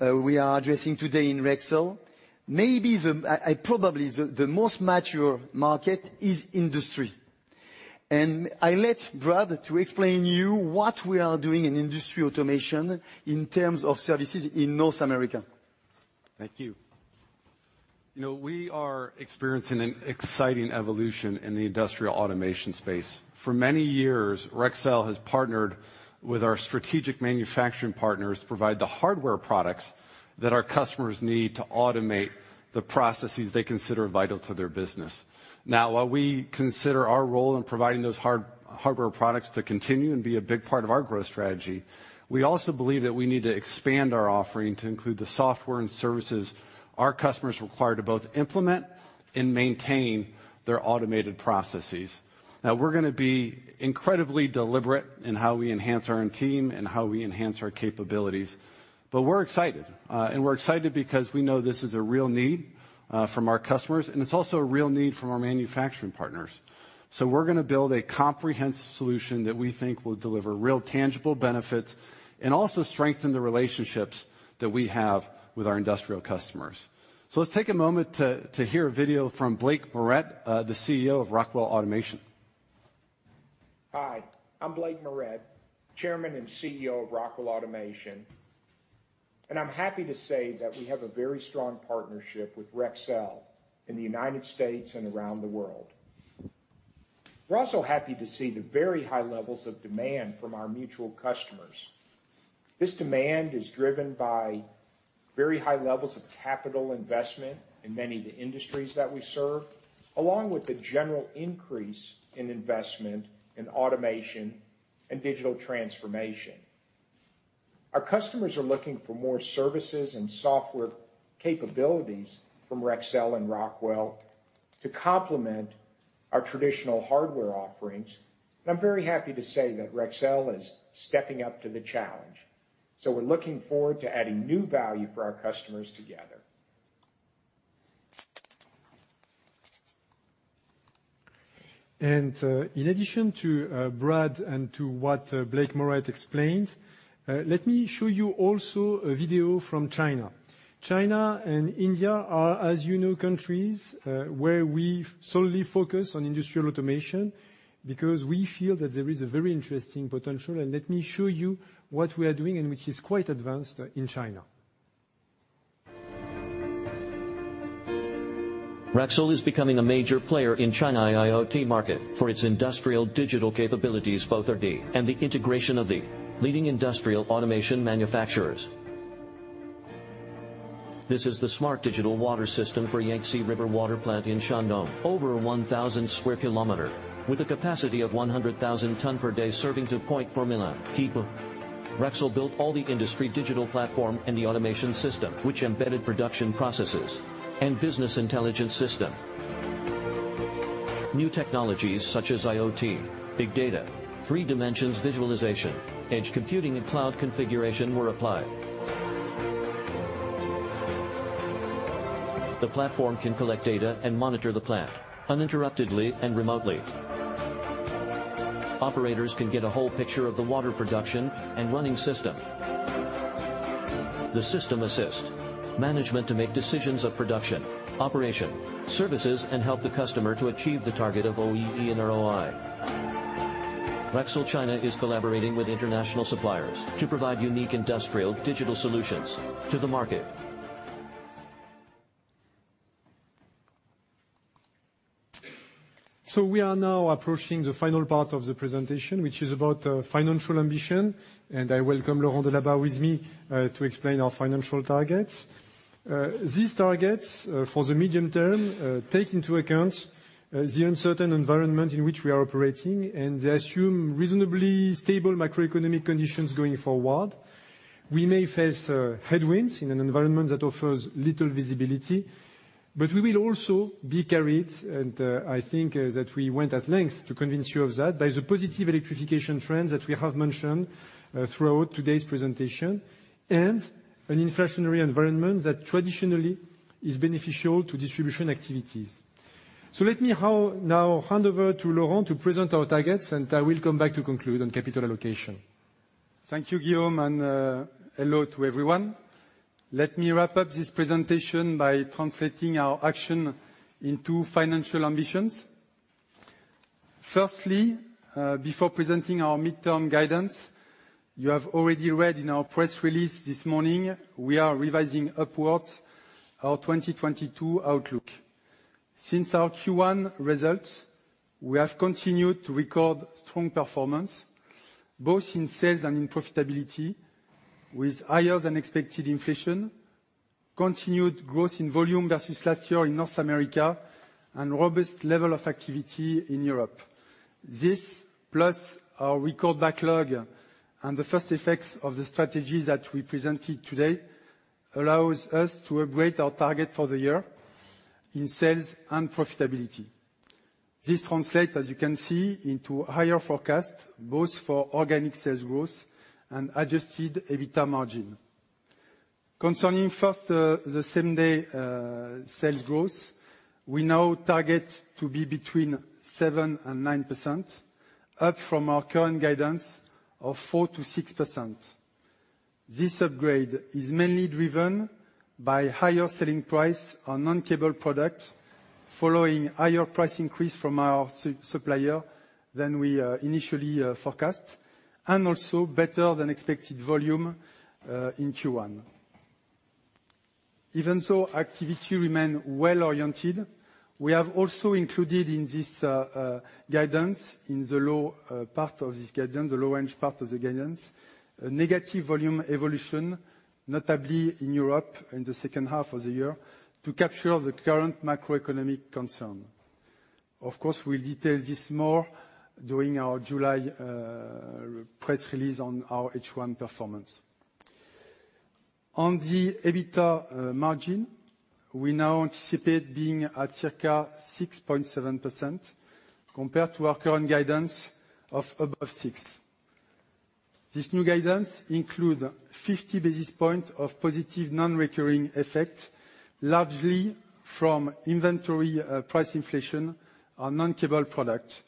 we are addressing today in Rexel, probably the most mature market is industry. I let Brad to explain you what we are doing in industrial automation in terms of services in North America. Thank you. You know, we are experiencing an exciting evolution in the industrial automation space. For many years, Rexel has partnered with our strategic manufacturing partners to provide the hardware products that our customers need to automate the processes they consider vital to their business. Now, while we consider our role in providing those hardware products to continue and be a big part of our growth strategy, we also believe that we need to expand our offering to include the software and services our customers require to both implement and maintain their automated processes. Now, we're gonna be incredibly deliberate in how we enhance our own team and how we enhance our capabilities, but we're excited. We're excited because we know this is a real need from our customers, and it's also a real need from our manufacturing partners. We're gonna build a comprehensive solution that we think will deliver real tangible benefits and also strengthen the relationships that we have with our industrial customers. Let's take a moment to hear a video from Blake Moret, the CEO of Rockwell Automation. Hi, I'm Blake Moret, Chairman and CEO of Rockwell Automation, and I'm happy to say that we have a very strong partnership with Rexel in the United States and around the world. We're also happy to see the very high levels of demand from our mutual customers. This demand is driven by very high levels of capital investment in many of the industries that we serve, along with the general increase in investment in automation and digital transformation. Our customers are looking for more services and software capabilities from Rexel and Rockwell to complement our traditional hardware offerings, and I'm very happy to say that Rexel is stepping up to the challenge. We're looking forward to adding new value for our customers together. In addition to Brad and to what Blake Moret explained, let me show you also a video from China. China and India are, as you know, countries where we solely focus on industrial automation because we feel that there is a very interesting potential, and let me show you what we are doing and which is quite advanced in China. Rexel is becoming a major player in China IoT market for its industrial digital capabilities, both R&D and the integration of the leading industrial automation manufacturers. This is the smart digital water system for South-to-North Water Diversion Project in Shandong. Over 1,000 square kilometer with a capacity of 100,000 ton per day, serving 2.4 million people. Rexel built all the industry digital platform and the automation system, which embedded production processes and business intelligence system. New technologies such as IoT, big data, three dimensions visualization, edge computing and cloud configuration were applied. The platform can collect data and monitor the plant uninterruptedly and remotely. Operators can get a whole picture of the water production and running system. The system assists management to make decisions of production, operation, services and help the customer to achieve the target of OEE and ROI. Rexel China is collaborating with international suppliers to provide unique industrial digital solutions to the market. We are now approaching the final part of the presentation, which is about financial ambition, and I welcome Laurent Delabarre with me to explain our financial targets. These targets for the medium term take into account the uncertain environment in which we are operating, and they assume reasonably stable macroeconomic conditions going forward. We may face headwinds in an environment that offers little visibility, but we will also be carried, and I think that we went at length to convince you of that, by the positive electrification trends that we have mentioned throughout today's presentation and an inflationary environment that traditionally is beneficial to distribution activities. Let me now hand over to Laurent Delabarre to present our targets, and I will come back to conclude on capital allocation. Thank you, Guillaume, and hello to everyone. Let me wrap up this presentation by translating our action into financial ambitions. Firstly, before presenting our midterm guidance, you have already read in our press release this morning, we are revising upwards our 2022 outlook. Since our Q1 results, we have continued to record strong performance both in sales and in profitability, with higher than expected inflation, continued growth in volume versus last year in North America and robust level of activity in Europe. This, plus our record backlog and the first effects of the strategies that we presented today, allows us to upgrade our target for the year in sales and profitability. This translate, as you can see, into higher forecast, both for organic sales growth and adjusted EBITDA margin. Concerning first the same-day sales growth, we now target to be between 7%-9%, up from our current guidance of 4%-6%. This upgrade is mainly driven by higher selling price on non-cable product, following higher price increase from our supplier than we initially forecast, and also better than expected volume in Q1. Even so, activity remain well-oriented. We have also included in this guidance, in the low-range part of the guidance, a negative volume evolution, notably in Europe in the second half of the year, to capture the current macroeconomic concern. Of course, we'll detail this more during our July press release on our H1 performance. On the EBITDA margin, we now anticipate being at circa 6.7% compared to our current guidance of above 6%. This new guidance includes 50 basis points of positive non-recurring effect, largely from inventory price inflation on non-cable product,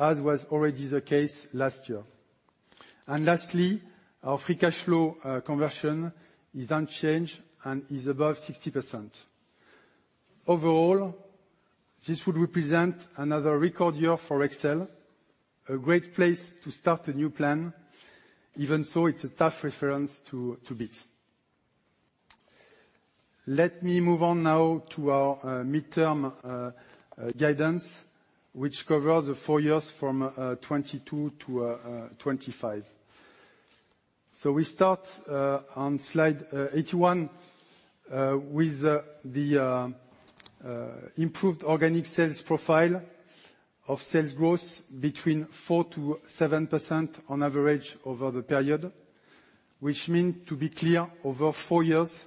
as was already the case last year. Lastly, our free cash flow conversion is unchanged and is above 60%. Overall, this would represent another record year for Rexel, a great place to start a new plan. Even so, it's a tough reference to beat. Let me move on now to our midterm guidance, which covers the four years from 2022 to 2025. We start on slide 81 with the improved organic sales profile of sales growth between 4%-7% on average over the period, which means, to be clear, over four years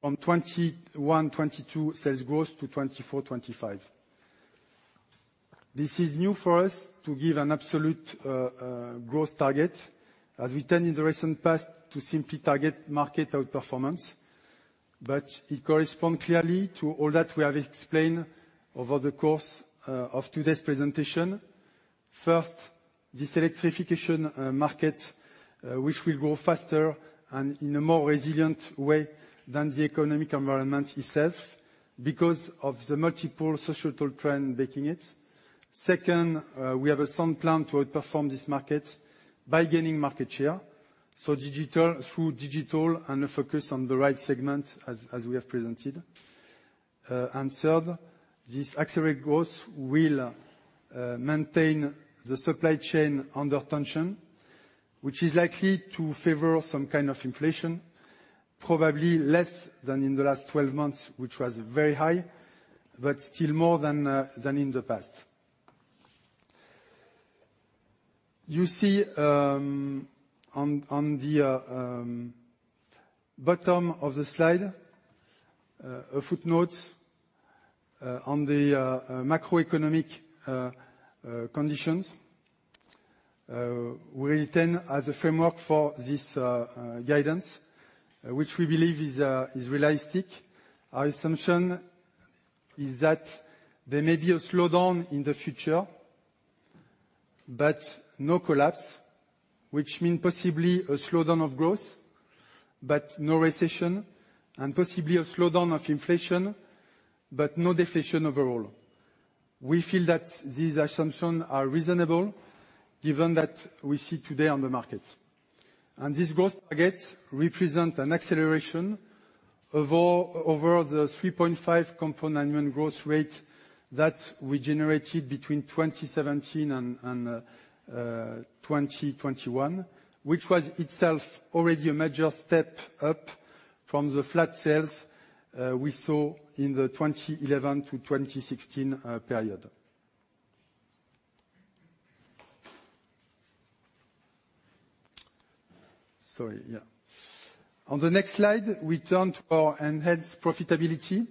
from 2021, 2022 sales growth to 2024, 2025. This is new for us to give an absolute growth target, as we tend in the recent past to simply target market outperformance. It corresponds clearly to all that we have explained over the course of today's presentation. First, this electrification market, which will grow faster and in a more resilient way than the economic environment itself because of the multiple societal trends making it. Second, we have a sound plan to outperform this market by gaining market share through digital and a focus on the right segment as we have presented. And third, this accelerated growth will maintain the supply chain under tension, which is likely to favor some kind of inflation, probably less than in the last 12 months, which was very high, but still more than in the past. You see, on the bottom of the slide, a footnote on the macroeconomic conditions we retain as a framework for this guidance, which we believe is realistic. Our assumption is that there may be a slowdown in the future, but no collapse, which mean possibly a slowdown of growth, but no recession, and possibly a slowdown of inflation, but no deflation overall. We feel that these assumption are reasonable given that we see today on the market. This growth target represent an acceleration over the 3.5 compound annual growth rate that we generated between 2017 and 2021, which was itself already a major step up from the flat sales we saw in the 2011-2016 period. Sorry, yeah. On the next slide, we turn to our enhanced profitability.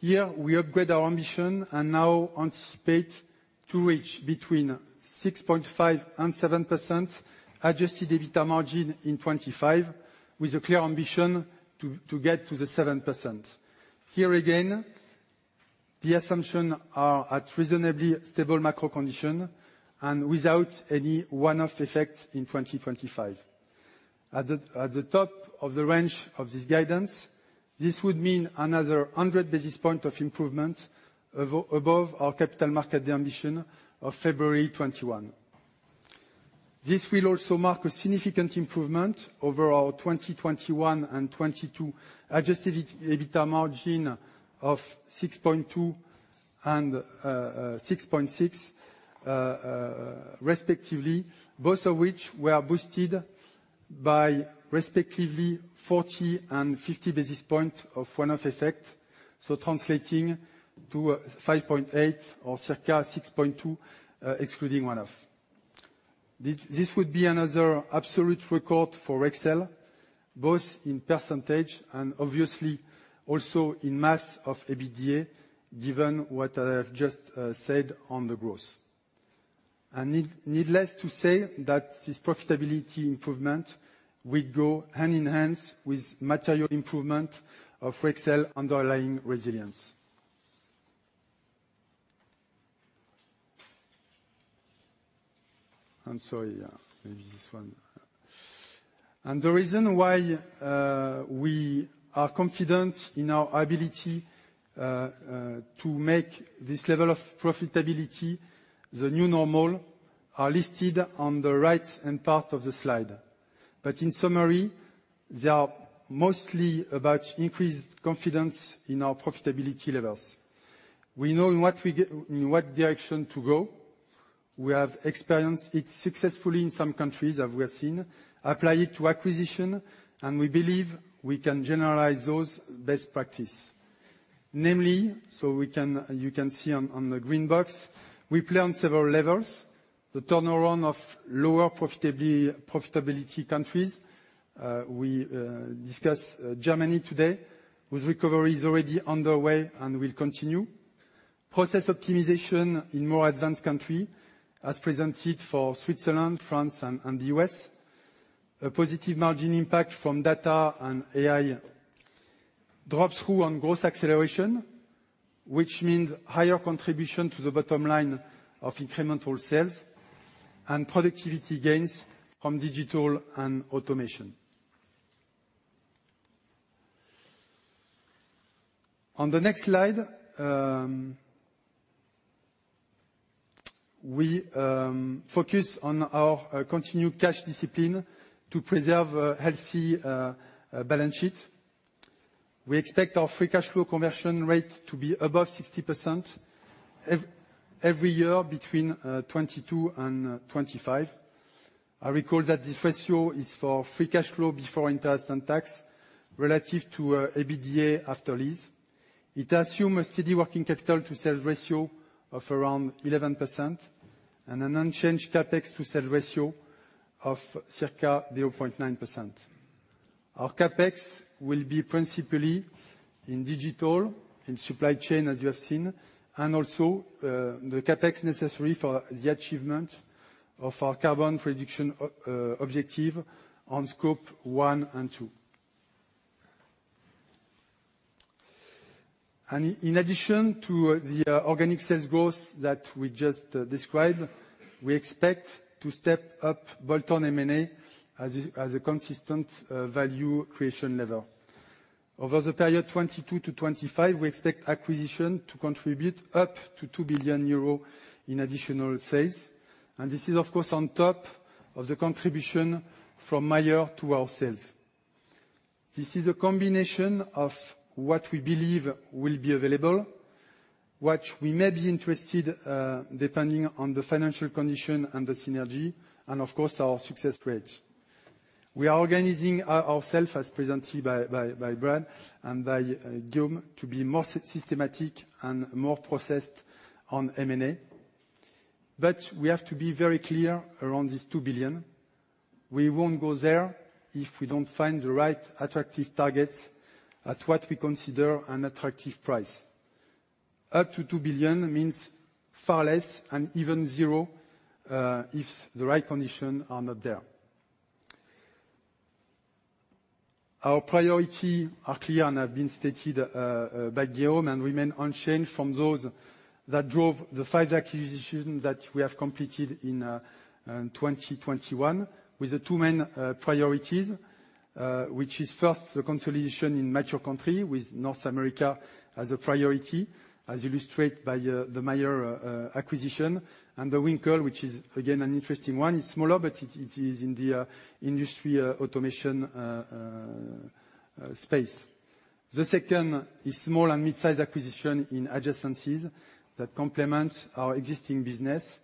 Here, we upgrade our ambition and now anticipate to reach between 6.5% and 7% adjusted EBITDA margin in 2025, with a clear ambition to get to the 7%. Here again, the assumption are at reasonably stable macro condition and without any one-off effect in 2025. At the top of the range of this guidance, this would mean another 100 basis points of improvement above our capital market ambition of February 2021. This will also mark a significant improvement over our 2021 and 2022 adjusted EBITDA margin of 6.2 and 6.6, respectively, both of which were boosted by respectively 40 and 50 basis points of one-off effect, so translating to 5.8 or circa 6.2, excluding one-off. This would be another absolute record for Rexel, both in percentage and obviously also in mass of EBITDA, given what I have just said on the growth. Needless to say that this profitability improvement will go hand-in-hand with material improvement of Rexel underlying resilience. I'm sorry. Yeah, maybe this one. The reason why we are confident in our ability to make this level of profitability the new normal are listed on the right-hand part of the slide. In summary, they are mostly about increased confidence in our profitability levels. We know in what direction to go. We have experienced it successfully in some countries, as we have seen, apply it to acquisition, and we believe we can generalize those best practice. Namely, so we can. You can see on the green box, we play on several levels. The turnaround of lower profitability countries. We discuss Germany today, whose recovery is already underway and will continue. Process optimization in more advanced country, as presented for Switzerland, France and the U.S. A positive margin impact from data and AI drop-through on growth acceleration, which means higher contribution to the bottom line of incremental sales and productivity gains from digital and automation. On the next slide, we focus on our continued cash discipline to preserve a healthy balance sheet. We expect our free cash flow conversion rate to be above 60% every year between 2022 and 2025. I recall that this ratio is for free cash flow before interest and tax relative to EBITDA after lease. It assumes a steady working capital to sales ratio of around 11% and an unchanged CapEx to sales ratio of circa 0.9%. Our CapEx will be principally in digital and supply chain, as you have seen, and also the CapEx necessary for the achievement of our carbon reduction objective on Scope 1 and 2. In addition to the organic sales growth that we just described, we expect to step up bolt-on M&A as a consistent value creation lever. Over the period 2022-2025, we expect acquisition to contribute up to 2 billion euro in additional sales, and this is of course on top of the contribution from Mayer to our sales. This is a combination of what we believe will be available, what we may be interested in, depending on the financial condition and the synergy, and of course our success rate. We are organizing ourselves as presented by Brad and by Guillaume to be more systematic and more processed on M&A. We have to be very clear around this 2 billion. We won't go there if we don't find the right attractive targets at what we consider an attractive price. Up to 2 billion means far less and even zero, if the right conditions are not there. Our priorities are clear and have been stated by Guillaume and remain unchanged from those that drove the 5 acquisitions that we have completed in 2021, with the 2 main priorities, which is first the consolidation in mature countries with North America as a priority as illustrated by the Mayer acquisition and the Winkle, which is again an interesting one. It's smaller, but it is in the industrial automation space. The second is small- and midsize acquisitions in adjacencies that complement our existing business,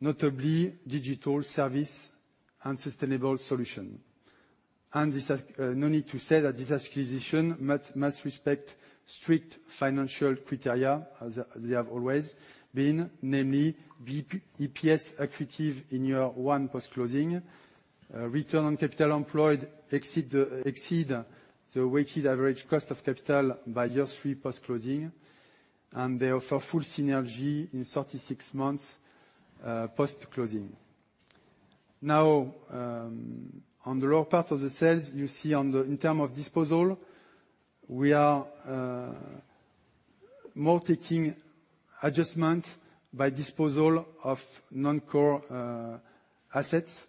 notably digital services and sustainable solutions. No need to say that this acquisition must respect strict financial criteria, as they have always been. Namely, be EPS accretive in year one post-closing, return on capital employed exceed the weighted average cost of capital by year three post-closing, and they offer full synergy in 36 months post-closing. Now, on the lower part of the sales. In terms of disposal, we are more taking adjustment by disposal of non-core assets.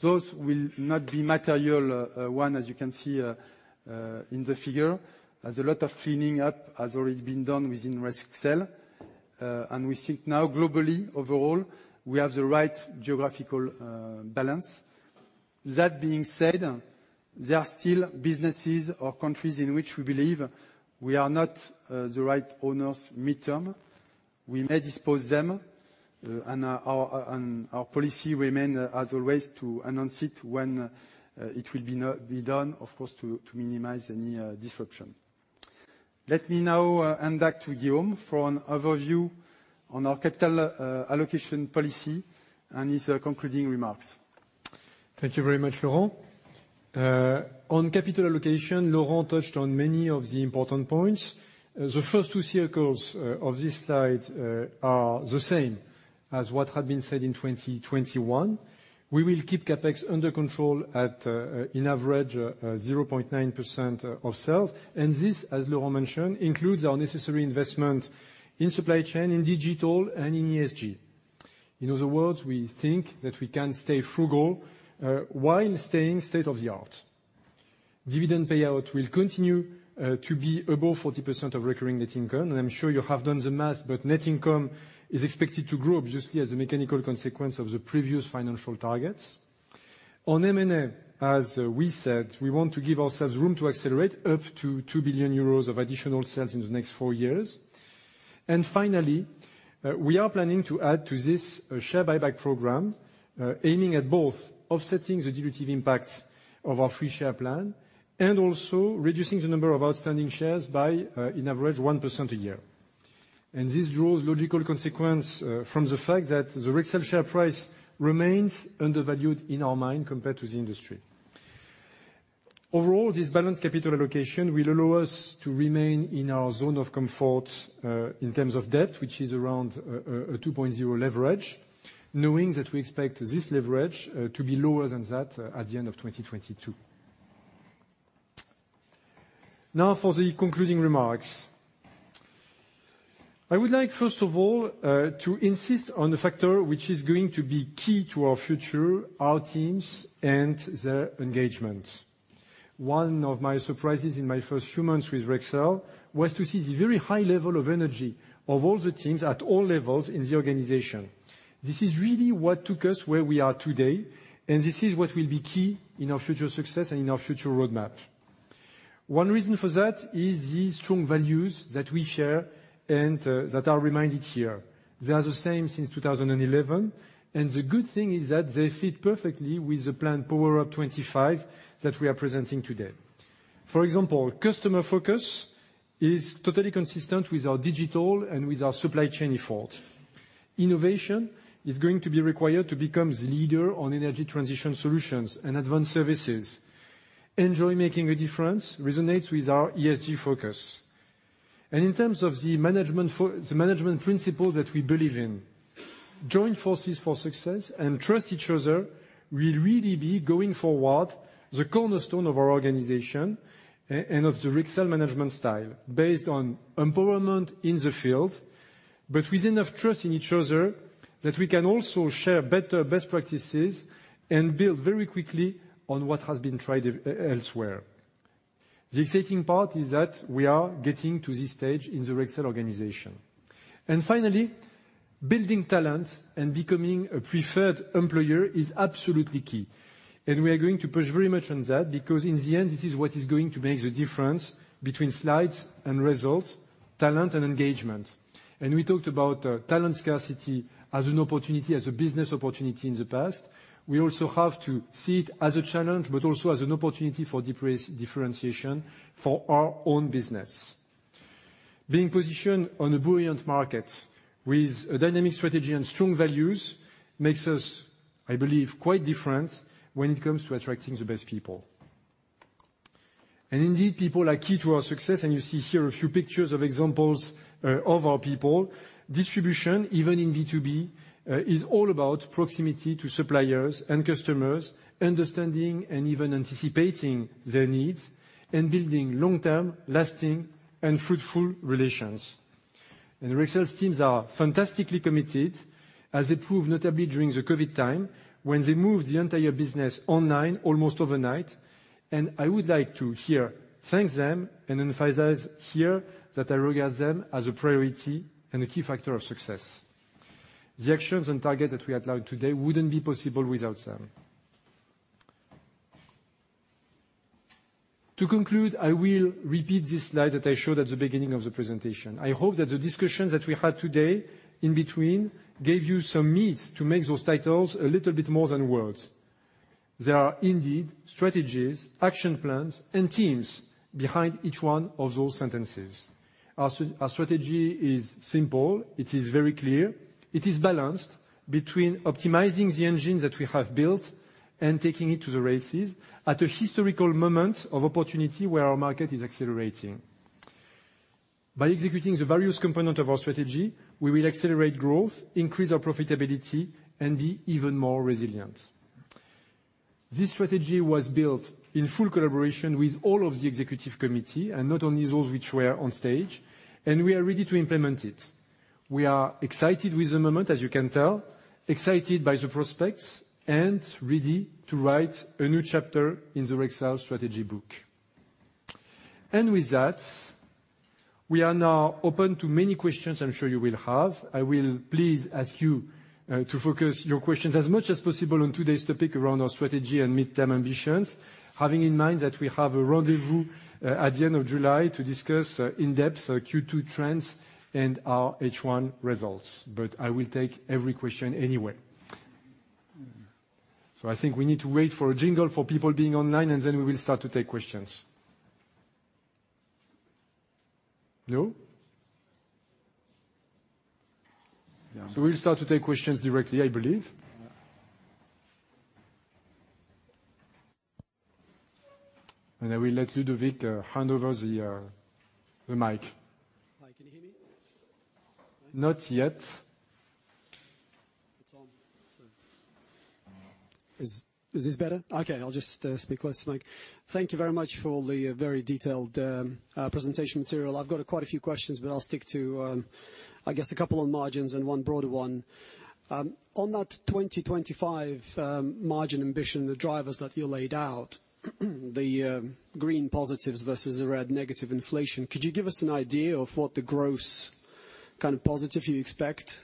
Those will not be material, as you can see in the figure, as a lot of cleaning up has already been done within Rexel. We think now globally overall, we have the right geographical balance. That being said, there are still businesses or countries in which we believe we are not the right owners mid-term. We may dispose them, and our policy remains, as always, to announce it when it will be done, of course, to minimize any disruption. Let me now hand back to Guillaume for an overview on our capital allocation policy and his concluding remarks. Thank you very much, Laurent. On capital allocation, Laurent touched on many of the important points. The first two circles of this slide are the same as what had been said in 2021. We will keep CapEx under control at, in average, 0.9% of sales. This, as Laurent mentioned, includes our necessary investment in supply chain, in digital, and in ESG. In other words, we think that we can stay frugal while staying state-of-the-art. Dividend payout will continue to be above 40% of recurring net income, and I'm sure you have done the math, but net income is expected to grow obviously as a mechanical consequence of the previous financial targets. On M&A, as we said, we want to give ourselves room to accelerate up to 2 billion euros of additional sales in the next four years. Finally, we are planning to add to this a share buyback program, aiming at both offsetting the dilutive impact of our free share plan and also reducing the number of outstanding shares by, in average, 1% a year. This draws logical consequence from the fact that the Rexel share price remains undervalued in our mind compared to the industry. Overall, this balanced capital allocation will allow us to remain in our zone of comfort in terms of debt, which is around a 2.0 leverage, knowing that we expect this leverage to be lower than that at the end of 2022. Now for the concluding remarks. I would like, first of all, to insist on the factor which is going to be key to our future, our teams and their engagement. One of my surprises in my first few months with Rexel was to see the very high level of energy of all the teams at all levels in the organization. This is really what took us where we are today, and this is what will be key in our future success and in our future roadmap. One reason for that is the strong values that we share and that are reminded here. They are the same since 2011, and the good thing is that they fit perfectly with the plan Power Up 2025 that we are presenting today. For example, customer focus is totally consistent with our digital and with our supply chain effort. Innovation is going to be required to become the leader on energy transition solutions and advanced services. Enjoy making a difference resonates with our ESG focus. In terms of the management principles that we believe in, join forces for success and trust each other will really be going forward the cornerstone of our organization and of the Rexel management style based on empowerment in the field, but with enough trust in each other that we can also share better best practices and build very quickly on what has been tried elsewhere. The exciting part is that we are getting to this stage in the Rexel organization. Finally, building talent and becoming a preferred employer is absolutely key, and we are going to push very much on that because in the end this is what is going to make the difference between slides and results, talent and engagement. We talked about talent scarcity as an opportunity, as a business opportunity in the past. We also have to see it as a challenge, but also as an opportunity for differentiation for our own business. Being positioned on a brilliant market with a dynamic strategy and strong values makes us, I believe, quite different when it comes to attracting the best people. Indeed, people are key to our success, and you see here a few pictures of examples of our people. Distribution, even in B2B, is all about proximity to suppliers and customers, understanding and even anticipating their needs, and building long-term, lasting and fruitful relations. Rexel's teams are fantastically committed, as they proved notably during the COVID time, when they moved the entire business online almost overnight, and I would like to here thank them and emphasize here that I regard them as a priority and a key factor of success. The actions and targets that we outlined today wouldn't be possible without them. To conclude, I will repeat this slide that I showed at the beginning of the presentation. I hope that the discussion that we had today in between gave you some meat to make those titles a little bit more than words. There are indeed strategies, action plans and teams behind each one of those sentences. Our strategy is simple. It is very clear. It is balanced between optimizing the engine that we have built and taking it to the races at a historical moment of opportunity where our market is accelerating. By executing the various component of our strategy, we will accelerate growth, increase our profitability, and be even more resilient. This strategy was built in full collaboration with all of the executive committee, and not only those which were on stage, and we are ready to implement it. We are excited with the moment, as you can tell, excited by the prospects, and ready to write a new chapter in the Rexel strategy book. With that, we are now open to many questions I'm sure you will have. I will please ask you to focus your questions as much as possible on today's topic around our strategy and midterm ambitions, having in mind that we have a rendezvous at the end of July to discuss in depth our Q2 trends and our H1 results. I will take every question anyway. I think we need to wait for a jingle for people being online, and then we will start to take questions. No? Yeah. We'll start to take questions directly, I believe. Yeah. I will let Ludovic hand over the mic. Hi, can you hear me? Not yet. It's on. Is this better? Okay, I'll just speak close to mic. Thank you very much for the very detailed presentation material. I've got quite a few questions, but I'll stick to, I guess, a couple on margins and one broader one. On that 2025 margin ambition, the drivers that you laid out, the green positives versus the red negative inflation, could you give us an idea of what the gross kind of positive you expect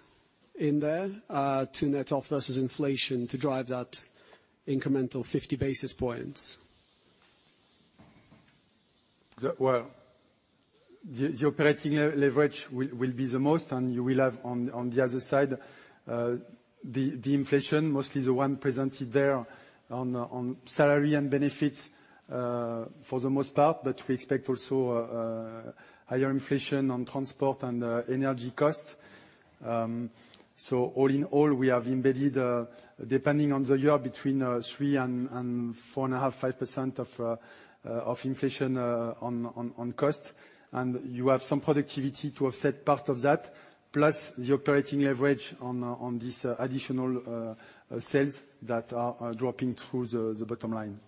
in there to net off versus inflation to drive that incremental 50 basis points? Well, the operating leverage will be the most, and you will have on the other side the inflation, mostly the one presented there on salary and benefits for the most part. We expect also higher inflation on transport and energy costs. All in all, we have embedded, depending on the year, between 3% and 4.5-5% of inflation on cost. You have some productivity to offset part of that, plus the operating leverage on this additional sales that are dropping through the bottom line.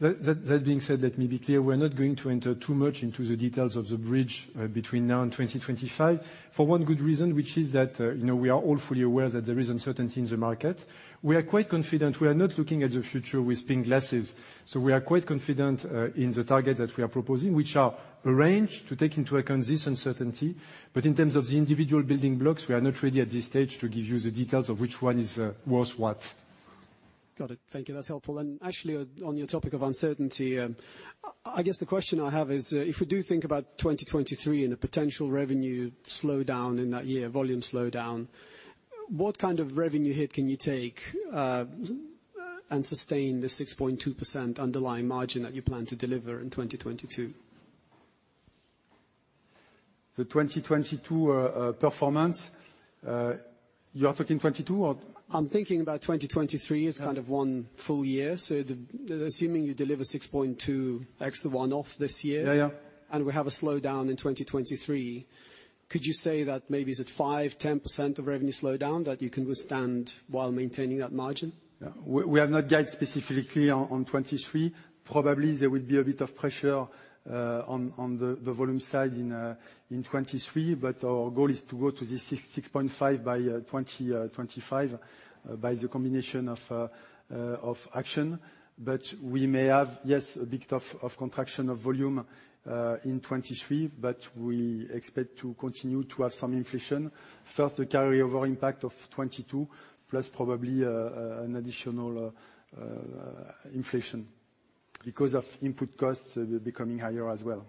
That being said, let me be clear, we're not going to enter too much into the details of the bridge between now and 2025, for one good reason, which is that, you know, we are all fully aware that there is uncertainty in the market. We are quite confident. We are not looking at the future with pink glasses. We are quite confident in the target that we are proposing, which are arranged to take into account this uncertainty. But in terms of the individual building blocks, we are not ready at this stage to give you the details of which one is worth what. Got it. Thank you. That's helpful. Actually, on your topic of uncertainty, I guess the question I have is, if we do think about 2023 and a potential revenue slowdown in that year, volume slowdown, what kind of revenue hit can you take, and sustain the 6.2% underlying margin that you plan to deliver in 2022? The 2022 performance, you're talking 2022 or- I'm thinking about 2023 as kind of one full year. Yeah. Assuming you deliver 6.2 ex the one-off this year. Yeah, yeah. We have a slowdown in 2023, could you say that maybe is it 5%-10% of revenue slowdown that you can withstand while maintaining that margin? Yeah. We have not guided specifically on 2023. Probably there will be a bit of pressure on the volume side in 2023, but our goal is to go to this 6.5 by 2025 by the combination of action. We may have, yes, a bit of contraction of volume in 2023, but we expect to continue to have some inflation. First, the carryover impact of 2022, plus probably an additional inflation because of input costs will be becoming higher as well.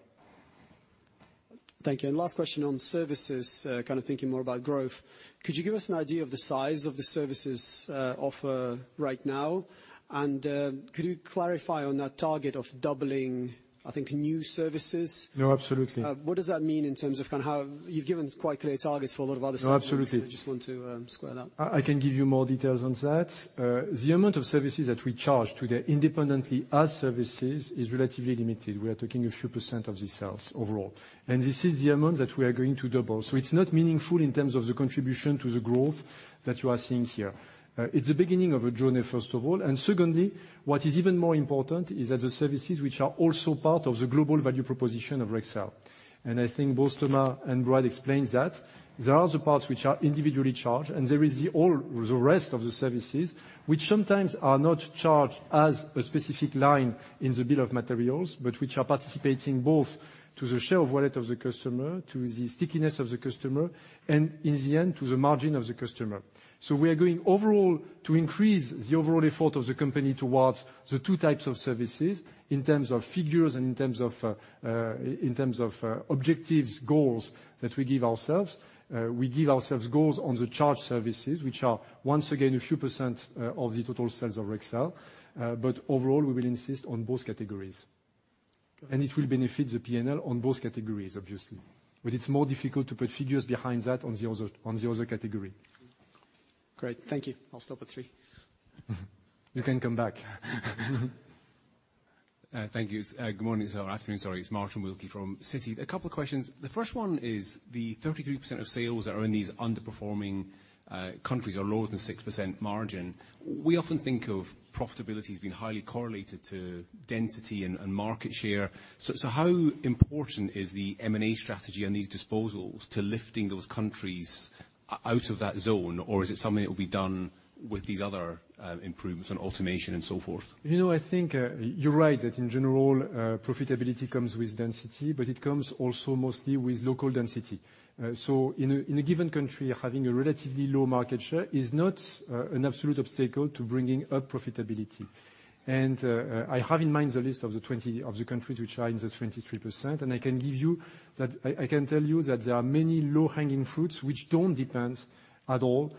Thank you. Last question on services, kind of thinking more about growth. Could you give us an idea of the size of the services offer right now? Could you clarify on that target of doubling, I think, new services? No, absolutely. What does that mean in terms of kind of how you've given quite clear targets for a lot of other subjects? No, absolutely. I just want to square it out. I can give you more details on that. The amount of services that we charge today independently as services is relatively limited. We are talking a few% of the sales overall. This is the amount that we are going to double. It's not meaningful in terms of the contribution to the growth that you are seeing here. It's the beginning of a journey, first of all, and secondly, what is even more important is that the services which are also part of the global value proposition of Rexel. I think both Thomas and Brad explained that. There are the parts which are individually charged, and there is the all, the rest of the services, which sometimes are not charged as a specific line in the bill of materials, but which are participating both to the share of wallet of the customer, to the stickiness of the customer, and in the end, to the margin of the customer. We are going overall to increase the overall effort of the company towards the two types of services in terms of figures and in terms of objectives, goals that we give ourselves. We give ourselves goals on the charged services, which are once again a few %, of the total sales of Rexel. But overall, we will insist on both categories. Got it. It will benefit the P&L on both categories, obviously. It's more difficult to put figures behind that on the other category. Great. Thank you. I'll stop at three. You can come back. Thank you. Good morning, sir. Afternoon, sorry. It's Martin Wilkie from Citi. A couple questions. The first one is the 33% of sales are in these underperforming countries or lower than 6% margin. We often think of profitability as being highly correlated to density and market share. How important is the M&A strategy on these disposals to lifting those countries out of that zone, or is it something that will be done with these other improvements in automation and so forth? You know, I think you're right, that in general profitability comes with density, but it comes also mostly with local density. So in a given country, having a relatively low market share is not an absolute obstacle to bringing up profitability. I have in mind the list of the twenty countries which are in the 23%, and I can give you that. I can tell you that there are many low-hanging fruits which don't depend at all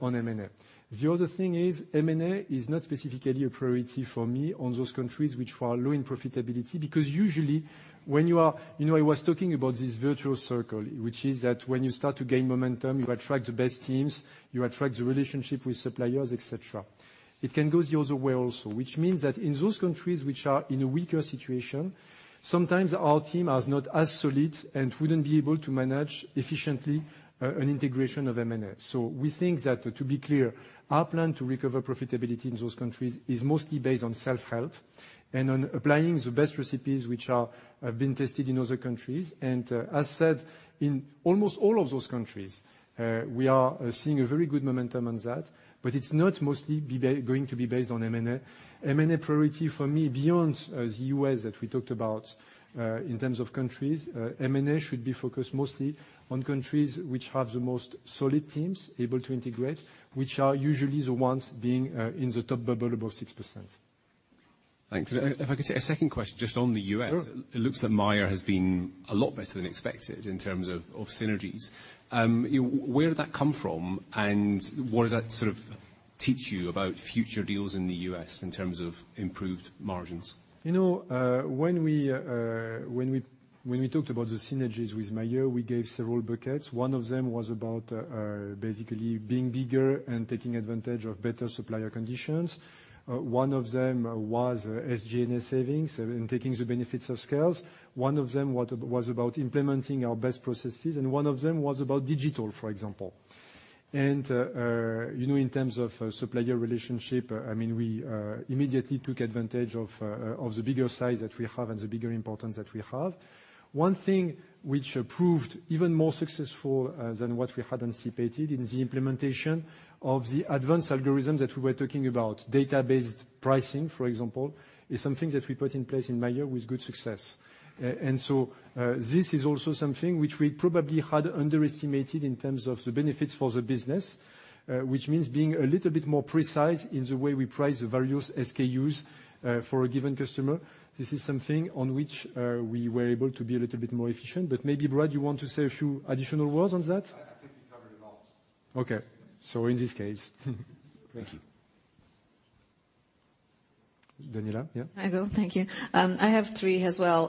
on M&A. The other thing is M&A is not specifically a priority for me on those countries which are low in profitability. You know, I was talking about this virtuous circle, which is that when you start to gain momentum, you attract the best teams, you attract the relationship with suppliers, et cetera. It can go the other way also, which means that in those countries which are in a weaker situation, sometimes our team is not as solid and wouldn't be able to manage efficiently an integration of M&A. We think that, to be clear, our plan to recover profitability in those countries is mostly based on self-help and on applying the best recipes which have been tested in other countries. As said, in almost all of those countries, we are seeing a very good momentum on that, but it's not mostly going to be based on M&A. M&A priority for me, beyond the U.S. that we talked about, in terms of countries, M&A should be focused mostly on countries which have the most solid teams able to integrate, which are usually the ones being in the top bucket above 6%. Thanks. If I could say a second question just on the U.S. Sure. It looks like Mayer has been a lot better than expected in terms of synergies. Where did that come from, and what does that sort of teach you about future deals in the U.S. in terms of improved margins? You know, when we talked about the synergies with Mayer, we gave several buckets. One of them was about, basically being bigger and taking advantage of better supplier conditions. One of them was SG&A savings and taking the benefits of scales. One of them was about implementing our best processes, and one of them was about digital, for example. You know, in terms of supplier relationship, I mean, we immediately took advantage of the bigger size that we have and the bigger importance that we have. One thing which proved even more successful than what we had anticipated is the implementation of the advanced algorithm that we were talking about. Data-based pricing, for example, is something that we put in place in Mayer with good success. This is also something which we probably had underestimated in terms of the benefits for the business, which means being a little bit more precise in the way we price the various SKUs, for a given customer. This is something on which we were able to be a little bit more efficient. Maybe, Brad, you want to say a few additional words on that? I think you covered it all. Okay. In this case, thank you, Daniela. Yeah. I go. Thank you. I have three as well.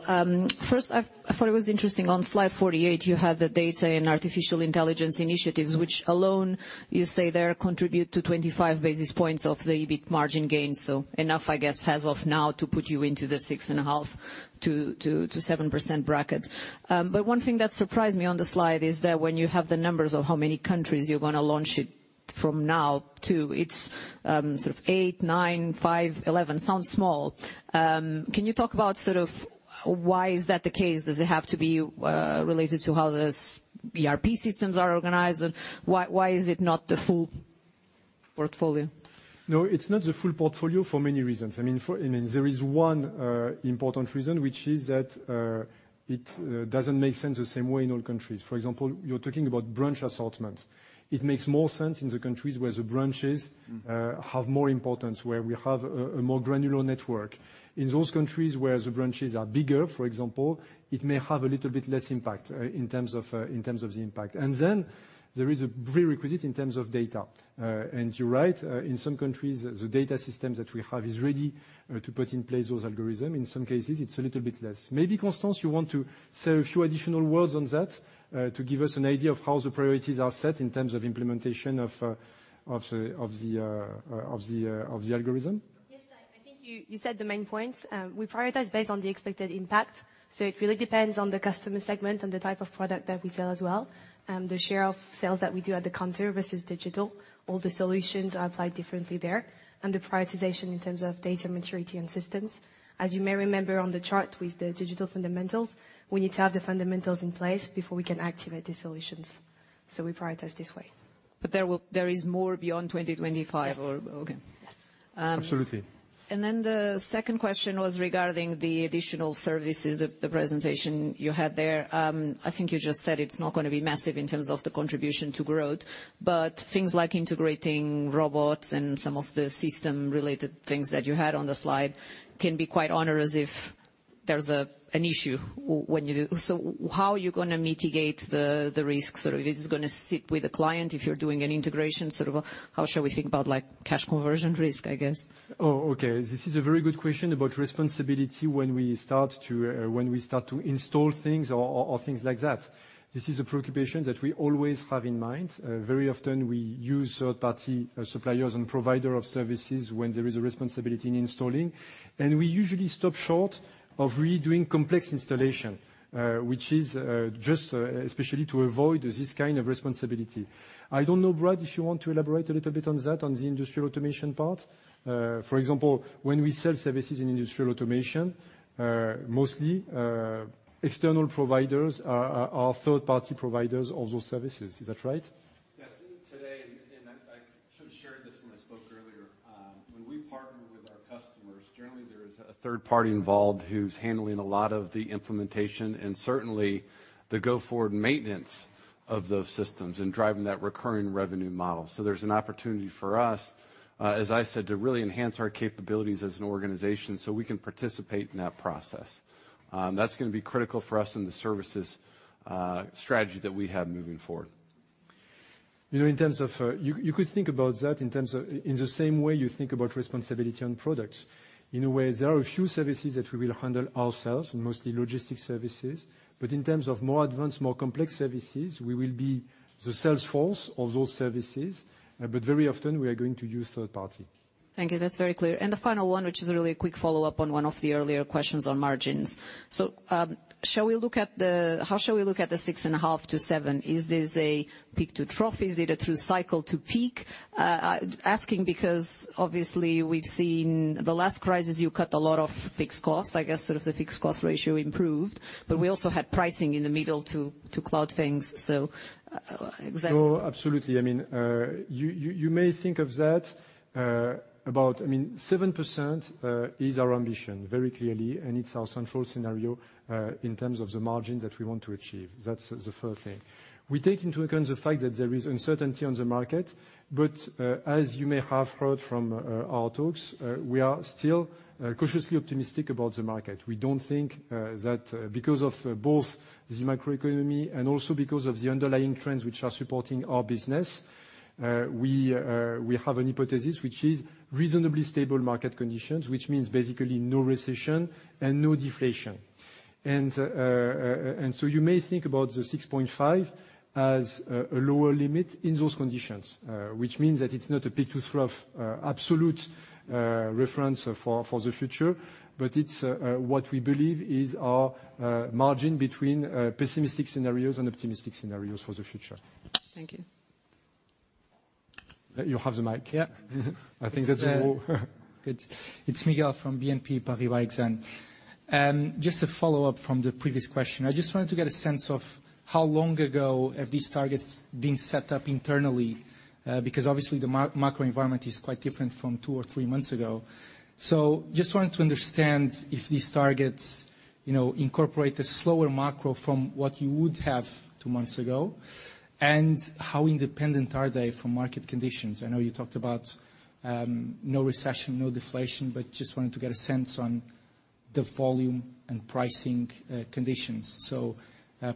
First, I thought it was interesting on slide 48, you have the data and artificial intelligence initiatives. Mm-hmm. which alone you say there contribute to 25 basis points of the EBIT margin gains. Enough, I guess, as of now to put you into the 6.5%-7% bracket. But one thing that surprised me on the slide is that when you have the numbers of how many countries you're gonna launch it from now to, it's sort of eight, nine, five, 11. Sounds small. Can you talk about sort of why is that the case? Does it have to be related to how the ERP systems are organized? Why is it not the full portfolio? No, it's not the full portfolio for many reasons. I mean, there is one important reason, which is that it doesn't make sense the same way in all countries. For example, you're talking about branch assortment. It makes more sense in the countries where the branches- Mm-hmm. have more importance, where we have a more granular network. In those countries where the branches are bigger, for example, it may have a little bit less impact in terms of the impact. There is a prerequisite in terms of data. You're right. In some countries, the data system that we have is ready to put in place those algorithms. In some cases, it's a little bit less. Maybe, Constance, you want to say a few additional words on that to give us an idea of how the priorities are set in terms of implementation of the algorithm? Yes. I think you said the main points. We prioritize based on the expected impact, so it really depends on the customer segment and the type of product that we sell as well. The share of sales that we do at the counter versus digital, all the solutions are applied differently there. The prioritization in terms of data maturity and systems. As you may remember on the chart with the digital fundamentals, we need to have the fundamentals in place before we can activate the solutions. We prioritize this way. There is more beyond 2025. Yes. Okay. Yes. Absolutely. The second question was regarding the additional services of the presentation you had there. I think you just said it's not gonna be massive in terms of the contribution to growth, but things like integrating robots and some of the system-related things that you had on the slide can be quite onerous if there's an issue when you do an integration. How are you gonna mitigate the risk? This is gonna sit with the client if you're doing an integration. How should we think about, like, cash conversion risk, I guess? Oh, okay. This is a very good question about responsibility when we start to install things or things like that. This is a preoccupation that we always have in mind. Very often we use third-party suppliers and provider of services when there is a responsibility in installing. We usually stop short of really doing complex installation, which is just especially to avoid this kind of responsibility. I don't know, Brad, if you want to elaborate a little bit on that, on the industrial automation part. For example, when we sell services in industrial automation, mostly external providers are third-party providers of those services. Is that right? Yes. Today, and I should've shared this when I spoke earlier. When we partner with our customers, generally there is a third party involved who's handling a lot of the implementation and certainly the go-forward maintenance of those systems and driving that recurring revenue model. There's an opportunity for us, as I said, to really enhance our capabilities as an organization so we can participate in that process. That's gonna be critical for us in the services strategy that we have moving forward. You know, you could think about that in the same way you think about responsibility on products. In a way, there are a few services that we will handle ourselves, and mostly logistics services. In terms of more advanced, more complex services, we will be the sales force of those services. Very often we are going to use third party. Thank you. That's very clear. The final one, which is really a quick follow-up on one of the earlier questions on margins. How shall we look at the 6.5%-7%? Is this a peak to trough? Is it a true cycle to peak? Asking because obviously we've seen the last crisis, you cut a lot of fixed costs. I guess sort of the fixed cost ratio improved, but we also had pricing in the middle to cloud things. Example- No, absolutely. I mean, you may think of that about 7% is our ambition, very clearly, and it's our central scenario in terms of the margins that we want to achieve. That's the first thing. We take into account the fact that there is uncertainty on the market. As you may have heard from our talks, we are still cautiously optimistic about the market. We don't think that because of both the macroeconomy and also because of the underlying trends which are supporting our business, we have a hypothesis which is reasonably stable market conditions. Which means basically no recession and no deflation. You may think about the 6.5% as a lower limit in those conditions. Which means that it's not a peak to trough, absolute, reference for the future, but it's what we believe is our margin between pessimistic scenarios and optimistic scenarios for the future. Thank you. You have the mic. Yeah. I think that you. Good. It's Miguel from BNP Paribas Exane. Just a follow-up from the previous question. I just wanted to get a sense of how long ago have these targets been set up internally? Because obviously the macro environment is quite different from two or three months ago. Just wanted to understand if these targets, you know, incorporate the slower macro from what you would have two months ago. And how independent are they from market conditions? I know you talked about no recession, no deflation, but just wanted to get a sense on the volume and pricing conditions.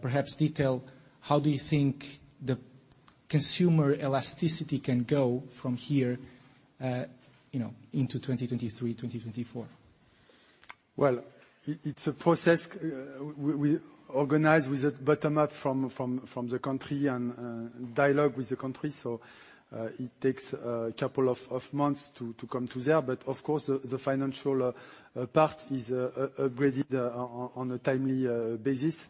Perhaps detail, how do you think the consumer elasticity can go from here, you know, into 2023, 2024? Well, it's a process, we organize with the bottom up from the country and dialogue with the country. It takes a couple of months to come to there. Of course, the financial part is upgraded on a timely basis.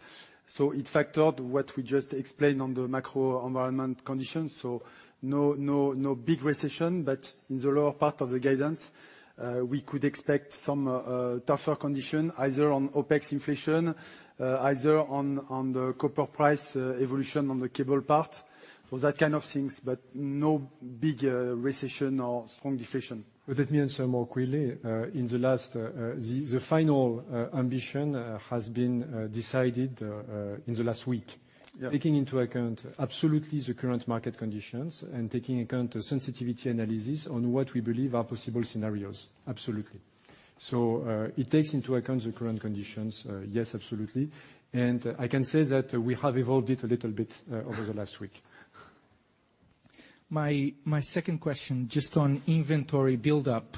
It factored what we just explained on the macro environment conditions. No big recession. In the lower part of the guidance, we could expect some tougher condition, either on OPEX inflation, either on the copper price evolution on the cable part. That kind of things, but no big recession or strong deflation. Let me answer more clearly. The final ambition has been decided in the last week. Yeah. Taking into account absolutely the current market conditions and taking into account the sensitivity analysis on what we believe are possible scenarios, absolutely. It takes into account the current conditions, yes, absolutely. I can say that we have evolved it a little bit over the last week. My second question, just on inventory buildup.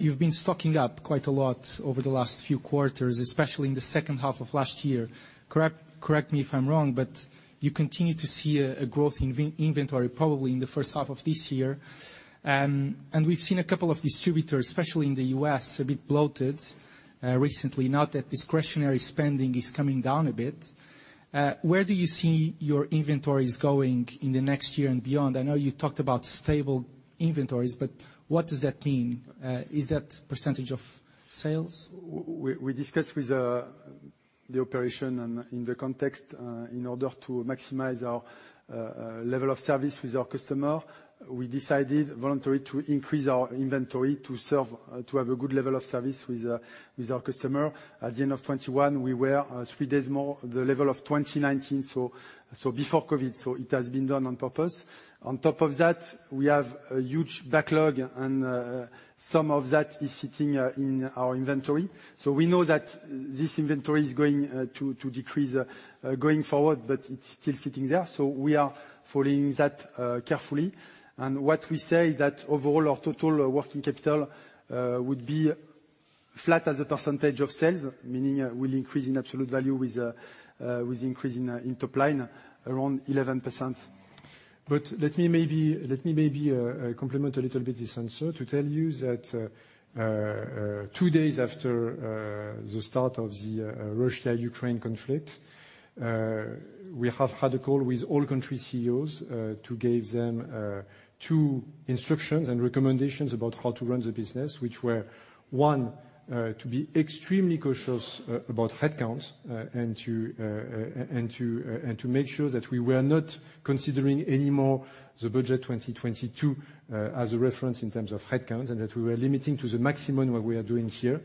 You've been stocking up quite a lot over the last few quarters, especially in the second half of last year. Correct me if I'm wrong, but you continue to see a growth in inventory probably in the first half of this year. We've seen a couple of distributors, especially in the U.S., a bit bloated recently, now that discretionary spending is coming down a bit. Where do you see your inventories going in the next year and beyond? I know you talked about stable inventories, but what does that mean? Is that percentage of sales? We discussed with the operation and in the context in order to maximize our level of service with our customer. We decided voluntarily to increase our inventory to serve to have a good level of service with our customer. At the end of 2021, we were three days more the level of 2019, so before COVID, it has been done on purpose. On top of that, we have a huge backlog and some of that is sitting in our inventory. We know that this inventory is going to decrease going forward, but it's still sitting there, so we are following that carefully. What we say is that overall or total working capital would be flat as a percentage of sales, meaning it will increase in absolute value with increase in top line around 11%. Let me maybe complement a little bit this answer to tell you that two days after the start of the Russia-Ukraine conflict, we have had a call with all country CEOs to give them two instructions and recommendations about how to run the business, which were, one, to be extremely cautious about headcount, and to make sure that we were not considering any more the budget 2022 as a reference in terms of headcounts, and that we were limiting to the maximum what we are doing here.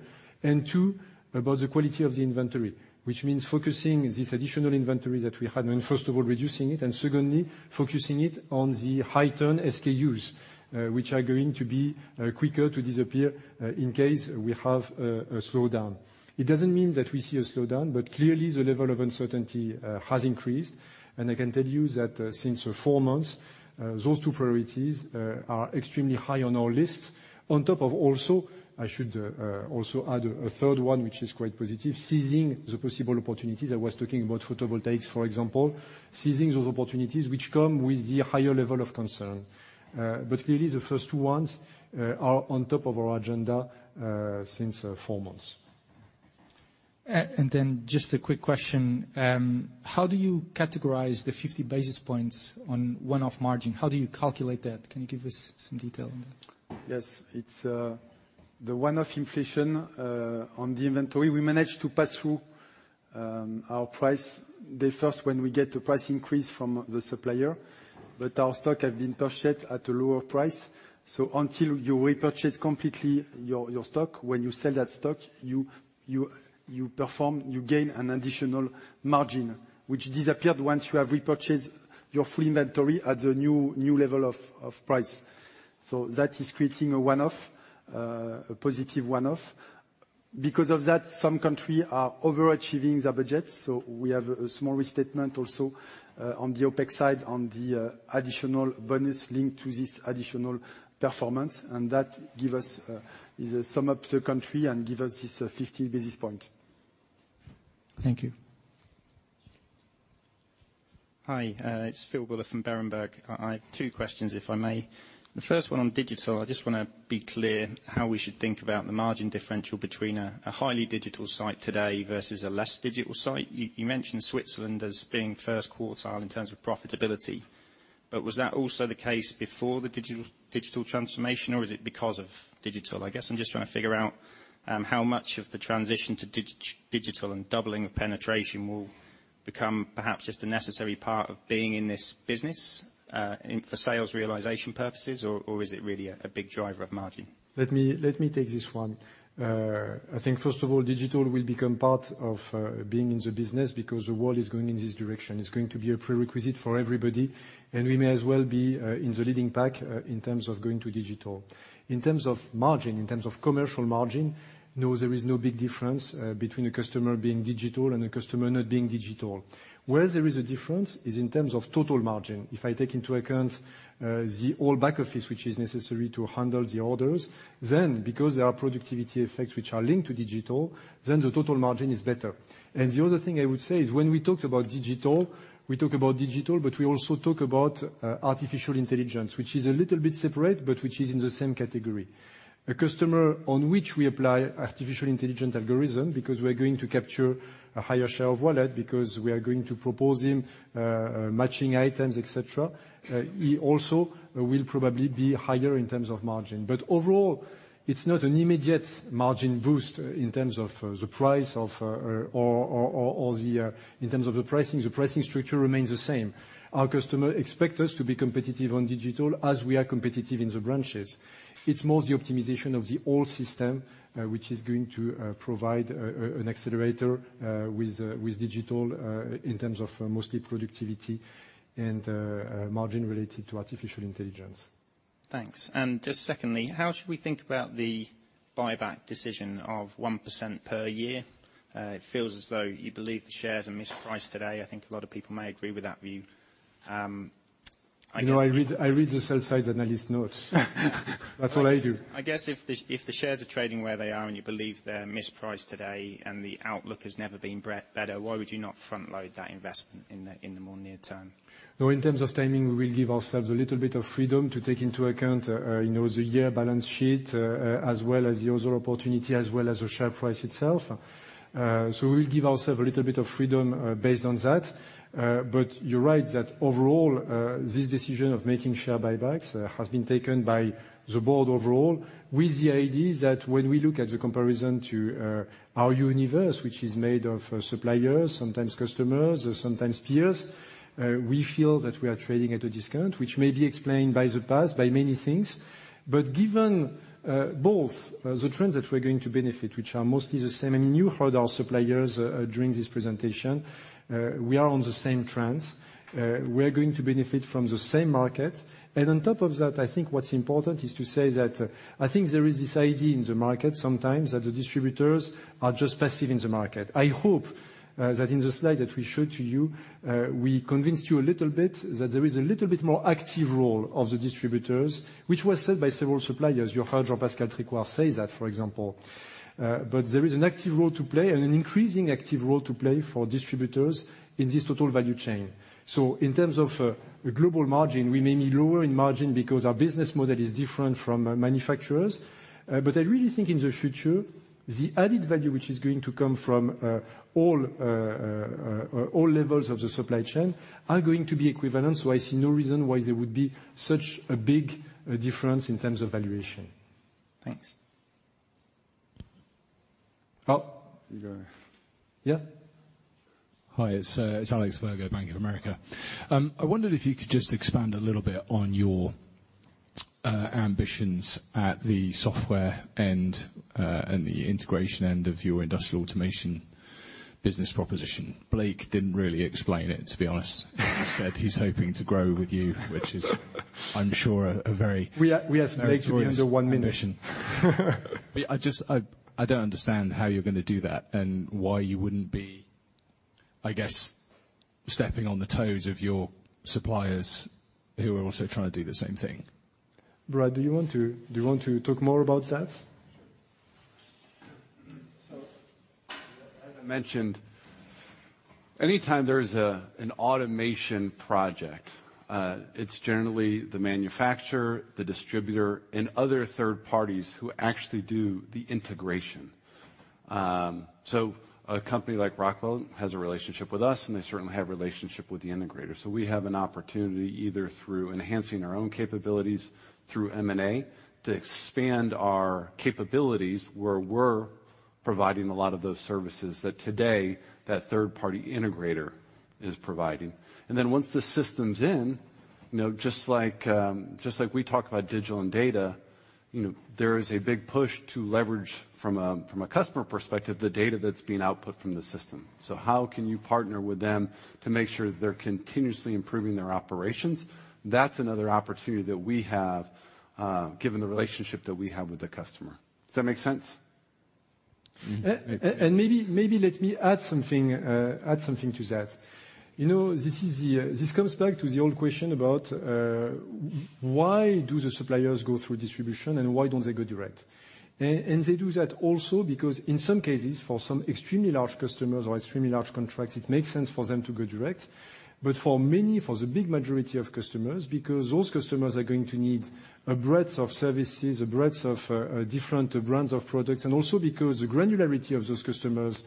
Two, about the quality of the inventory, which means focusing this additional inventory that we had, and first of all, reducing it, and secondly, focusing it on the high-turn SKUs, which are going to be quicker to disappear in case we have a slowdown. It doesn't mean that we see a slowdown, but clearly the level of uncertainty has increased. I can tell you that since four months those two priorities are extremely high on our list. On top of also, I should also add a third one which is quite positive, seizing the possible opportunities. I was talking about photovoltaics, for example. Seizing those opportunities which come with the higher level of concern. Clearly the first two ones are on top of our agenda since four months. Just a quick question. How do you categorize the 50 basis points on one-off margin? How do you calculate that? Can you give us some detail on that? Yes. It's the one-off inflation on the inventory. We managed to pass through our price. The first one we get a price increase from the supplier, but our stock had been purchased at a lower price. Until you repurchase completely your stock, when you sell that stock, you perform, you gain an additional margin, which disappeared once you have repurchased your full inventory at the new level of price. That is creating a one-off, a positive one-off. Because of that, some country are overachieving their budget, so we have a small restatement also on the OPEX side, on the additional bonus linked to this additional performance. That gives us. It is a sum-up of the countries and gives us this 50 basis points. Thank you. Hi, it's Philip Buller from Berenberg. I have two questions, if I may. The first one on digital, I just wanna be clear how we should think about the margin differential between a highly digital site today versus a less digital site. You mentioned Switzerland as being first quartile in terms of profitability, but was that also the case before the digital transformation, or is it because of digital? I guess I'm just trying to figure out how much of the transition to digital and doubling of penetration will become perhaps just a necessary part of being in this business in order for sales realization purposes, or is it really a big driver of margin? Let me take this one. I think first of all, digital will become part of being in the business because the world is going in this direction. It's going to be a prerequisite for everybody, and we may as well be in the leading pack in terms of going to digital. In terms of margin, in terms of commercial margin, no, there is no big difference between a customer being digital and a customer not being digital. Where there is a difference is in terms of total margin. If I take into account the whole back office, which is necessary to handle the orders, then because there are productivity effects which are linked to digital, then the total margin is better. The other thing I would say is when we talk about digital, but we also talk about artificial intelligence, which is a little bit separate, but which is in the same category. A customer on which we apply artificial intelligence algorithm, because we are going to capture a higher share of wallet, because we are going to propose him matching items, et cetera, he also will probably be higher in terms of margin. But overall, it's not an immediate margin boost in terms of the price or the pricing. The pricing structure remains the same. Our customer expect us to be competitive on digital as we are competitive in the branches. It's more the optimization of the whole system, which is going to provide an accelerator with digital in terms of mostly productivity and margin related to artificial intelligence. Thanks. Just secondly, how should we think about the buyback decision of 1% per year? It feels as though you believe the shares are mispriced today. I think a lot of people may agree with that view. I guess- You know, I read the sell-side analyst notes. That's all I do. I guess if the shares are trading where they are and you believe they're mispriced today and the outlook has never been better, why would you not front-load that investment in the more near term? No, in terms of timing, we'll give ourselves a little bit of freedom to take into account, you know, the year-end balance sheet, as well as the other opportunities, as well as the share price itself, based on that. You're right that overall, this decision of making share buybacks has been taken by the board overall with the idea that when we look at the comparison to our universe, which is made of suppliers, sometimes customers, or sometimes peers, we feel that we are trading at a discount, which may be explained by the past, by many things. Given both the trends that we're going to benefit, which are mostly the same, and you heard our suppliers during this presentation, we are on the same trends. We are going to benefit from the same market. On top of that, I think what's important is to say that I think there is this idea in the market sometimes that the distributors are just passive in the market. I hope that in the slide that we showed to you, we convinced you a little bit that there is a little bit more active role of the distributors, which was said by several suppliers. You heard Jean-Pascal Tricoire say that, for example. There is an active role to play and an increasing active role to play for distributors in this total value chain. In terms of global margin, we may be lower in margin because our business model is different from manufacturers. I really think in the future, the added value, which is going to come from all levels of the supply chain, are going to be equivalent, so I see no reason why there would be such a big difference in terms of valuation. Thanks. Oh, you go. Yeah. Hi, it's Alexander Virgo, Bank of America. I wondered if you could just expand a little bit on your ambitions at the software and the integration end of your industrial automation business proposition. Blake Moret didn't really explain it, to be honest. He said he's hoping to grow with you, which is, I'm sure, a very We ask Blake to be under one minute. I just don't understand how you're gonna do that and why you wouldn't be, I guess, stepping on the toes of your suppliers who are also trying to do the same thing. Brad, do you want to talk more about that? As I mentioned, anytime there is an automation project, it's generally the manufacturer, the distributor and other third parties who actually do the integration. A company like Rockwell has a relationship with us, and they certainly have a relationship with the integrator. We have an opportunity, either through enhancing our own capabilities through M&A, to expand our capabilities where we're providing a lot of those services that today the third-party integrator is providing. Then once the system's in, you know, just like we talk about digital and data, you know, there is a big push to leverage from a customer perspective, the data that's being output from the system. How can you partner with them to make sure they're continuously improving their operations? That's another opportunity that we have, given the relationship that we have with the customer. Does that make sense? Mm-hmm. Maybe let me add something to that. You know, this comes back to the old question about why do the suppliers go through distribution and why don't they go direct? They do that also because in some cases, for some extremely large customers or extremely large contracts, it makes sense for them to go direct. For many, for the big majority of customers, because those customers are going to need a breadth of services, a breadth of different brands of products, and also because the granularity of those customers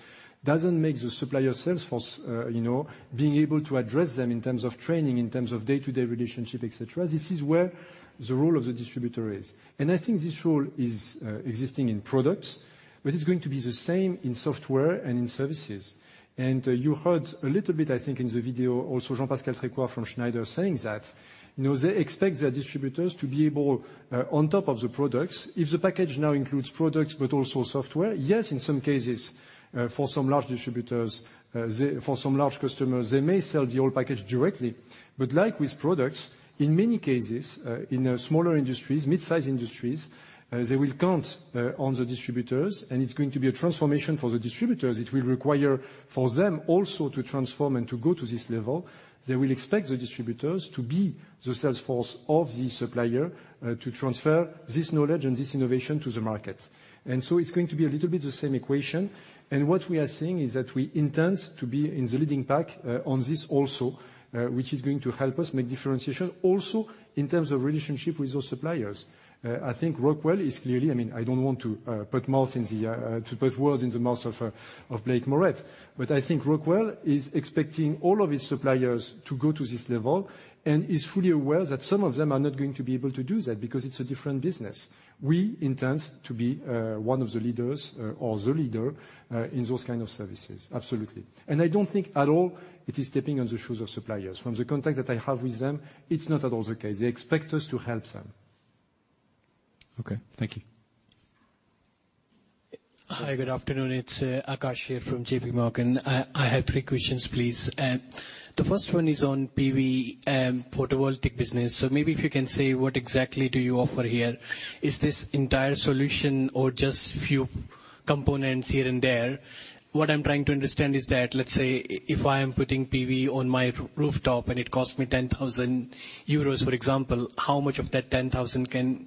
doesn't make the supplier sales force, you know, being able to address them in terms of training, in terms of day-to-day relationship, et cetera. This is where the role of the distributor is. I think this role is existing in products, but it's going to be the same in software and in services. You heard a little bit, I think, in the video also, Jean-Pascal Tricoire from Schneider Electric saying that. You know, they expect their distributors to be able on top of the products. If the package now includes products but also software, yes, in some cases, for some large distributors, for some large customers, they may sell the whole package directly. But like with products, in many cases, in the smaller industries, mid-size industries, they will count on the distributors and it's going to be a transformation for the distributors. It will require for them also to transform and to go to this level. They will expect the distributors to be the sales force of the supplier, to transfer this knowledge and this innovation to the market. It's going to be a little bit the same equation. What we are seeing is that we intend to be in the leading pack, on this also, which is going to help us make differentiation also in terms of relationship with those suppliers. I think Rockwell is clearly, I mean, I don't want to put words in the mouth of Blake Moret, but I think Rockwell is expecting all of his suppliers to go to this level and is fully aware that some of them are not going to be able to do that because it's a different business. We intend to be one of the leaders or the leader in those kind of services. Absolutely. I don't think at all it is stepping on the shoes of suppliers. From the contact that I have with them, it's not at all the case. They expect us to help them. Okay. Thank you. Hi, good afternoon. It's Akash here from J.P. Morgan. I have three questions, please. The first one is on PV, photovoltaic business. Maybe if you can say what exactly do you offer here? Is this entire solution or just few components here and there? What I'm trying to understand is that, let's say if I am putting PV on my rooftop and it costs me 10,000 euros, for example, how much of that 10,000 can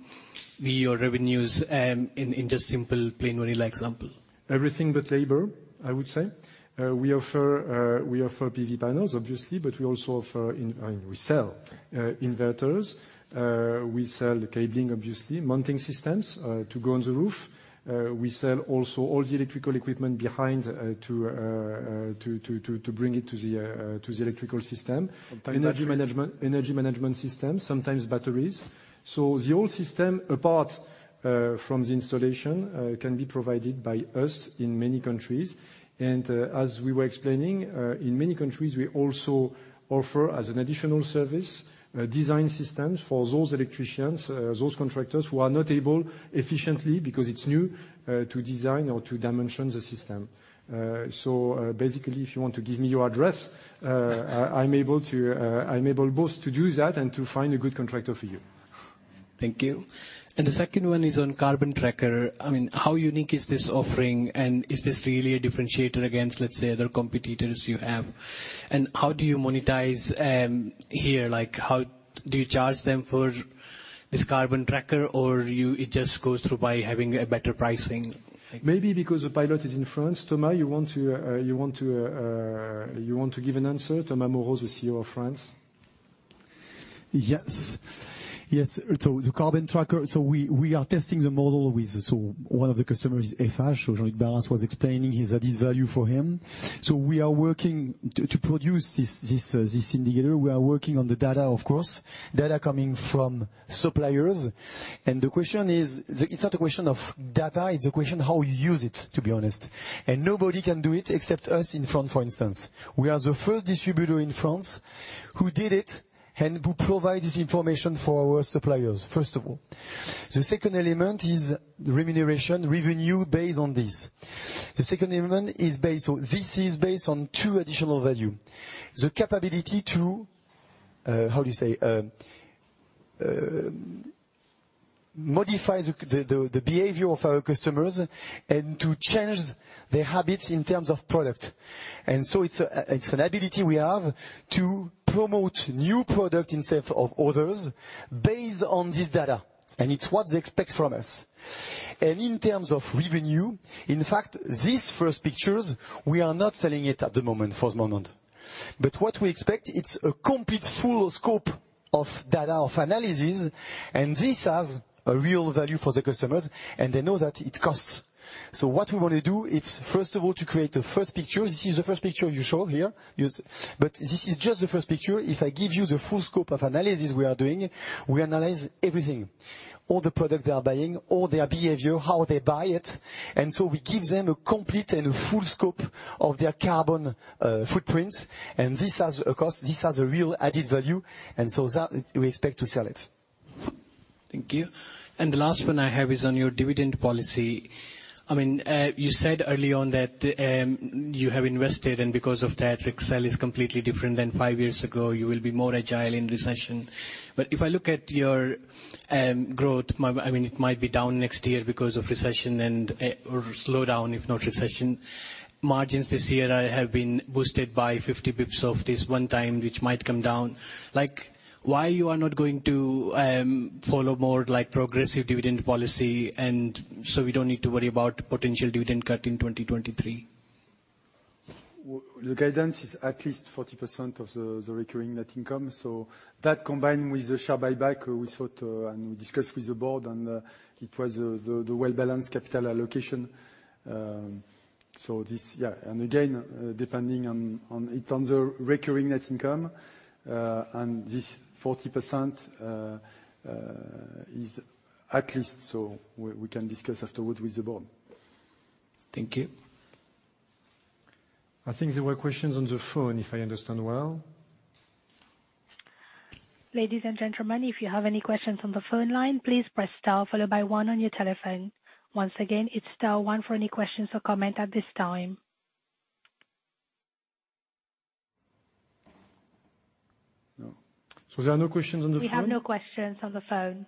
be your revenues, in just simple plain vanilla example? Everything but labor, I would say. We offer PV panels, obviously, but we also sell inverters. We sell cabling, obviously, mounting systems to go on the roof. We sell also all the electrical equipment behind to bring it to the electrical system. Sometimes- Energy management, energy management systems, sometimes batteries. The whole system, apart from the installation, can be provided by us in many countries. As we were explaining, in many countries, we also offer as an additional service, design systems for those electricians, those contractors who are not able efficiently because it's new, to design or to dimension the system. Basically, if you want to give me your address, I'm able to both do that and to find a good contractor for you. Thank you. The second one is on Carbon Tracker. I mean, how unique is this offering, and is this really a differentiator against, let's say, other competitors you have? How do you monetize here? Like, how do you charge them for this Carbon Tracker or is it just goes through by having a better pricing? Maybe because the pilot is in France. Thomas, you want to give an answer? Thomas Moreau, the CEO France. Yes. The Carbon Tracker, we are testing the model with one of the customers, Eiffage. Jean-Luc Baras was explaining his added value for him. We are working to produce this indicator. We are working on the data, of course. Data coming from suppliers. The question is. It's not a question of data, it's a question of how you use it, to be honest. Nobody can do it except us in France, for instance. We are the first distributor in France who did it and who provide this information for our suppliers, first of all. The second element is remuneration revenue based on this. The second element is based on. This is based on two additional value. The capability to modify the behavior of our customers and to change their habits in terms of product. It's an ability we have to promote new product instead of others based on this data, and it's what they expect from us. In terms of revenue, in fact, these first pictures, we are not selling it at the moment, for the moment. What we expect, it's a complete full scope of data, of analysis, and this has a real value for the customers, and they know that it costs. What we wanna do, it's first of all to create a first picture. This is the first picture you show here. Yes. This is just the first picture. If I give you the full scope of analysis we are doing, we analyze everything, all the product they are buying, all their behavior, how they buy it. We give them a complete and a full scope of their carbon footprint. This has a cost, this has a real added value, and so that we expect to sell it. Thank you. The last one I have is on your dividend policy. I mean, you said early on that you have invested, and because of that, Rexel is completely different than five years ago, you will be more agile in recession. If I look at your growth, I mean, it might be down next year because of recession or slowdown, if not recession. Margins this year have been boosted by 50 basis points of this one time, which might come down. Like, why are you not going to follow more like progressive dividend policy, and so we don't need to worry about potential dividend cut in 2023? The guidance is at least 40% of the recurring net income. That combined with the share buyback we thought, and we discussed with the board, and it was the well-balanced capital allocation. Again, depending on. It's on the recurring net income, and this 40% is at least so we can discuss afterward with the board. Thank you. I think there were questions on the phone, if I understand well. Ladies and gentlemen, if you have any questions on the phone line, please press star followed by one on your telephone. Once again, it's star one for any questions or comment at this time. No. There are no questions on the phone? We have no questions on the phone.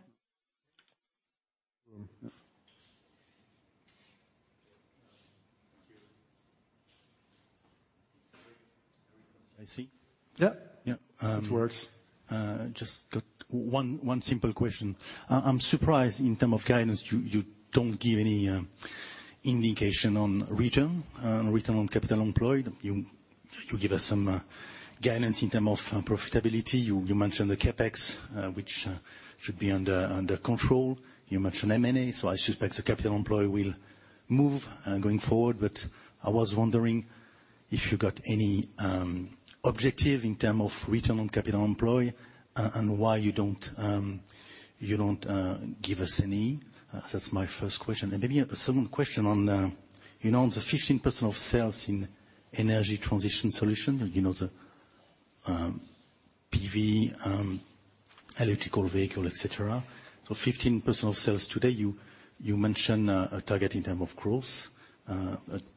Mm. Thank you. I see. Yeah. Yeah. It works. Just got one simple question. I'm surprised in terms of guidance, you don't give any indication on return on capital employed. You give us some guidance in terms of profitability. You mentioned the CapEx, which should be under control. You mentioned M&A, so I suspect the capital employed will move going forward. I was wondering if you got any objective in terms of return on capital employed and why you don't give us any. That's my first question. Maybe a second question on, you know, on the 15% of sales in energy transition solution, you know, the PV, electric vehicle, et cetera. 15% of sales today, you mention a target in terms of growth.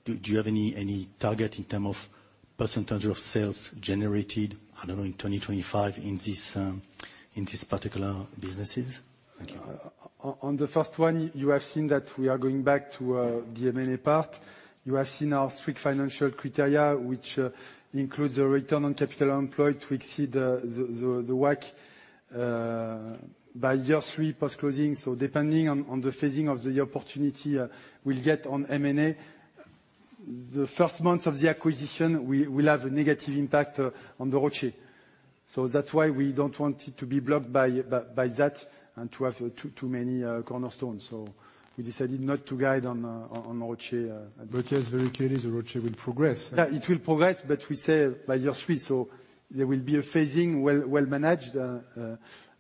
Do you have any target in terms of percentage of sales generated, I don't know, in 2025 in this particular businesses? Thank you. On the first one, you have seen that we are going back to the M&A part. You have seen our strict financial criteria, which includes a return on capital employed to exceed the WACC by year three post-closing. Depending on the phasing of the opportunity, we'll get on M&A. The first months of the acquisition we will have a negative impact on the ROCE. That's why we don't want it to be blocked by that and to have too many cornerstones. We decided not to guide on ROCE at this- Yes, very clearly the ROCE will progress. Yeah, it will progress, but we say by year three, so there will be a phasing well managed.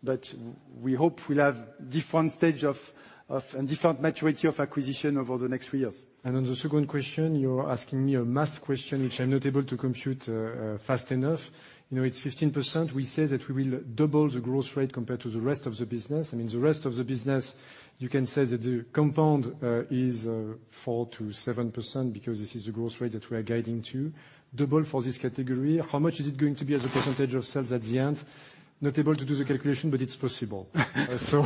But we hope we'll have different stage of and different maturity of acquisition over the next three years. On the second question, you're asking me a math question, which I'm not able to compute fast enough. You know, it's 15%. We say that we will double the growth rate compared to the rest of the business. I mean, the rest of the business, you can say that the compound is 4%-7% because this is the growth rate that we are guiding to. Double for this category. How much is it going to be as a percentage of sales at the end? Not able to do the calculation, but it's possible. You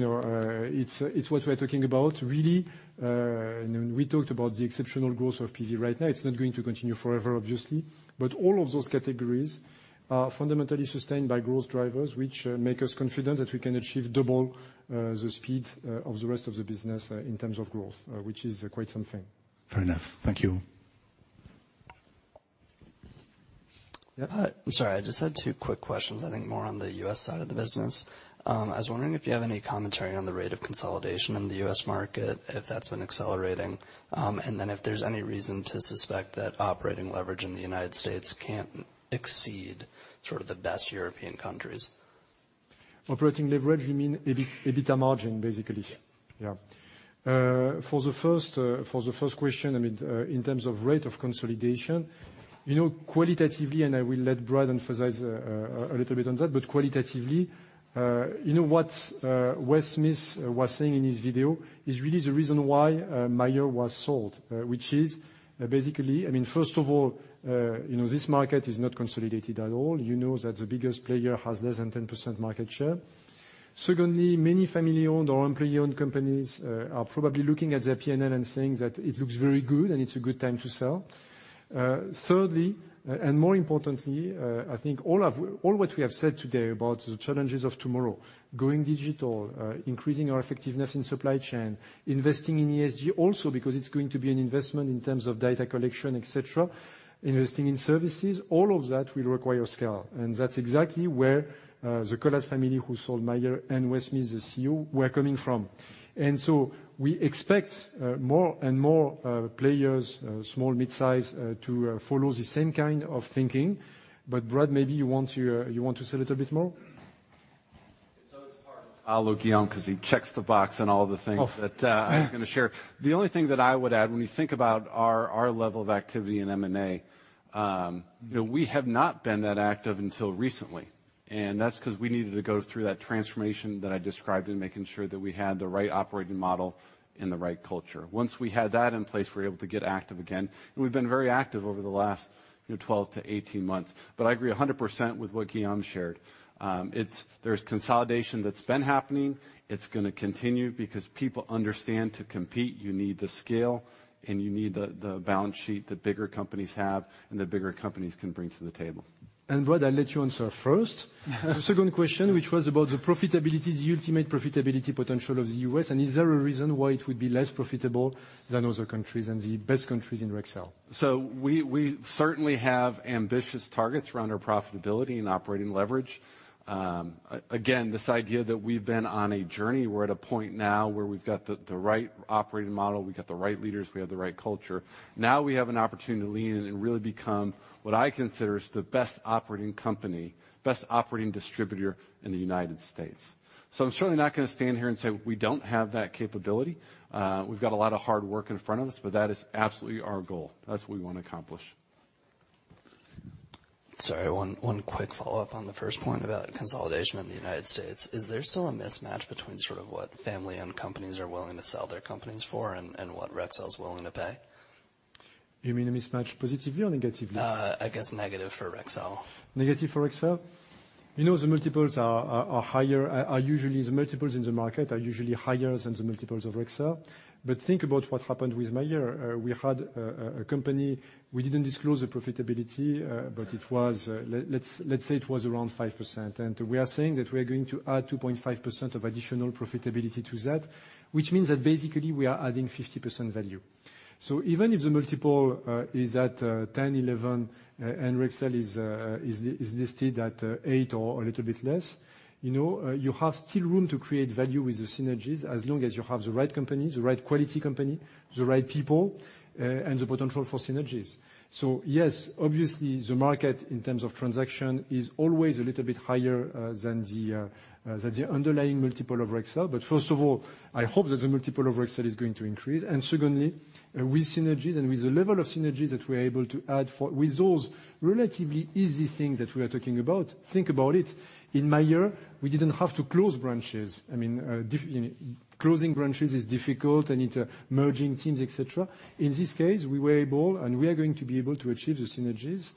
know, it's what we're talking about really. We talked about the exceptional growth of PV right now. It's not going to continue forever, obviously. All of those categories are fundamentally sustained by growth drivers, which make us confident that we can achieve double the speed of the rest of the business in terms of growth, which is quite something. Fair enough. Thank you. Yeah. I'm sorry. I just had two quick questions, I think more on the U.S. side of the business. I was wondering if you have any commentary on the rate of consolidation in the U.S. market, if that's been accelerating. If there's any reason to suspect that operating leverage in the United States can't exceed sort of the best European countries? Operating leverage, you mean, EBITDA margin, basically? Yeah. Yeah. For the first question, I mean, in terms of rate of consolidation, you know, qualitatively, and I will let Brad emphasize a little bit on that, but qualitatively, you know, what Wes Smith was saying in his video is really the reason why Mayer was sold, which is basically. I mean, first of all, you know, this market is not consolidated at all. You know that the biggest player has less than 10% market share. Secondly, many family-owned or employee-owned companies are probably looking at their P&L and saying that it looks very good, and it's a good time to sell. Thirdly, more importantly, I think all of what we have said today about the challenges of tomorrow, going digital, increasing our effectiveness in supply chain, investing in ESG also because it's going to be an investment in terms of data collection, et cetera, investing in services, all of that will require scale, and that's exactly where the CollaCollat family who sold Mayer and Wes Smith, the CEO, were coming from. We expect more and more players, small, mid-size, to follow the same kind of thinking. Brad, maybe you want to say a little bit more. It's hard to follow Guillaume 'cause he checks the box on all the things. Oh. That I was gonna share. The only thing that I would add when we think about our level of activity in M&A, you know, we have not been that active until recently, and that's 'cause we needed to go through that transformation that I described in making sure that we had the right operating model and the right culture. Once we had that in place, we were able to get active again, and we've been very active over the last, you know, 12-18 months. I agree 100% with what Guillaume shared. It's. There's consolidation that's been happening. It's gonna continue because people understand to compete you need the scale, and you need the balance sheet that bigger companies have and that bigger companies can bring to the table. Brad, I'll let you answer first. The second question, which was about the profitability, the ultimate profitability potential of the US, and is there a reason why it would be less profitable than other countries and the best countries in Rexel? We certainly have ambitious targets around our profitability and operating leverage. Again, this idea that we've been on a journey, we're at a point now where we've got the right operating model, we've got the right leaders, we have the right culture. Now we have an opportunity to lean in and really become what I consider is the best operating company, best operating distributor in the United States. I'm certainly not gonna stand here and say we don't have that capability. We've got a lot of hard work in front of us, but that is absolutely our goal. That's what we wanna accomplish. Sorry, one quick follow-up on the first point about consolidation in the United States. Is there still a mismatch between sort of what family-owned companies are willing to sell their companies for and what Rexel's willing to pay? You mean a mismatch positively or negatively? I guess negative for Rexel. Negative for Rexel? You know, the multiples are higher. Usually the multiples in the market are usually higher than the multiples of Rexel, but think about what happened with Mayer. We had a company. We didn't disclose the profitability, but it was, let's say, around 5%, and we are saying that we are going to add 2.5% of additional profitability to that, which means that basically we are adding 50% value. Even if the multiple is at 10x, 11x, and Rexel is listed at 8x or a little bit less, you know, you have still room to create value with the synergies as long as you have the right company, the right quality company, the right people, and the potential for synergies. Yes, obviously the market in terms of transaction is always a little bit higher than the underlying multiple of Rexel. First of all, I hope that the multiple of Rexel is going to increase, and secondly, with synergies and with the level of synergies that we're able to add with those relatively easy things that we are talking about, think about it. In Mayer, we didn't have to close branches. I mean, you know, closing branches is difficult and it, merging teams, et cetera. In this case, we were able, and we are going to be able to achieve the synergies,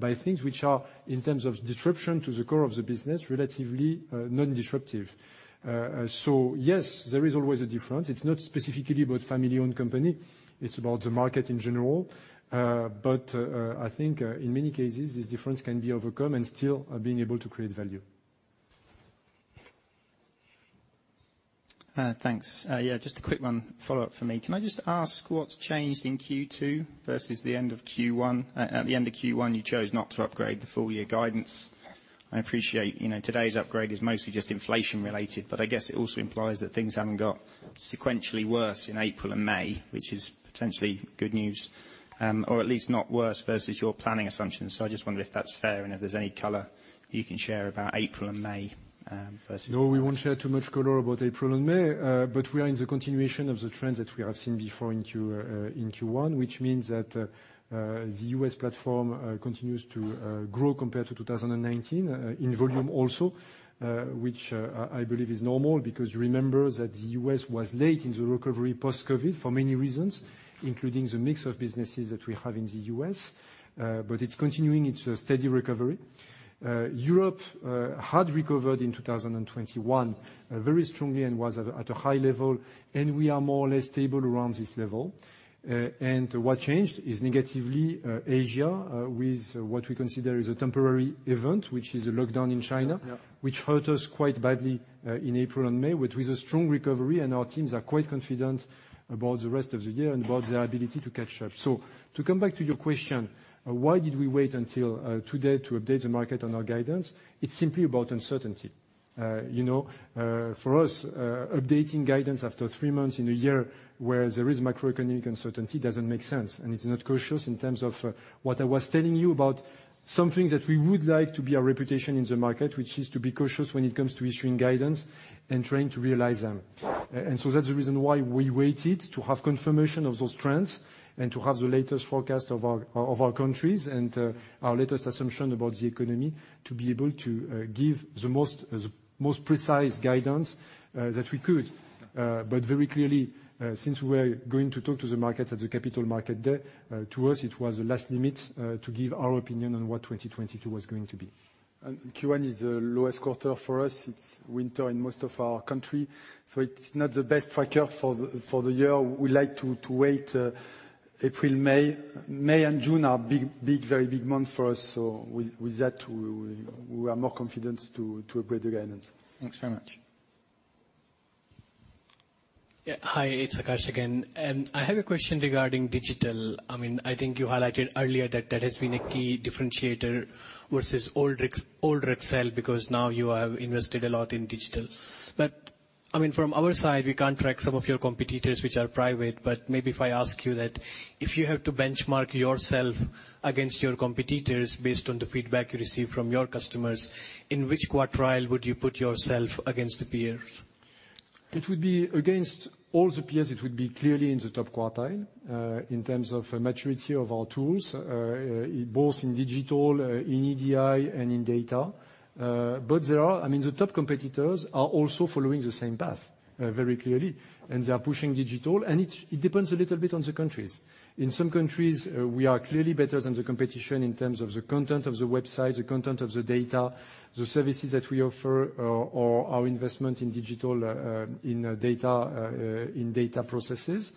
by things which are, in terms of disruption to the core of the business, relatively, non-disruptive. Yes, there is always a difference. It's not specifically about family-owned company. It's about the market in general. I think, in many cases, this difference can be overcome and still, being able to create value. Thanks. Yeah, just a quick one follow-up from me. Can I just ask what's changed in Q2 versus the end of Q1? At the end of Q1, you chose not to upgrade the full year guidance. I appreciate, you know, today's upgrade is mostly just inflation related, but I guess it also implies that things haven't got sequentially worse in April and May, which is potentially good news, or at least not worse versus your planning assumptions. I just wondered if that's fair and if there's any color you can share about April and May versus. No, we won't share too much color about April and May, but we are in the continuation of the trend that we have seen before in Q1, which means that the US platform continues to grow compared to 2019 in volume also, which I believe is normal because remember that the US was late in the recovery post-COVID for many reasons, including the mix of businesses that we have in the US. But it's continuing. It's a steady recovery. Europe had recovered in 2021 very strongly and was at a high level, and we are more or less stable around this level. What changed is negatively Asia with what we consider is a temporary event, which is a lockdown in China. Yeah. which hurt us quite badly in April and May, but with a strong recovery and our teams are quite confident about the rest of the year and about their ability to catch up. To come back to your question, why did we wait until today to update the market on our guidance? It's simply about uncertainty. You know, for us, updating guidance after three months in a year where there is macroeconomic uncertainty doesn't make sense, and it's not cautious in terms of what I was telling you about something that we would like to be our reputation in the market, which is to be cautious when it comes to issuing guidance and trying to realize them. That's the reason why we waited to have confirmation of those trends and to have the latest forecast of our countries and our latest assumption about the economy to be able to give the most precise guidance that we could. Very clearly, since we're going to talk to the market at the Capital Markets Day, to us it was the last limit to give our opinion on what 2022 was going to be. Q1 is the lowest quarter for us. It's winter in most of our country, so it's not the best tracker for the year. We like to wait, April, May. May and June are big, very big month for us. With that we are more confident to upgrade the guidance. Thanks very much. Yeah. Hi, it's Akash Gupta again, and I have a question regarding digital. I mean, I think you highlighted earlier that that has been a key differentiator versus old Rex, old Rexel because now you have invested a lot in digital. I mean, from our side, we can't track some of your competitors which are private, but maybe if I ask you that if you have to benchmark yourself against your competitors based on the feedback you receive from your customers, in which quartile would you put yourself against the peers? It would be against all the peers. It would be clearly in the top quartile, in terms of maturity of our tools, both in digital, in EDI and in data. I mean, the top competitors are also following the same path, very clearly, and they are pushing digital. It depends a little bit on the countries. In some countries, we are clearly better than the competition in terms of the content of the website, the content of the data, the services that we offer or our investment in digital, in data processes.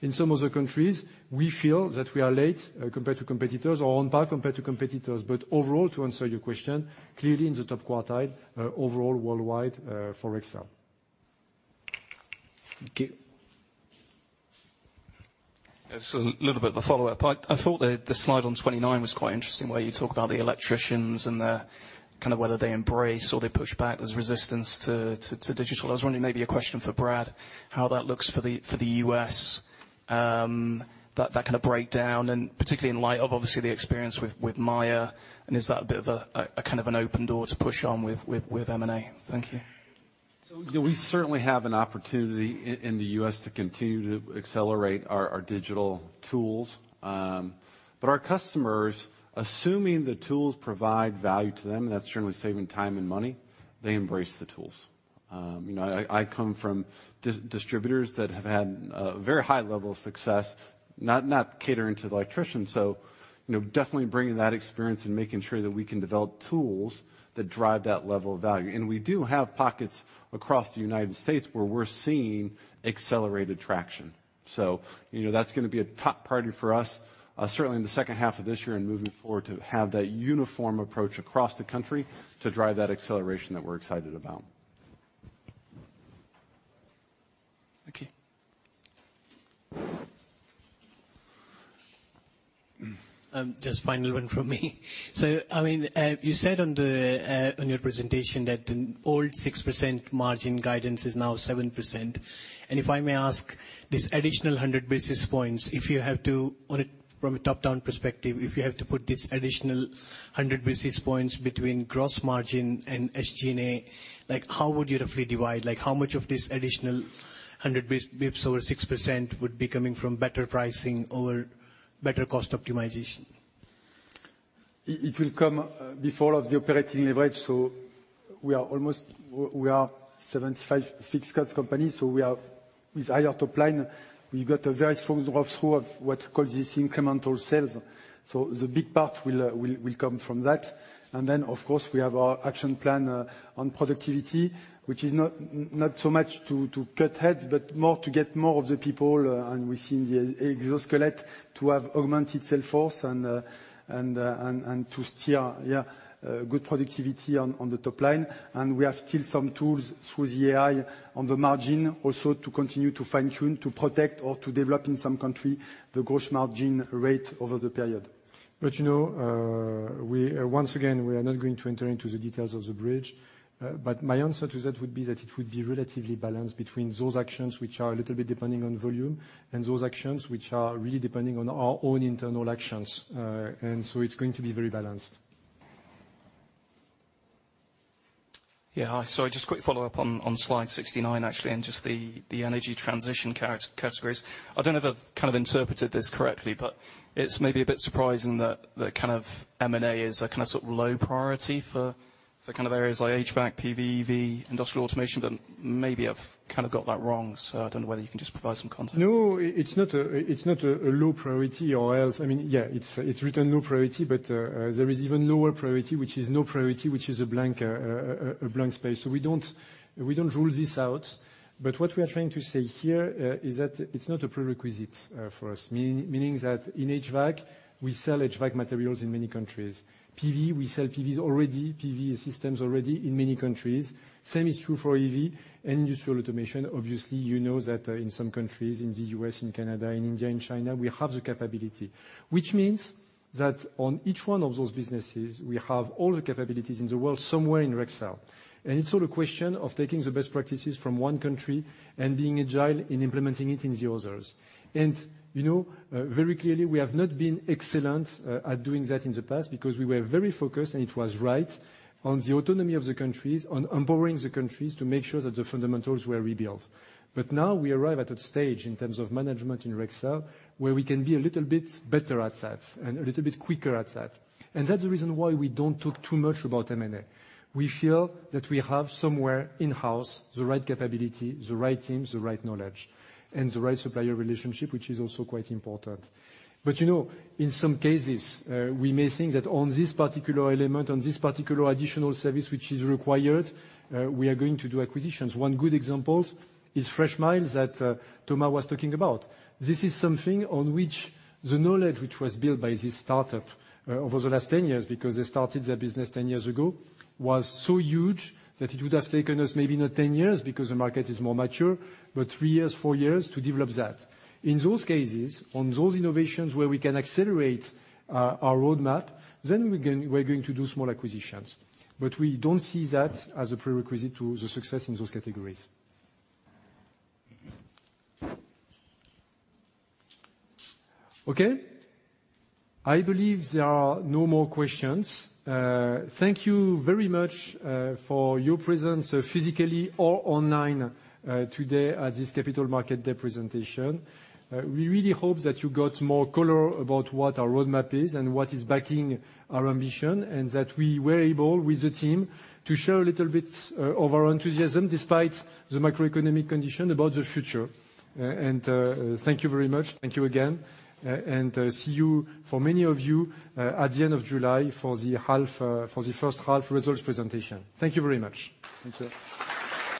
In some of the countries we feel that we are late, compared to competitors or on par compared to competitors. Overall, to answer your question, clearly in the top quartile, overall worldwide, for Rexel. Thank you. Little bit of a follow-up. I thought the slide on 29 was quite interesting, where you talk about the electricians and their kind of whether they embrace or they push back. There's resistance to digital. I was wondering, maybe a question for Brad, how that looks for the US, that kind of breakdown and particularly in light of obviously the experience with Mayer and is that a bit of a kind of an open door to push on with M&A? Thank you. Yeah. We certainly have an opportunity in the U.S. to continue to accelerate our digital tools. Our customers, assuming the tools provide value to them, and that's generally saving time and money, they embrace the tools. You know, I come from distributors that have had a very high level of success, not catering to the electricians, so you know, definitely bringing that experience and making sure that we can develop tools that drive that level of value. We do have pockets across the United States where we're seeing accelerated traction. You know, that's gonna be a top priority for us, certainly in the second half of this year and moving forward to have that uniform approach across the country to drive that acceleration that we're excited about. Okay. Mm. Just final one from me. I mean, you said on your presentation that the old 6% margin guidance is now 7%. If I may ask, this additional 100 basis points, from a top-down perspective, if you have to put this additional 100 basis points between gross margin and SG&A, like, how would you roughly divide? Like, how much of this additional 100 basis points over 6% would be coming from better pricing over better cost optimization? It will come before the operating leverage. We are a 75% fixed costs company, so we are with higher top line. We've got a very strong drop-through of what you call the incremental sales. The big part will come from that. Then, of course, we have our action plan on productivity, which is not so much to cut heads, but more to get more of the people, and we see in the ecosystem to have augmented sales force and to ensure good productivity on the top line. We have still some tools through the AI on the margin also to continue to fine-tune, to protect or to develop in some country the gross margin rate over the period. You know, once again, we are not going to enter into the details of the bridge. My answer to that would be that it would be relatively balanced between those actions which are a little bit depending on volume, and those actions which are really depending on our own internal actions. It's going to be very balanced. Yeah. Hi. Just quick follow-up on slide 69 actually, and just the energy transition categories. I don't know if I've kind of interpreted this correctly, but it's maybe a bit surprising that the kind of M&A is a kind of sort of low priority for kind of areas like HVAC, PV, EV, industrial automation, but maybe I've kind of got that wrong, so I don't know whether you can just provide some context. No. It's not a low priority or else. I mean, yeah, it's written low priority, but there is even lower priority, which is no priority, which is a blank space. We don't rule this out. What we are trying to say here is that it's not a prerequisite for us. Meaning that in HVAC, we sell HVAC materials in many countries. PV, we sell PVs already, PV systems already in many countries. Same is true for EV and industrial automation. Obviously, you know that in some countries, in the U.S., in Canada, in India, in China, we have the capability, which means that on each one of those businesses, we have all the capabilities in the world somewhere in Rexel. It's all a question of taking the best practices from one country and being agile in implementing it in the others. You know, very clearly, we have not been excellent at doing that in the past because we were very focused, and it was right on the autonomy of the countries, on borrowing the countries to make sure that the fundamentals were rebuilt. Now we arrive at a stage in terms of management in Rexel where we can be a little bit better at that and a little bit quicker at that. That's the reason why we don't talk too much about M&A. We feel that we have somewhere in-house the right capability, the right teams, the right knowledge, and the right supplier relationship, which is also quite important. You know, in some cases, we may think that on this particular element, on this particular additional service which is required, we are going to do acquisitions. One good example is Freshmile that Thomas was talking about. This is something on which the knowledge which was built by this startup over the last 10 years, because they started their business 10 years ago, was so huge that it would have taken us maybe not 10 years because the market is more mature, but three years, four years to develop that. In those cases, on those innovations where we can accelerate our roadmap, then we're going to do small acquisitions. But we don't see that as a prerequisite to the success in those categories. Okay. I believe there are no more questions. Thank you very much for your presence, physically or online, today at this Capital Markets Day presentation. We really hope that you got more color about what our roadmap is and what is backing our ambition, and that we were able, with the team, to share a little bit of our enthusiasm, despite the macroeconomic condition about the future. Thank you very much. Thank you again, and see you, for many of you, at the end of July for the first half results presentation. Thank you very much.